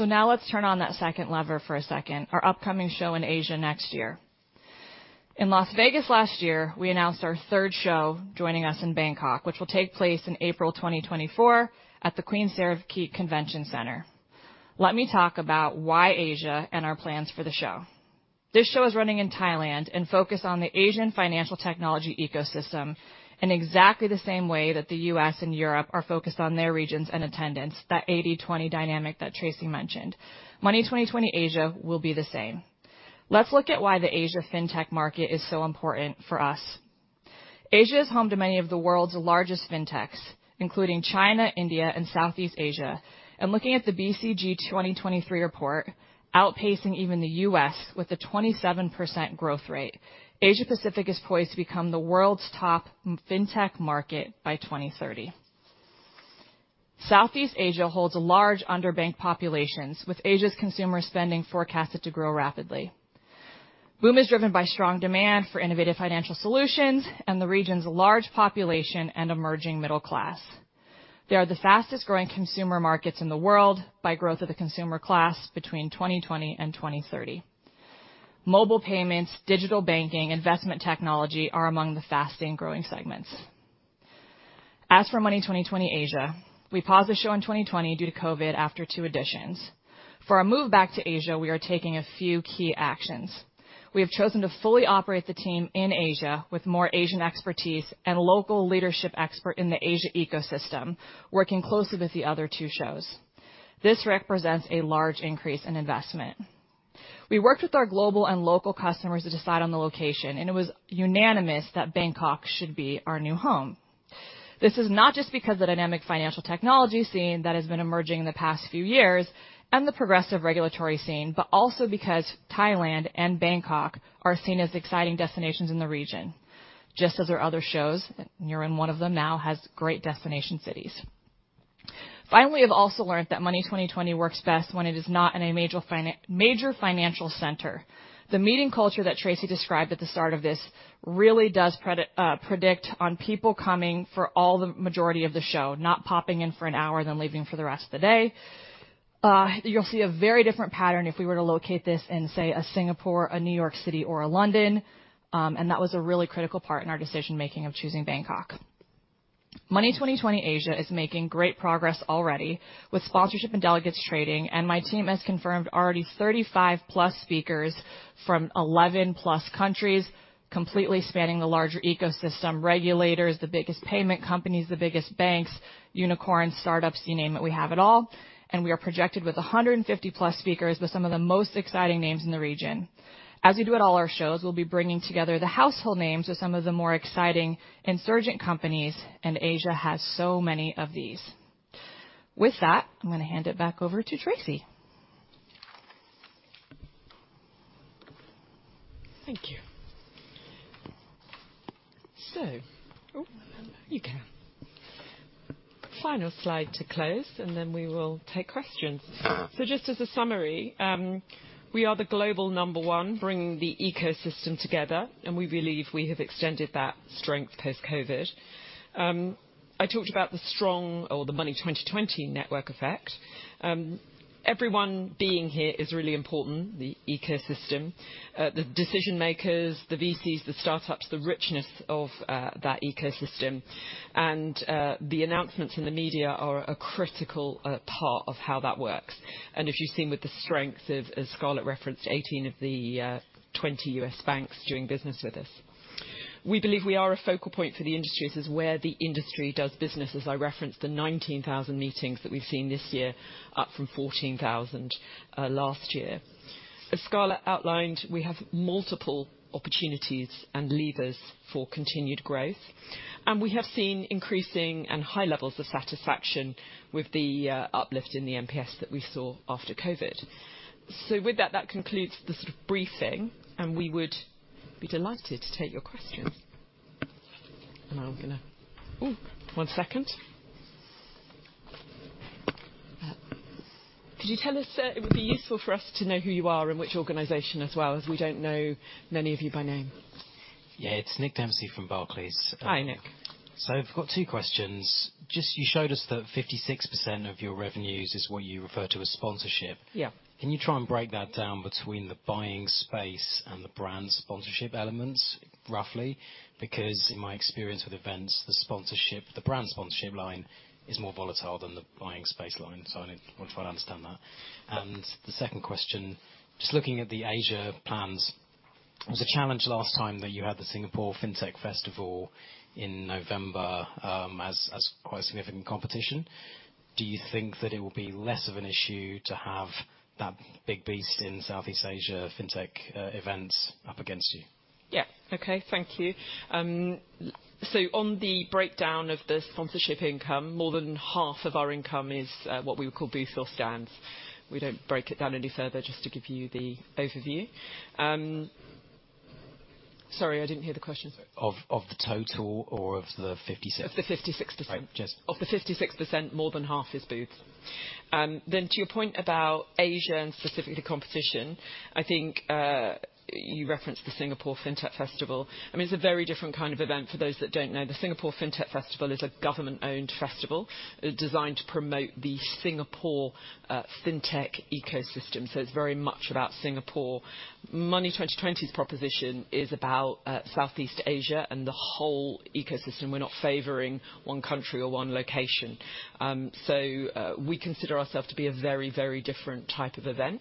Now let's turn on that second lever for a second. Our upcoming show in Asia next year. In Las Vegas last year, we announced our third show, joining us in Bangkok, which will take place in April 2024 at the Queen Sirikit Convention Center. Let me talk about why Asia and our plans for the show. This show is running in Thailand and focused on the Asian financial technology ecosystem in exactly the same way that the U.S. and Europe are focused on their regions and attendance. That 80/20 dynamic that Tracey mentioned. Money20/20 Asia will be the same. Let's look at why the Asia Fintech market is so important for us. Asia is home to many of the world's largest Fintechs, including China, India, and Southeast Asia. Looking at the BCG 2023 report, outpacing even the U.S. with a 27% growth rate. Asia Pacific is poised to become the world's top Fintech market by 2030. Southeast Asia holds large underbanked populations, with Asia's consumer spending forecasted to grow rapidly. Boom is driven by strong demand for innovative financial solutions and the region's large population and emerging middle class. They are the fastest-growing consumer markets in the world by growth of the consumer class between 2020 and 2030. Mobile payments, digital banking, investment technology are among the fastest-growing segments. As for Money20/20 Asia, we paused the show in 2020 due to COVID after two editions. For our move back to Asia, we are taking a few key actions. We have chosen to fully operate the team in Asia with more Asian expertise and local leadership expert in the Asia ecosystem, working closely with the other two shows. This represents a large increase in investment. We worked with our global and local customers to decide on the location, and it was unanimous that Bangkok should be our new home. This is not just because of the dynamic financial technology scene that has been emerging in the past few years and the progressive regulatory scene, but also because Thailand and Bangkok are seen as exciting destinations in the region, just as our other shows, and you're in one of them now, has great destination cities. Finally, we've also learned that Money20/20 works best when it is not in a major financial center. The meeting culture that Tracey described at the start of this really does predict on people coming for all the majority of the show, not popping in for an hour, then leaving for the rest of the day. You'll see a very different pattern if we were to locate this in, say, a Singapore, a New York City, or a London. That was a really critical part in our decision-making of choosing Bangkok. Money20/20 Asia is making great progress already with sponsorship and delegates trading. My team has confirmed already 35+ speakers from 11+ countries, completely spanning the larger ecosystem regulators, the biggest payment companies, the biggest banks, unicorns, startups, you name it, we have it all. We are projected with 150+ speakers with some of the most exciting names in the region. As we do at all our shows, we'll be bringing together the household names with some of the more exciting insurgent companies. Asia has so many of these. With that, I'm going to hand it back over to Tracey. Thank you. You can. Final slide to close, then we will take questions. Just as a summary, we are the global number one, bringing the ecosystem together, and we believe we have extended that strength post-COVID. I talked about the strong or the Money20/20 network effect. Everyone being here is really important, the ecosystem, the decision-makers, the VCs, the startups, the richness of that ecosystem, and the announcements in the media are a critical part of how that works. As you've seen with the strength of, as Scarlett referenced, 18 of the 20 US banks doing business with us. We believe we are a focal point for the industry. This is where the industry does business, as I referenced the 19,000 meetings that we've seen this year, up from 14,000 last year. As Scarlett outlined, we have multiple opportunities and levers for continued growth, and we have seen increasing and high levels of satisfaction with the uplift in the NPS that we saw after COVID. With that concludes the sort of briefing, and we would be delighted to take your questions. One second. Could you tell us, it would be useful for us to know who you are and which organization as well, as we don't know many of you by name. Yeah, it's Nick Dempsey from Barclays. Hi, Nick. I've got two questions. Just you showed us that 56% of your revenues is what you refer to as sponsorship. Yeah. Can you try and break that down between the buying space and the brand sponsorship elements, roughly? In my experience with events, the brand sponsorship line is more volatile than the buying space line, so I want to try to understand that. The second question, just looking at the Asia plans, was a challenge last time that you had the Singapore FinTech Festival in November, as quite a significant competition. Do you think that it will be less of an issue to have that big beast in Southeast Asia, FinTech, events up against you? Yeah. Okay, thank you. On the breakdown of the sponsorship income, more than half of our income is what we would call booth or stands. We don't break it down any further, just to give you the overview. Sorry, I didn't hear the question. Of the total or of the 56%? Of the 56%. I just- Of the 56%, more than half is booths. To your point about Asia, and specifically competition, I think, you referenced the Singapore FinTech Festival. I mean, it's a very different kind of event. For those that don't know, the Singapore FinTech Festival is a government-owned festival, designed to promote the Singapore FinTech ecosystem, it's very much about Singapore. Money20/20's proposition is about Southeast Asia and the whole ecosystem. We're not favoring one country or one location. We consider ourself to be a very, very different type of event,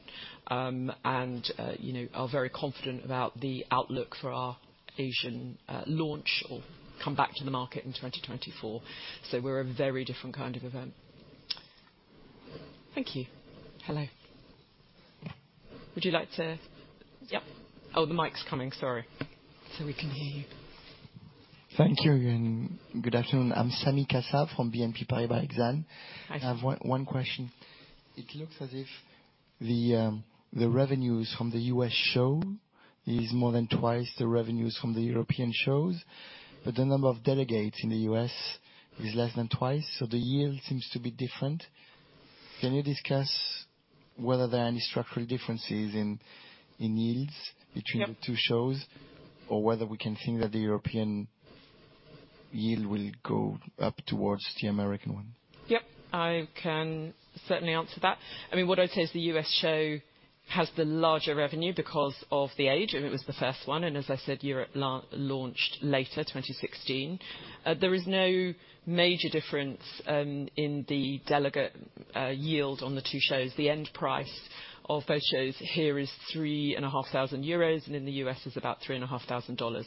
and, you know, are very confident about the outlook for our Asian launch or come back to the market in 2024. We're a very different kind of event. Thank you. Hello. Yep. Oh, the mic's coming, sorry, so we can hear you. Thank you, and good afternoon. I'm Sami Kassab from BNP Paribas Exane. Hi. I have one question. It looks as if the revenues from the U.S. show is more than twice the revenues from the European shows, but the number of delegates in the U.S. is less than twice, so the yield seems to be different. Can you discuss whether there are any structural differences in yields? Yep Between the two shows, or whether we can think that the European yield will go up towards the American one? Yep, I can certainly answer that. I mean, what I'd say is the U.S. show has the larger revenue because of the age. I mean, it was the first one, and as I said, Europe launched later, 2016. There is no major difference in the delegate yield on the two shows. The end price of both shows here is three and a half thousand euros, and in the U.S. is about three and a half thousand dollars.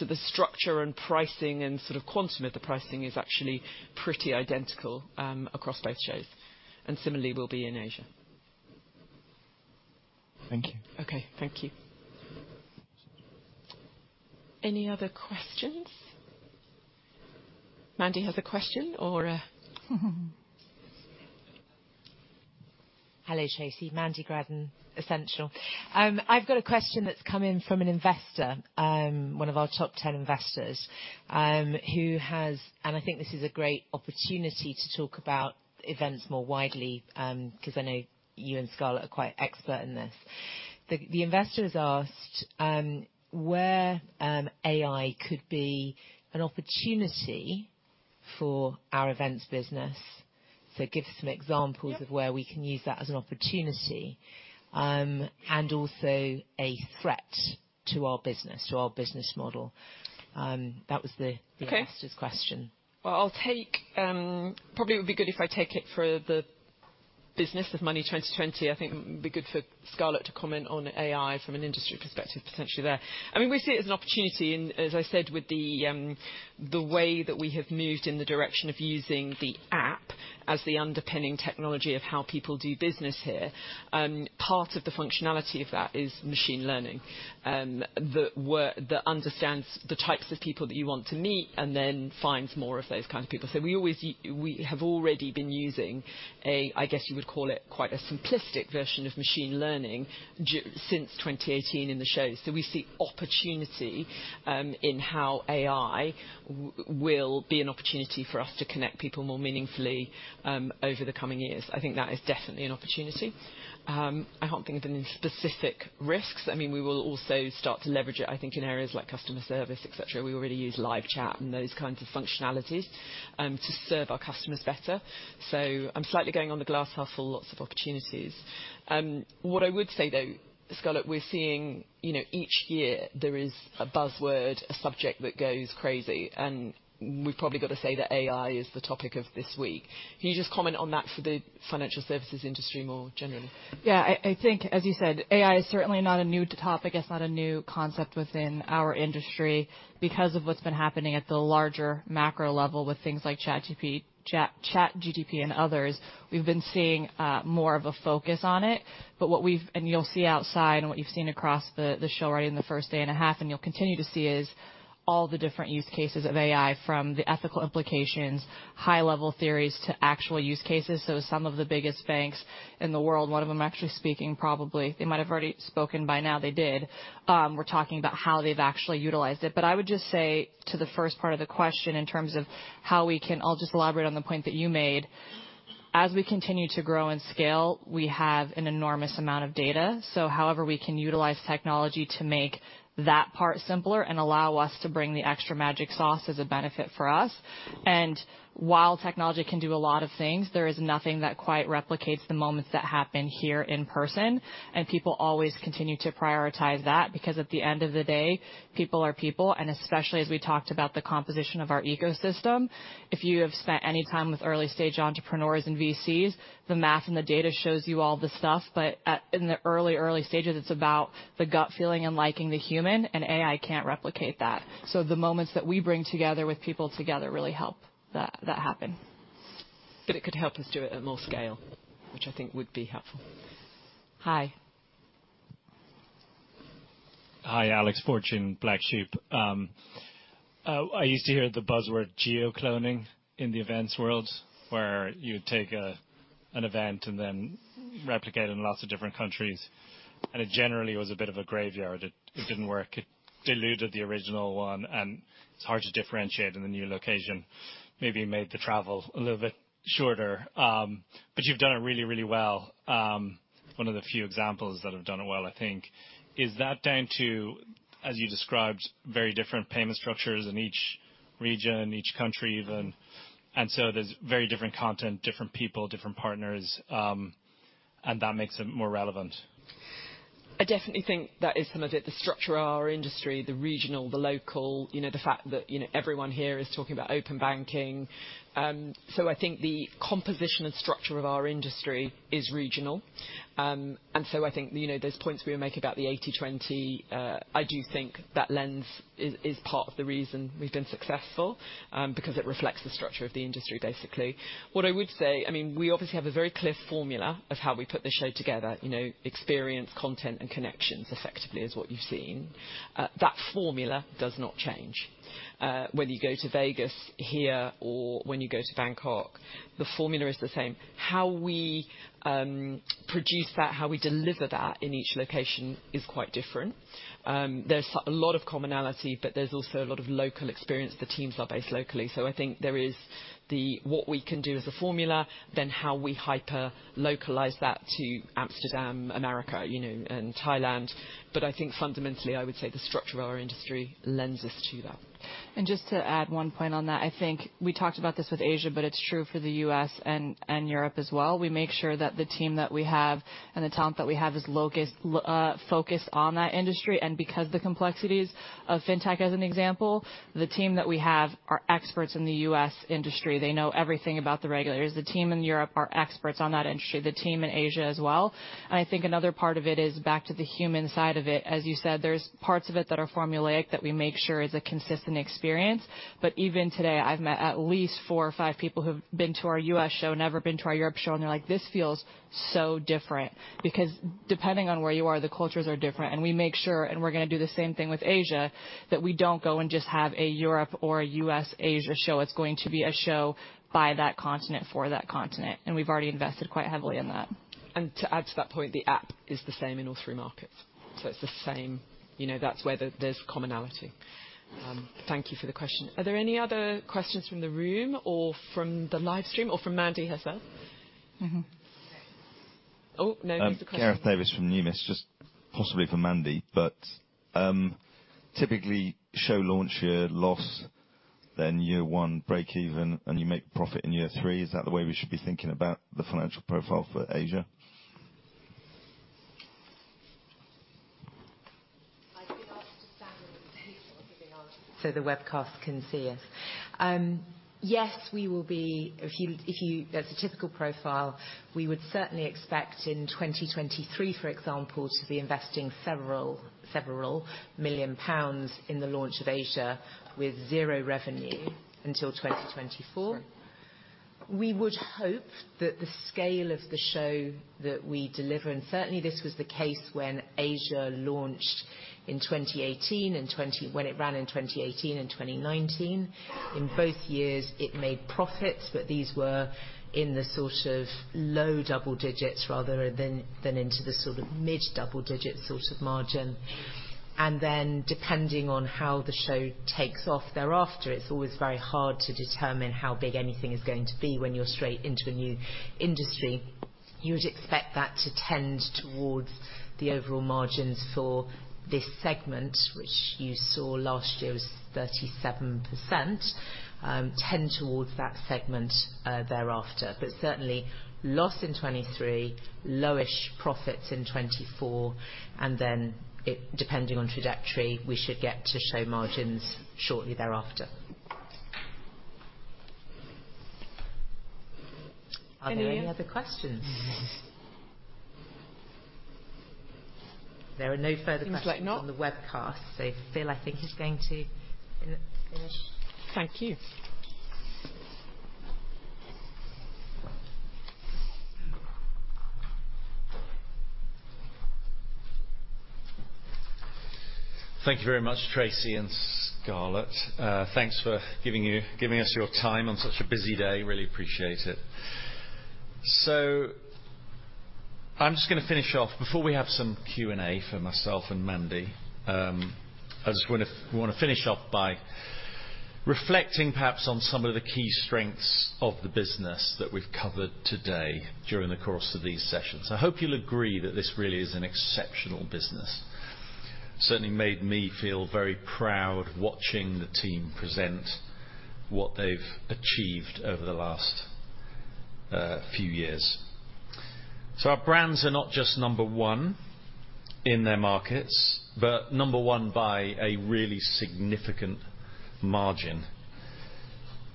The structure and pricing and sort of quantum of the pricing is actually pretty identical across both shows, and similarly will be in Asia. Thank you. Okay, thank you. Any other questions? Mandy has a question or a... Hello, Tracey. Mandy Gradden, Ascential. I've got a question that's come in from an investor, one of our top 10 investors. I think this is a great opportunity to talk about events more widely 'cause I know you and Scarlett are quite expert in this. The investor has asked where AI could be an opportunity for our events business. Give some examples. Yep -of where we can use that as an opportunity, and also a threat to our business, to our business model. That was the. Okay investor's question. Well, I'll take. Probably it would be good if I take it for the business of Money20/20. I think it would be good for Scarlett to comment on AI from an industry perspective, potentially there. I mean, we see it as an opportunity, and as I said, with the way that we have moved in the direction of using the app as the underpinning technology of how people do business here, part of the functionality of that is machine learning that understands the types of people that you want to meet and then finds more of those kind of people. We have already been using a, I guess, you would call it, quite a simplistic version of machine learning since 2018 in the show. We see opportunity in how AI will be an opportunity for us to connect people more meaningfully over the coming years. I think that is definitely an opportunity. I can't think of any specific risks. I mean, we will also start to leverage it, I think, in areas like customer service, et cetera. We already use live chat and those kinds of functionalities to serve our customers better. I'm slightly going on the glass house for lots of opportunities. What I would say, though, Scarlet, we're seeing, you know, each year there is a buzzword, a subject that goes crazy, and we've probably got to say that AI is the topic of this week. Can you just comment on that for the financial services industry more generally? Yeah, I think, as you said, AI is certainly not a new topic. It's not a new concept within our industry. Because of what's been happening at the larger macro level with things like ChatGPT and others, we've been seeing more of a focus on it. You'll see outside, and what you've seen across the show already in the first day and a half, and you'll continue to see, is all the different use cases of AI from the ethical implications, high-level theories, to actual use cases. Some of the biggest banks in the world, one of them actually speaking, probably, they might have already spoken by now, they did, we're talking about how they've actually utilized it. I would just say to the first part of the question, in terms of how we can. I'll just elaborate on the point that you made. As we continue to grow and scale, we have an enormous amount of data, so however we can utilize technology to make that part simpler and allow us to bring the extra magic sauce is a benefit for us. While technology can do a lot of things, there is nothing that quite replicates the moments that happen here in person, and people always continue to prioritize that, because at the end of the day, people are people, and especially as we talked about the composition of our ecosystem. If you have spent any time with early-stage entrepreneurs and VCs, the math and the data shows you all the stuff, but in the early stages, it's about the gut feeling and liking the human, and AI can't replicate that. The moments that we bring together with people together really help that happen. It could help us do it at more scale, which I think would be helpful. Hi. Hi, Alex Fortune, Black Sheep. I used to hear the buzzword geo-cloning in the events world, where you would take an event and then replicate it in lots of different countries, and it generally was a bit of a graveyard. It didn't work. It diluted the original one, and it's hard to differentiate in the new location. Maybe it made the travel a little bit shorter, but you've done it really, really well. One of the few examples that have done it well, I think. Is that down to, as you described, very different payment structures in each region, each country even, and so there's very different content, different people, different partners, and that makes it more relevant? I definitely think that is some of it, the structure of our industry, the regional, the local, you know, the fact that, you know, everyone here is talking about open banking. I think the composition and structure of our industry is regional. I think, you know, those points we were making about the 80/20, I do think that lens is part of the reason we've been successful, because it reflects the structure of the industry, basically. What I would say, I mean, we obviously have a very clear formula of how we put the show together. You know, experience, content, and connections, effectively, is what you've seen. That formula does not change. Whether you go to Vegas, here, or when you go to Bangkok, the formula is the same. How we produce that, how we deliver that in each location is quite different. There's a lot of commonality, but there's also a lot of local experience. The teams are based locally, so I think there is what we can do as a formula, then how we hyper localize that to Amsterdam, America, you know, and Thailand. I think fundamentally, I would say the structure of our industry lends us to that. Just to add one point on that, I think we talked about this with Asia, but it's true for the U.S. and Europe as well. We make sure that the team that we have and the talent that we have is locus focused on that industry. Because the complexities of fintech, as an example, the team that we have are experts in the U.S. industry. They know everything about the regulators. The team in Europe are experts on that industry, the team in Asia as well. I think another part of it is back to the human side of it. As you said, there's parts of it that are formulaic, that we make sure is a consistent experience. Even today, I've met at least four or five people who've been to our U.S. show, never been to our Europe show, and they're like, "This feels so different." Depending on where you are, the cultures are different, and we make sure, and we're going to do the same thing with Asia, that we don't go and just have a Europe or a U.S. Asia show. It's going to be a show by that continent, for that continent, and we've already invested quite heavily in that. To add to that point, the app is the same in all three markets, so it's the same. You know, that's where there's commonality. Thank you for the question. Are there any other questions from the room, or from the live stream, or from Mandy herself? Oh, no, here's a question. Gareth Davies from Numis, just possibly for Mandy. Typically, show launch year, loss, then year 1, break even, and you make profit in year three. Is that the way we should be thinking about the financial profile for Asia? I'd give that to Mandy, so she can answer, so the webcast can see us. Yes, as a typical profile, we would certainly expect in 2023, for example, to be investing several million GBP in the launch of Asia with zero revenue until 2024. We would hope that the scale of the show that we deliver, and certainly this was the case when Asia launched in 2018 and when it ran in 2018 and 2019. In both years, it made profits, but these were in the sort of low double digits rather than into the sort of mid-double digit sort of margin. Depending on how the show takes off thereafter, it's always very hard to determine how big anything is going to be when you're straight into a new industry. You would expect that to tend towards the overall margins for this segment, which you saw last year was 37%, tend towards that segment thereafter. Certainly, loss in 2023, low-ish profits in 2024, and then it, depending on trajectory, we should get to show margins shortly thereafter. Are there any other questions? Seems like not. There are no further questions on the webcast, so Phil, I think, is going to finish. Thank you. Thank you very much, Tracey and Scarlett. Thanks for giving us your time on such a busy day. Really appreciate it. I'm just going to finish off. Before we have some Q&A for myself and Mandy, I just want to finish off by reflecting perhaps on some of the key strengths of the business that we've covered today during the course of these sessions. I hope you'll agree that this really is an exceptional business. Certainly made me feel very proud watching the team present what they've achieved over the last few years. Our brands are not just number one in their markets, but number one by a really significant margin.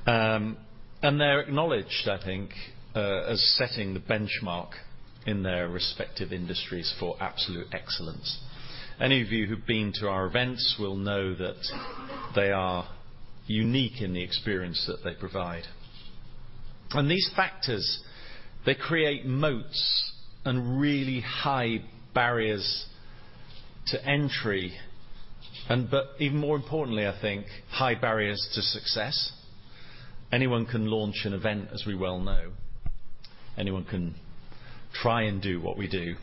And they're acknowledged, I think, as setting the benchmark in their respective industries for absolute excellence. Any of you who've been to our events will know that they are unique in the experience that they provide. These factors, they create moats and really high barriers to entry, but even more importantly, I think, high barriers to success. Anyone can launch an event, as we well know. Anyone can try and do what we do,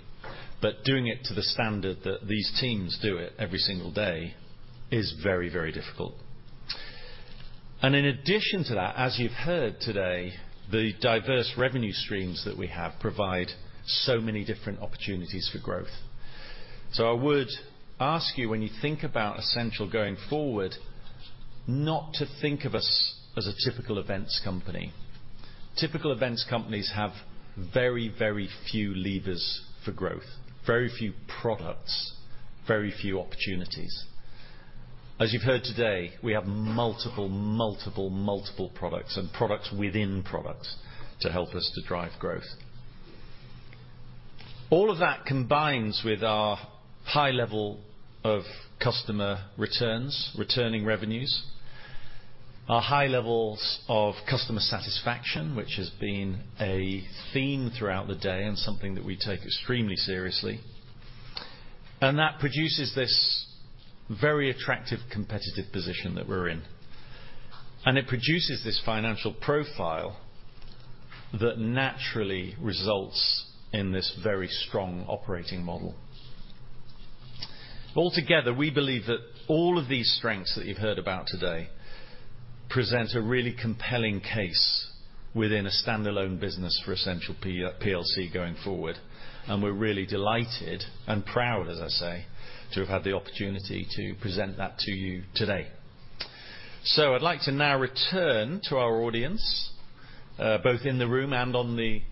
but doing it to the standard that these teams do it every single day is very, very difficult. In addition to that, as you've heard today, the diverse revenue streams that we have provide so many different opportunities for growth. I would ask you, when you think about Ascential going forward, not to think of us as a typical events company. Typical events companies have very, very few levers for growth, very few products, very few opportunities. As you've heard today, we have multiple, multiple products, and products within products to help us to drive growth. All of that combines with our high level of customer returns, returning revenues, our high levels of customer satisfaction, which has been a theme throughout the day and something that we take extremely seriously, and that produces this very attractive, competitive position that we're in. It produces this financial profile that naturally results in this very strong operating model. Altogether, we believe that all of these strengths that you've heard about today present a really compelling case within a standalone business for Ascential plc going forward, and we're really delighted and proud, as I say, to have had the opportunity to present that to you today. I'd like to now return to our audience, both in the room and on the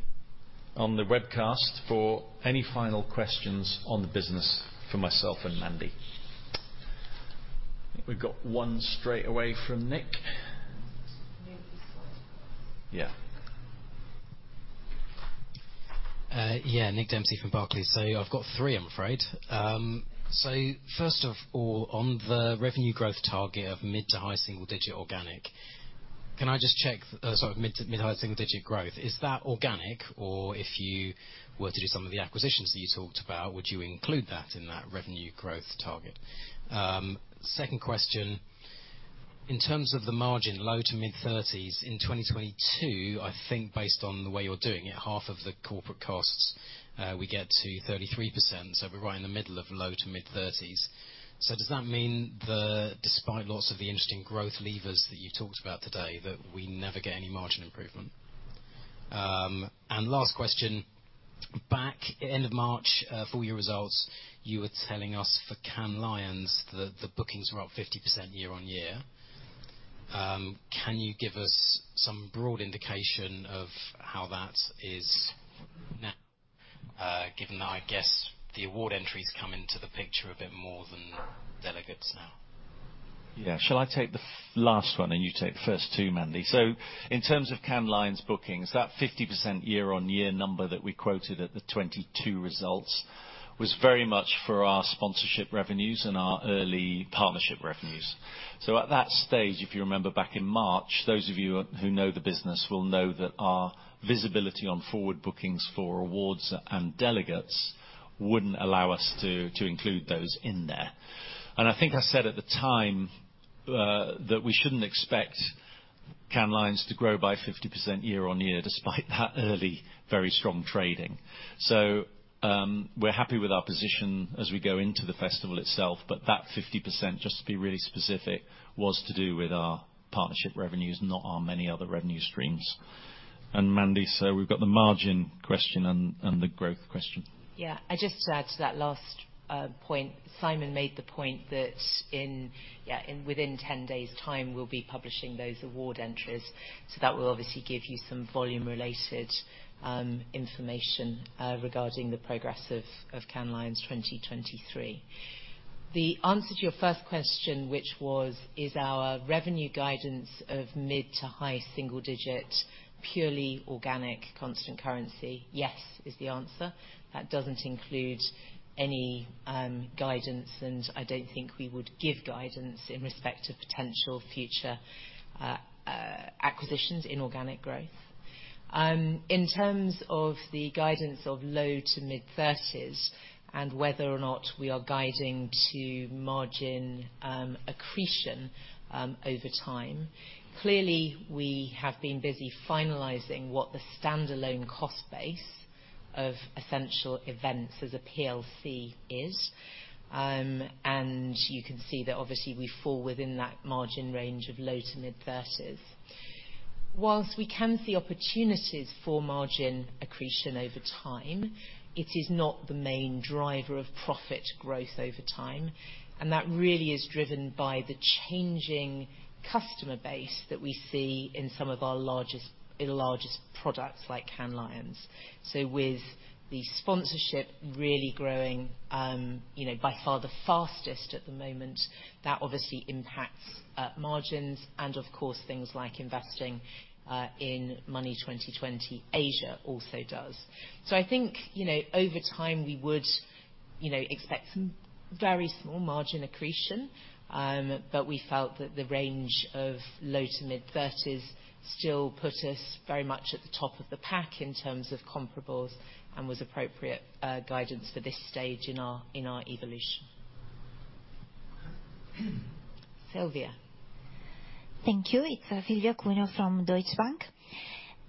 webcast, for any final questions on the business for myself and Mandy. We've got one straight away from Nick. Maybe before. Yeah. Yeah, Nick Dempsey from Barclays. I've got three, I'm afraid. First of all, on the revenue growth target of mid to high single-digit organic, can I just check, sorry, mid to mid-high single-digit growth, is that organic, or if you were to do some of the acquisitions that you talked about, would you include that in that revenue growth target? Second question, in terms of the margin, low to mid-30s, in 2022, I think based on the way you're doing it, half of the corporate costs, we get to 33%, so we're right in the middle of low to mid-30s. Does that mean that despite lots of the interesting growth levers that you talked about today, that we never get any margin improvement? Last question, back end of March, full year results, you were telling us for Cannes Lions that the bookings were up 50% year-on-year. Can you give us some broad indication of how that is now, given that I guess the award entries come into the picture a bit more than delegates now? Shall I take the last one and you take the first two, Mandy? In terms of Cannes Lions bookings, that 50% year-on-year number that we quoted at the 2022 results was very much for our sponsorship revenues and our early partnership revenues. At that stage, if you remember back in March, those of you who know the business will know that our visibility on forward bookings for awards and delegates wouldn't allow us to include those in there. I think I said at the time that we shouldn't expect Cannes Lions to grow by 50% year-on-year, despite that early, very strong trading. We're happy with our position as we go into the festival itself, but that 50%, just to be really specific, was to do with our partnership revenues, not our many other revenue streams. Mandy, we've got the margin question and the growth question. I just add to that last point, Simon made the point that within 10 days' time, we'll be publishing those award entries, that will obviously give you some volume-related information regarding the progress of Cannes Lions 2023. The answer to your first question, which was, is our revenue guidance of mid-to-high single-digit, purely organic, constant currency? Yes, is the answer. That doesn't include any guidance, I don't think we would give guidance in respect to potential future acquisitions, inorganic growth. In terms of the guidance of low-to-mid-30s and whether or not we are guiding to margin accretion over time, clearly, we have been busy finalizing what the standalone cost base of Ascential events as a PLC is. You can see that obviously we fall within that margin range of low to mid-30s. Whilst we can see opportunities for margin accretion over time, it is not the main driver of profit growth over time, and that really is driven by the changing customer base that we see in some of our largest products, like Cannes Lions. With the sponsorship really growing, you know, by far the fastest at the moment, that obviously impacts margins, and of course, things like investing in Money20/20 Asia also does. I think, you know, over time. You know, expect some very small margin accretion. We felt that the range of low to mid-30s still put us very much at the top of the pack in terms of comparables and was appropriate guidance for this stage in our evolution. Silvia? Thank you. It's Silvia Cuneo from Deutsche Bank.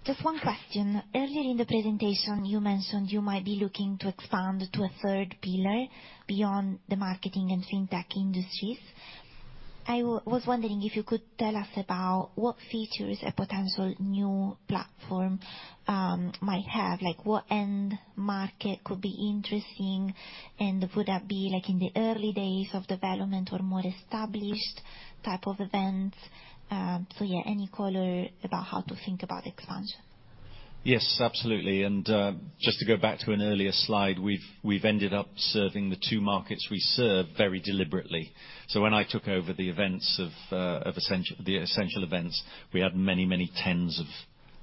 Just one question. Earlier in the presentation, you mentioned you might be looking to expand to a third pillar beyond the marketing and fintech industries. I was wondering if you could tell us about what features a potential new platform might have? Like, what end market could be interesting, and would that be like in the early days of development or more established type of events? Yeah, any color about how to think about expansion. Yes, absolutely. Just to go back to an earlier slide, we've ended up serving the two markets we serve very deliberately. When I took over the events of Ascential, the Ascential events, we had many tens of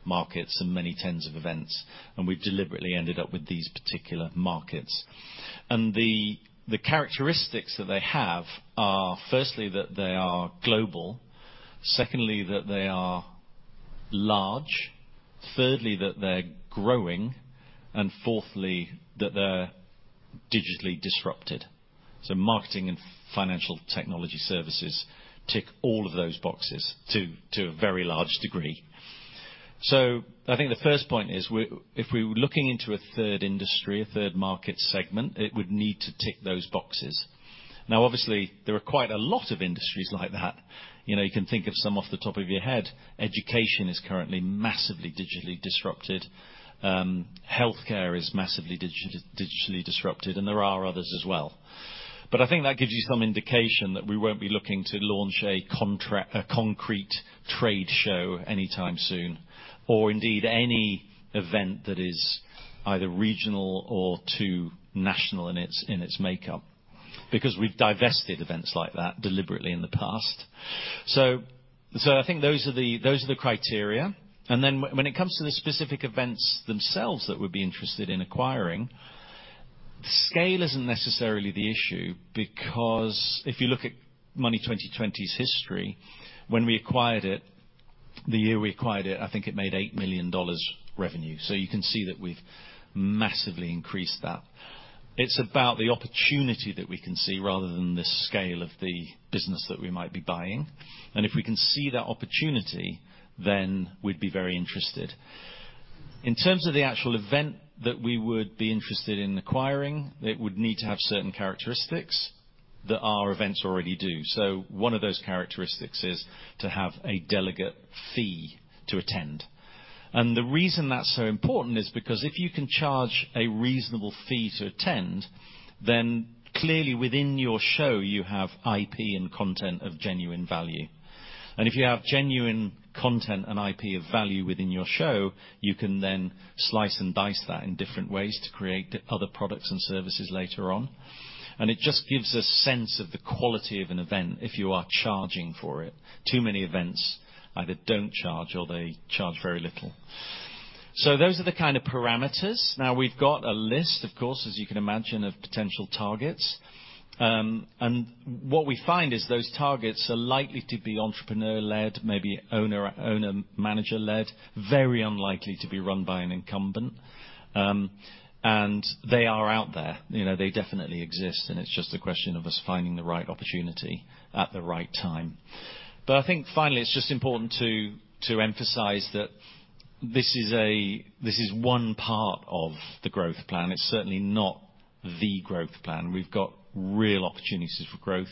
markets and many tens of events, and we've deliberately ended up with these particular markets. The characteristics that they have are, firstly, that they are global, secondly, that they are large, thirdly, that they're growing, and fourthly, that they're digitally disrupted. Marketing and financial technology services tick all of those boxes to a very large degree. I think the first point is if we were looking into a third industry, a third market segment, it would need to tick those boxes. Obviously, there are quite a lot of industries like that. You know, you can think of some off the top of your head. Education is currently massively digitally disrupted, healthcare is massively digitally disrupted, and there are others as well. I think that gives you some indication that we won't be looking to launch a concrete trade show anytime soon, or indeed, any event that is either regional or too national in its makeup, because we've divested events like that deliberately in the past. I think those are the criteria. When it comes to the specific events themselves that we'd be interested in acquiring, scale isn't necessarily the issue because if you look at Money20/20's history, when we acquired it, the year we acquired it, I think it made $8 million revenue. You can see that we've massively increased that. It's about the opportunity that we can see rather than the scale of the business that we might be buying. If we can see that opportunity, then we'd be very interested. In terms of the actual event that we would be interested in acquiring, it would need to have certain characteristics that our events already do. One of those characteristics is to have a delegate fee to attend. The reason that's so important is because if you can charge a reasonable fee to attend, then clearly within your show, you have IP and content of genuine value. If you have genuine content and IP of value within your show, you can then slice and dice that in different ways to create other products and services later on. It just gives a sense of the quality of an event if you are charging for it. Too many events either don't charge or they charge very little. Those are the kind of parameters. Now, we've got a list, of course, as you can imagine, of potential targets, and what we find is those targets are likely to be entrepreneur-led, maybe owner, manager-led, very unlikely to be run by an incumbent. And they are out there, you know, they definitely exist, and it's just a question of us finding the right opportunity at the right time. I think finally, it's just important to emphasize that this is one part of the growth plan. It's certainly not the growth plan. We've got real opportunities for growth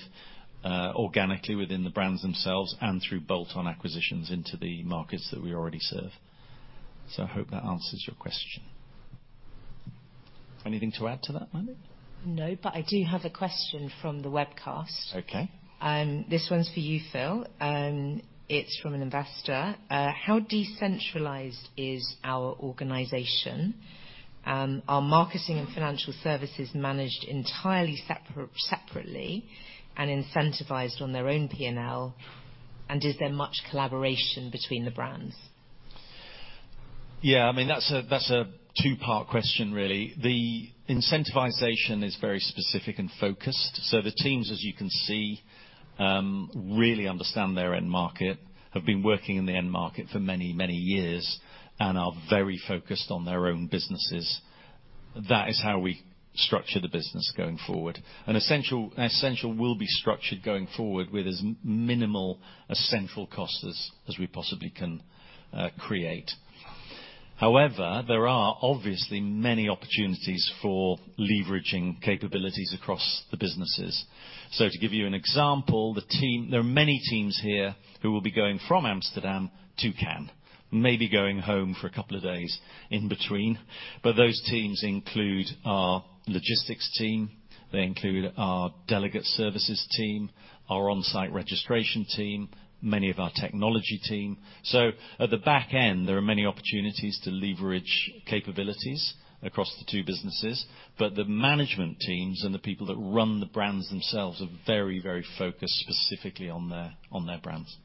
organically within the brands themselves and through bolt-on acquisitions into the markets that we already serve. I hope that answers your question. Anything to add to that, Mandy? No, but I do have a question from the webcast. Okay. This one's for you, Phil, and it's from an investor. How decentralized is our organization? Are marketing and financial services managed entirely separate, separately and incentivized on their own P&L, and is there much collaboration between the brands? Yeah, I mean, that's a two-part question, really. The incentivization is very specific and focused. The teams, as you can see, really understand their end market, have been working in the end market for many, many years and are very focused on their own businesses. That is how we structure the business going forward. Ascential will be structured going forward with as minimal Ascential costs as we possibly can create. However, there are obviously many opportunities for leveraging capabilities across the businesses. To give you an example, there are many teams here who will be going from Amsterdam to Cannes, maybe going home for a couple of days in between, but those teams include our logistics team, they include our delegate services team, our on-site registration team, many of our technology team. At the back end, there are many opportunities to leverage capabilities across the two businesses, but the management teams and the people that run the brands themselves are very, very focused specifically on their brands.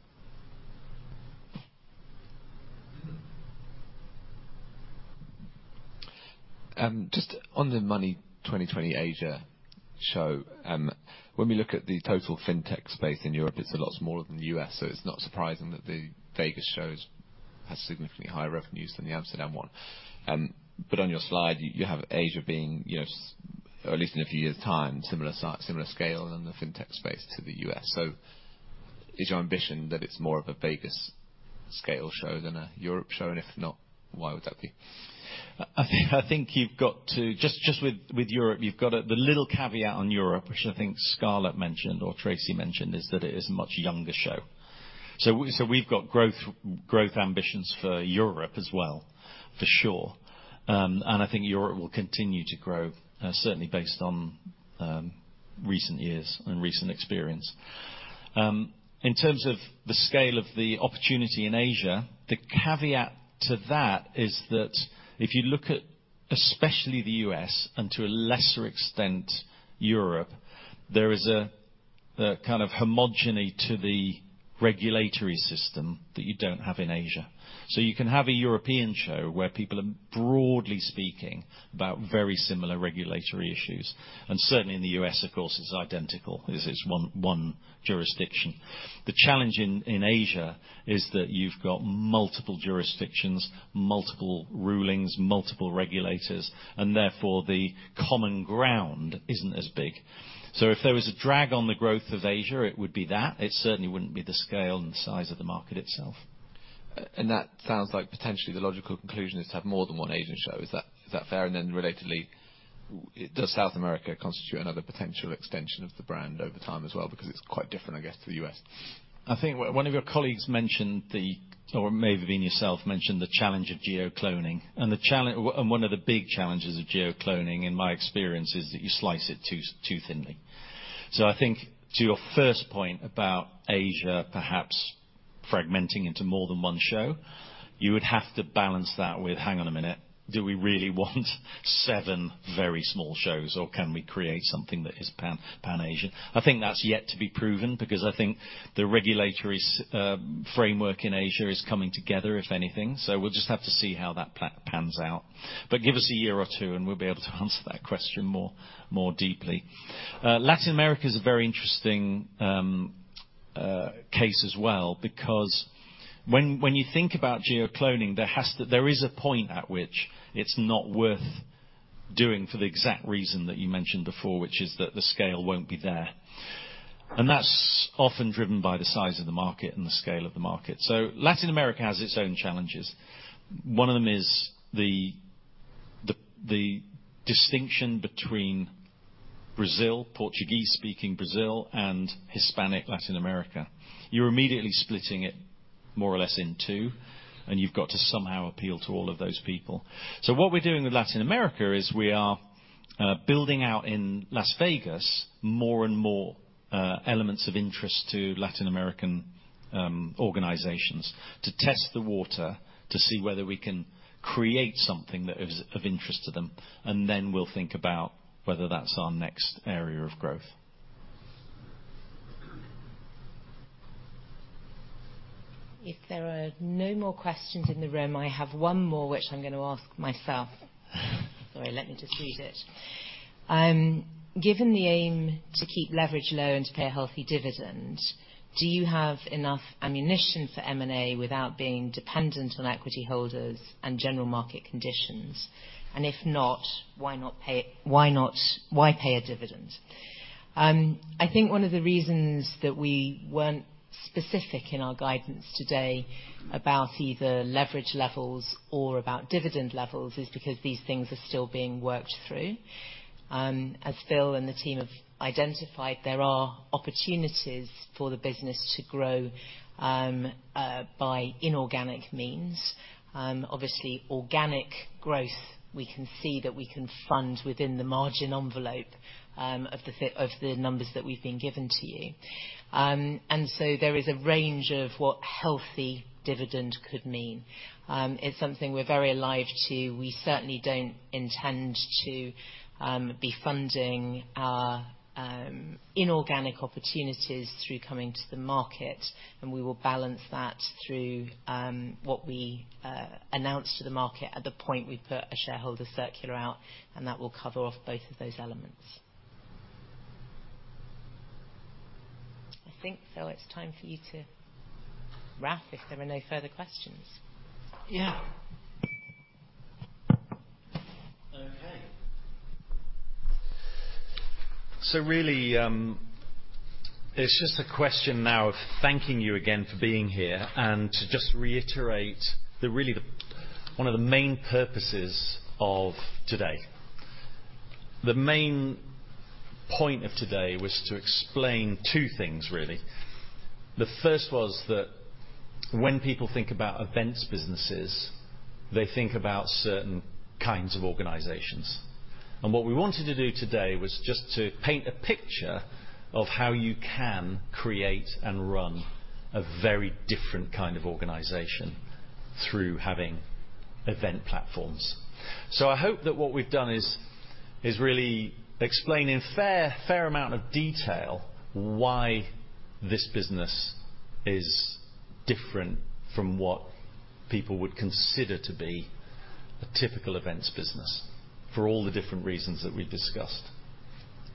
Just on the Money20/20 Asia show, when we look at the total fintech space in Europe, it's a lot smaller than the U.S., so it's not surprising that the Vegas shows have significantly higher revenues than the Amsterdam one. But on your slide, you have Asia being, you know, at least in a few years' time, similar scale in the fintech space to the U.S. Is your ambition that it's more of a Vegas scale show than a Europe show? If not, why would that be? I think you've got to Just with Europe, you've got the little caveat on Europe, which I think Scarlett mentioned or Tracey mentioned, is that it is a much younger show. We've got growth ambitions for Europe as well, for sure. I think Europe will continue to grow, certainly based on recent years and recent experience. In terms of the scale of the opportunity in Asia, the caveat to that is that if you look at especially the U.S., and to a lesser extent, Europe, there is a kind of homogeny to the regulatory system that you don't have in Asia. You can have a European show where people are broadly speaking about very similar regulatory issues, and certainly in the U.S., of course, it's identical, it's one jurisdiction. The challenge in Asia is that you've got multiple jurisdictions, multiple rulings, multiple regulators, therefore, the common ground isn't as big. If there was a drag on the growth of Asia, it would be that. It certainly wouldn't be the scale and the size of the market itself. That sounds like potentially the logical conclusion is to have more than one Asian show. Is that, is that fair? Relatedly, does South America constitute another potential extension of the brand over time as well? It's quite different, I guess, to the U.S. I think one of your colleagues mentioned the or it may have been yourself, mentioned the challenge of geo-cloning. The challenge And one of the big challenges of geo-cloning, in my experience, is that you slice it too thinly. I think to your first point about Asia perhaps fragmenting into more than one show, you would have to balance that with, hang on a minute, do we really want seven very small shows, or can we create something that is Pan Asia? I think that's yet to be proven because I think the regulatory framework in Asia is coming together, if anything. We'll just have to see how that pans out. Give us a year or two, and we'll be able to answer that question more deeply. Latin America is a very interesting case as well, because when you think about geo-cloning, there is a point at which it's not worth doing for the exact reason that you mentioned before, which is that the scale won't be there. That's often driven by the size of the market and the scale of the market. Latin America has its own challenges. One of them is the distinction between Brazil, Portuguese-speaking Brazil, and Hispanic Latin America. You're immediately splitting it more or less in two, and you've got to somehow appeal to all of those people. What we're doing with Latin America is we are building out in Las Vegas, more and more elements of interest to Latin American organizations, to test the water, to see whether we can create something that is of interest to them, and then we'll think about whether that's our next area of growth. If there are no more questions in the room, I have one more, which I'm gonna ask myself. All right, let me just read it. Given the aim to keep leverage low and to pay a healthy dividend, do you have enough ammunition for M&A without being dependent on equity holders and general market conditions? If not, why not pay... Why pay a dividend? I think one of the reasons that we weren't specific in our guidance today about either leverage levels or about dividend levels is because these things are still being worked through. As Phil and the team have identified, there are opportunities for the business to grow by inorganic means. Obviously, organic growth, we can see that we can fund within the margin envelope of the numbers that we've been giving to you. There is a range of what healthy dividend could mean. It's something we're very alive to. We certainly don't intend to be funding our inorganic opportunities through coming to the market, and we will balance that through what we announce to the market at the point we put a shareholder circular out, and that will cover off both of those elements. I think, Phil, it's time for you to wrap if there are no further questions. Yeah. Okay. Really, it's just a question now of thanking you again for being here and to just reiterate that really one of the main purposes of today, the main point of today was to explain two things, really. The first was that when people think about events businesses, they think about certain kinds of organizations. What we wanted to do today was just to paint a picture of how you can create and run a very different kind of organization through having event platforms. I hope that what we've done is really explain in fair amount of detail why this business is different from what people would consider to be a typical events business for all the different reasons that we've discussed.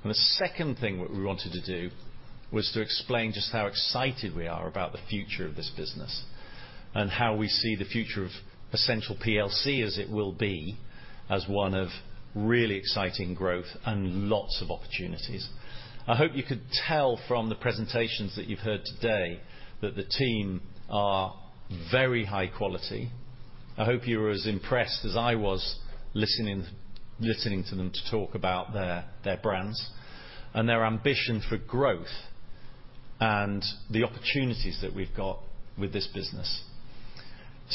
The second thing that we wanted to do was to explain just how excited we are about the future of this business, and how we see the future of Ascential plc, as it will be, as one of really exciting growth and lots of opportunities. I hope you could tell from the presentations that you've heard today, that the team are very high quality. I hope you were as impressed as I was listening to them to talk about their brands and their ambition for growth, and the opportunities that we've got with this business.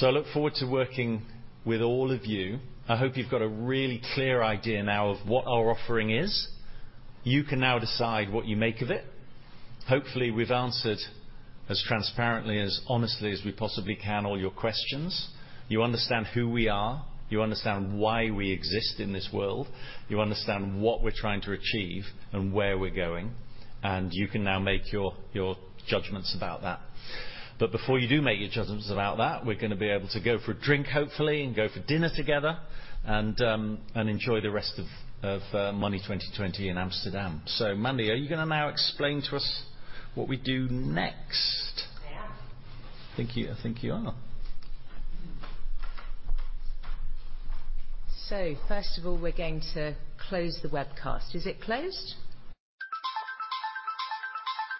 I look forward to working with all of you. I hope you've got a really clear idea now of what our offering is. You can now decide what you make of it. Hopefully, we've answered as transparently, as honestly as we possibly can, all your questions. You understand who we are, you understand why we exist in this world, you understand what we're trying to achieve and where we're going, and you can now make your judgments about that. Before you do make your judgments about that, we're gonna be able to go for a drink, hopefully, and go for dinner together and enjoy the rest of Money20/20 in Amsterdam. Mandy, are you gonna now explain to us what we do next? I am. I think you are. First of all, we're going to close the webcast. Is it closed?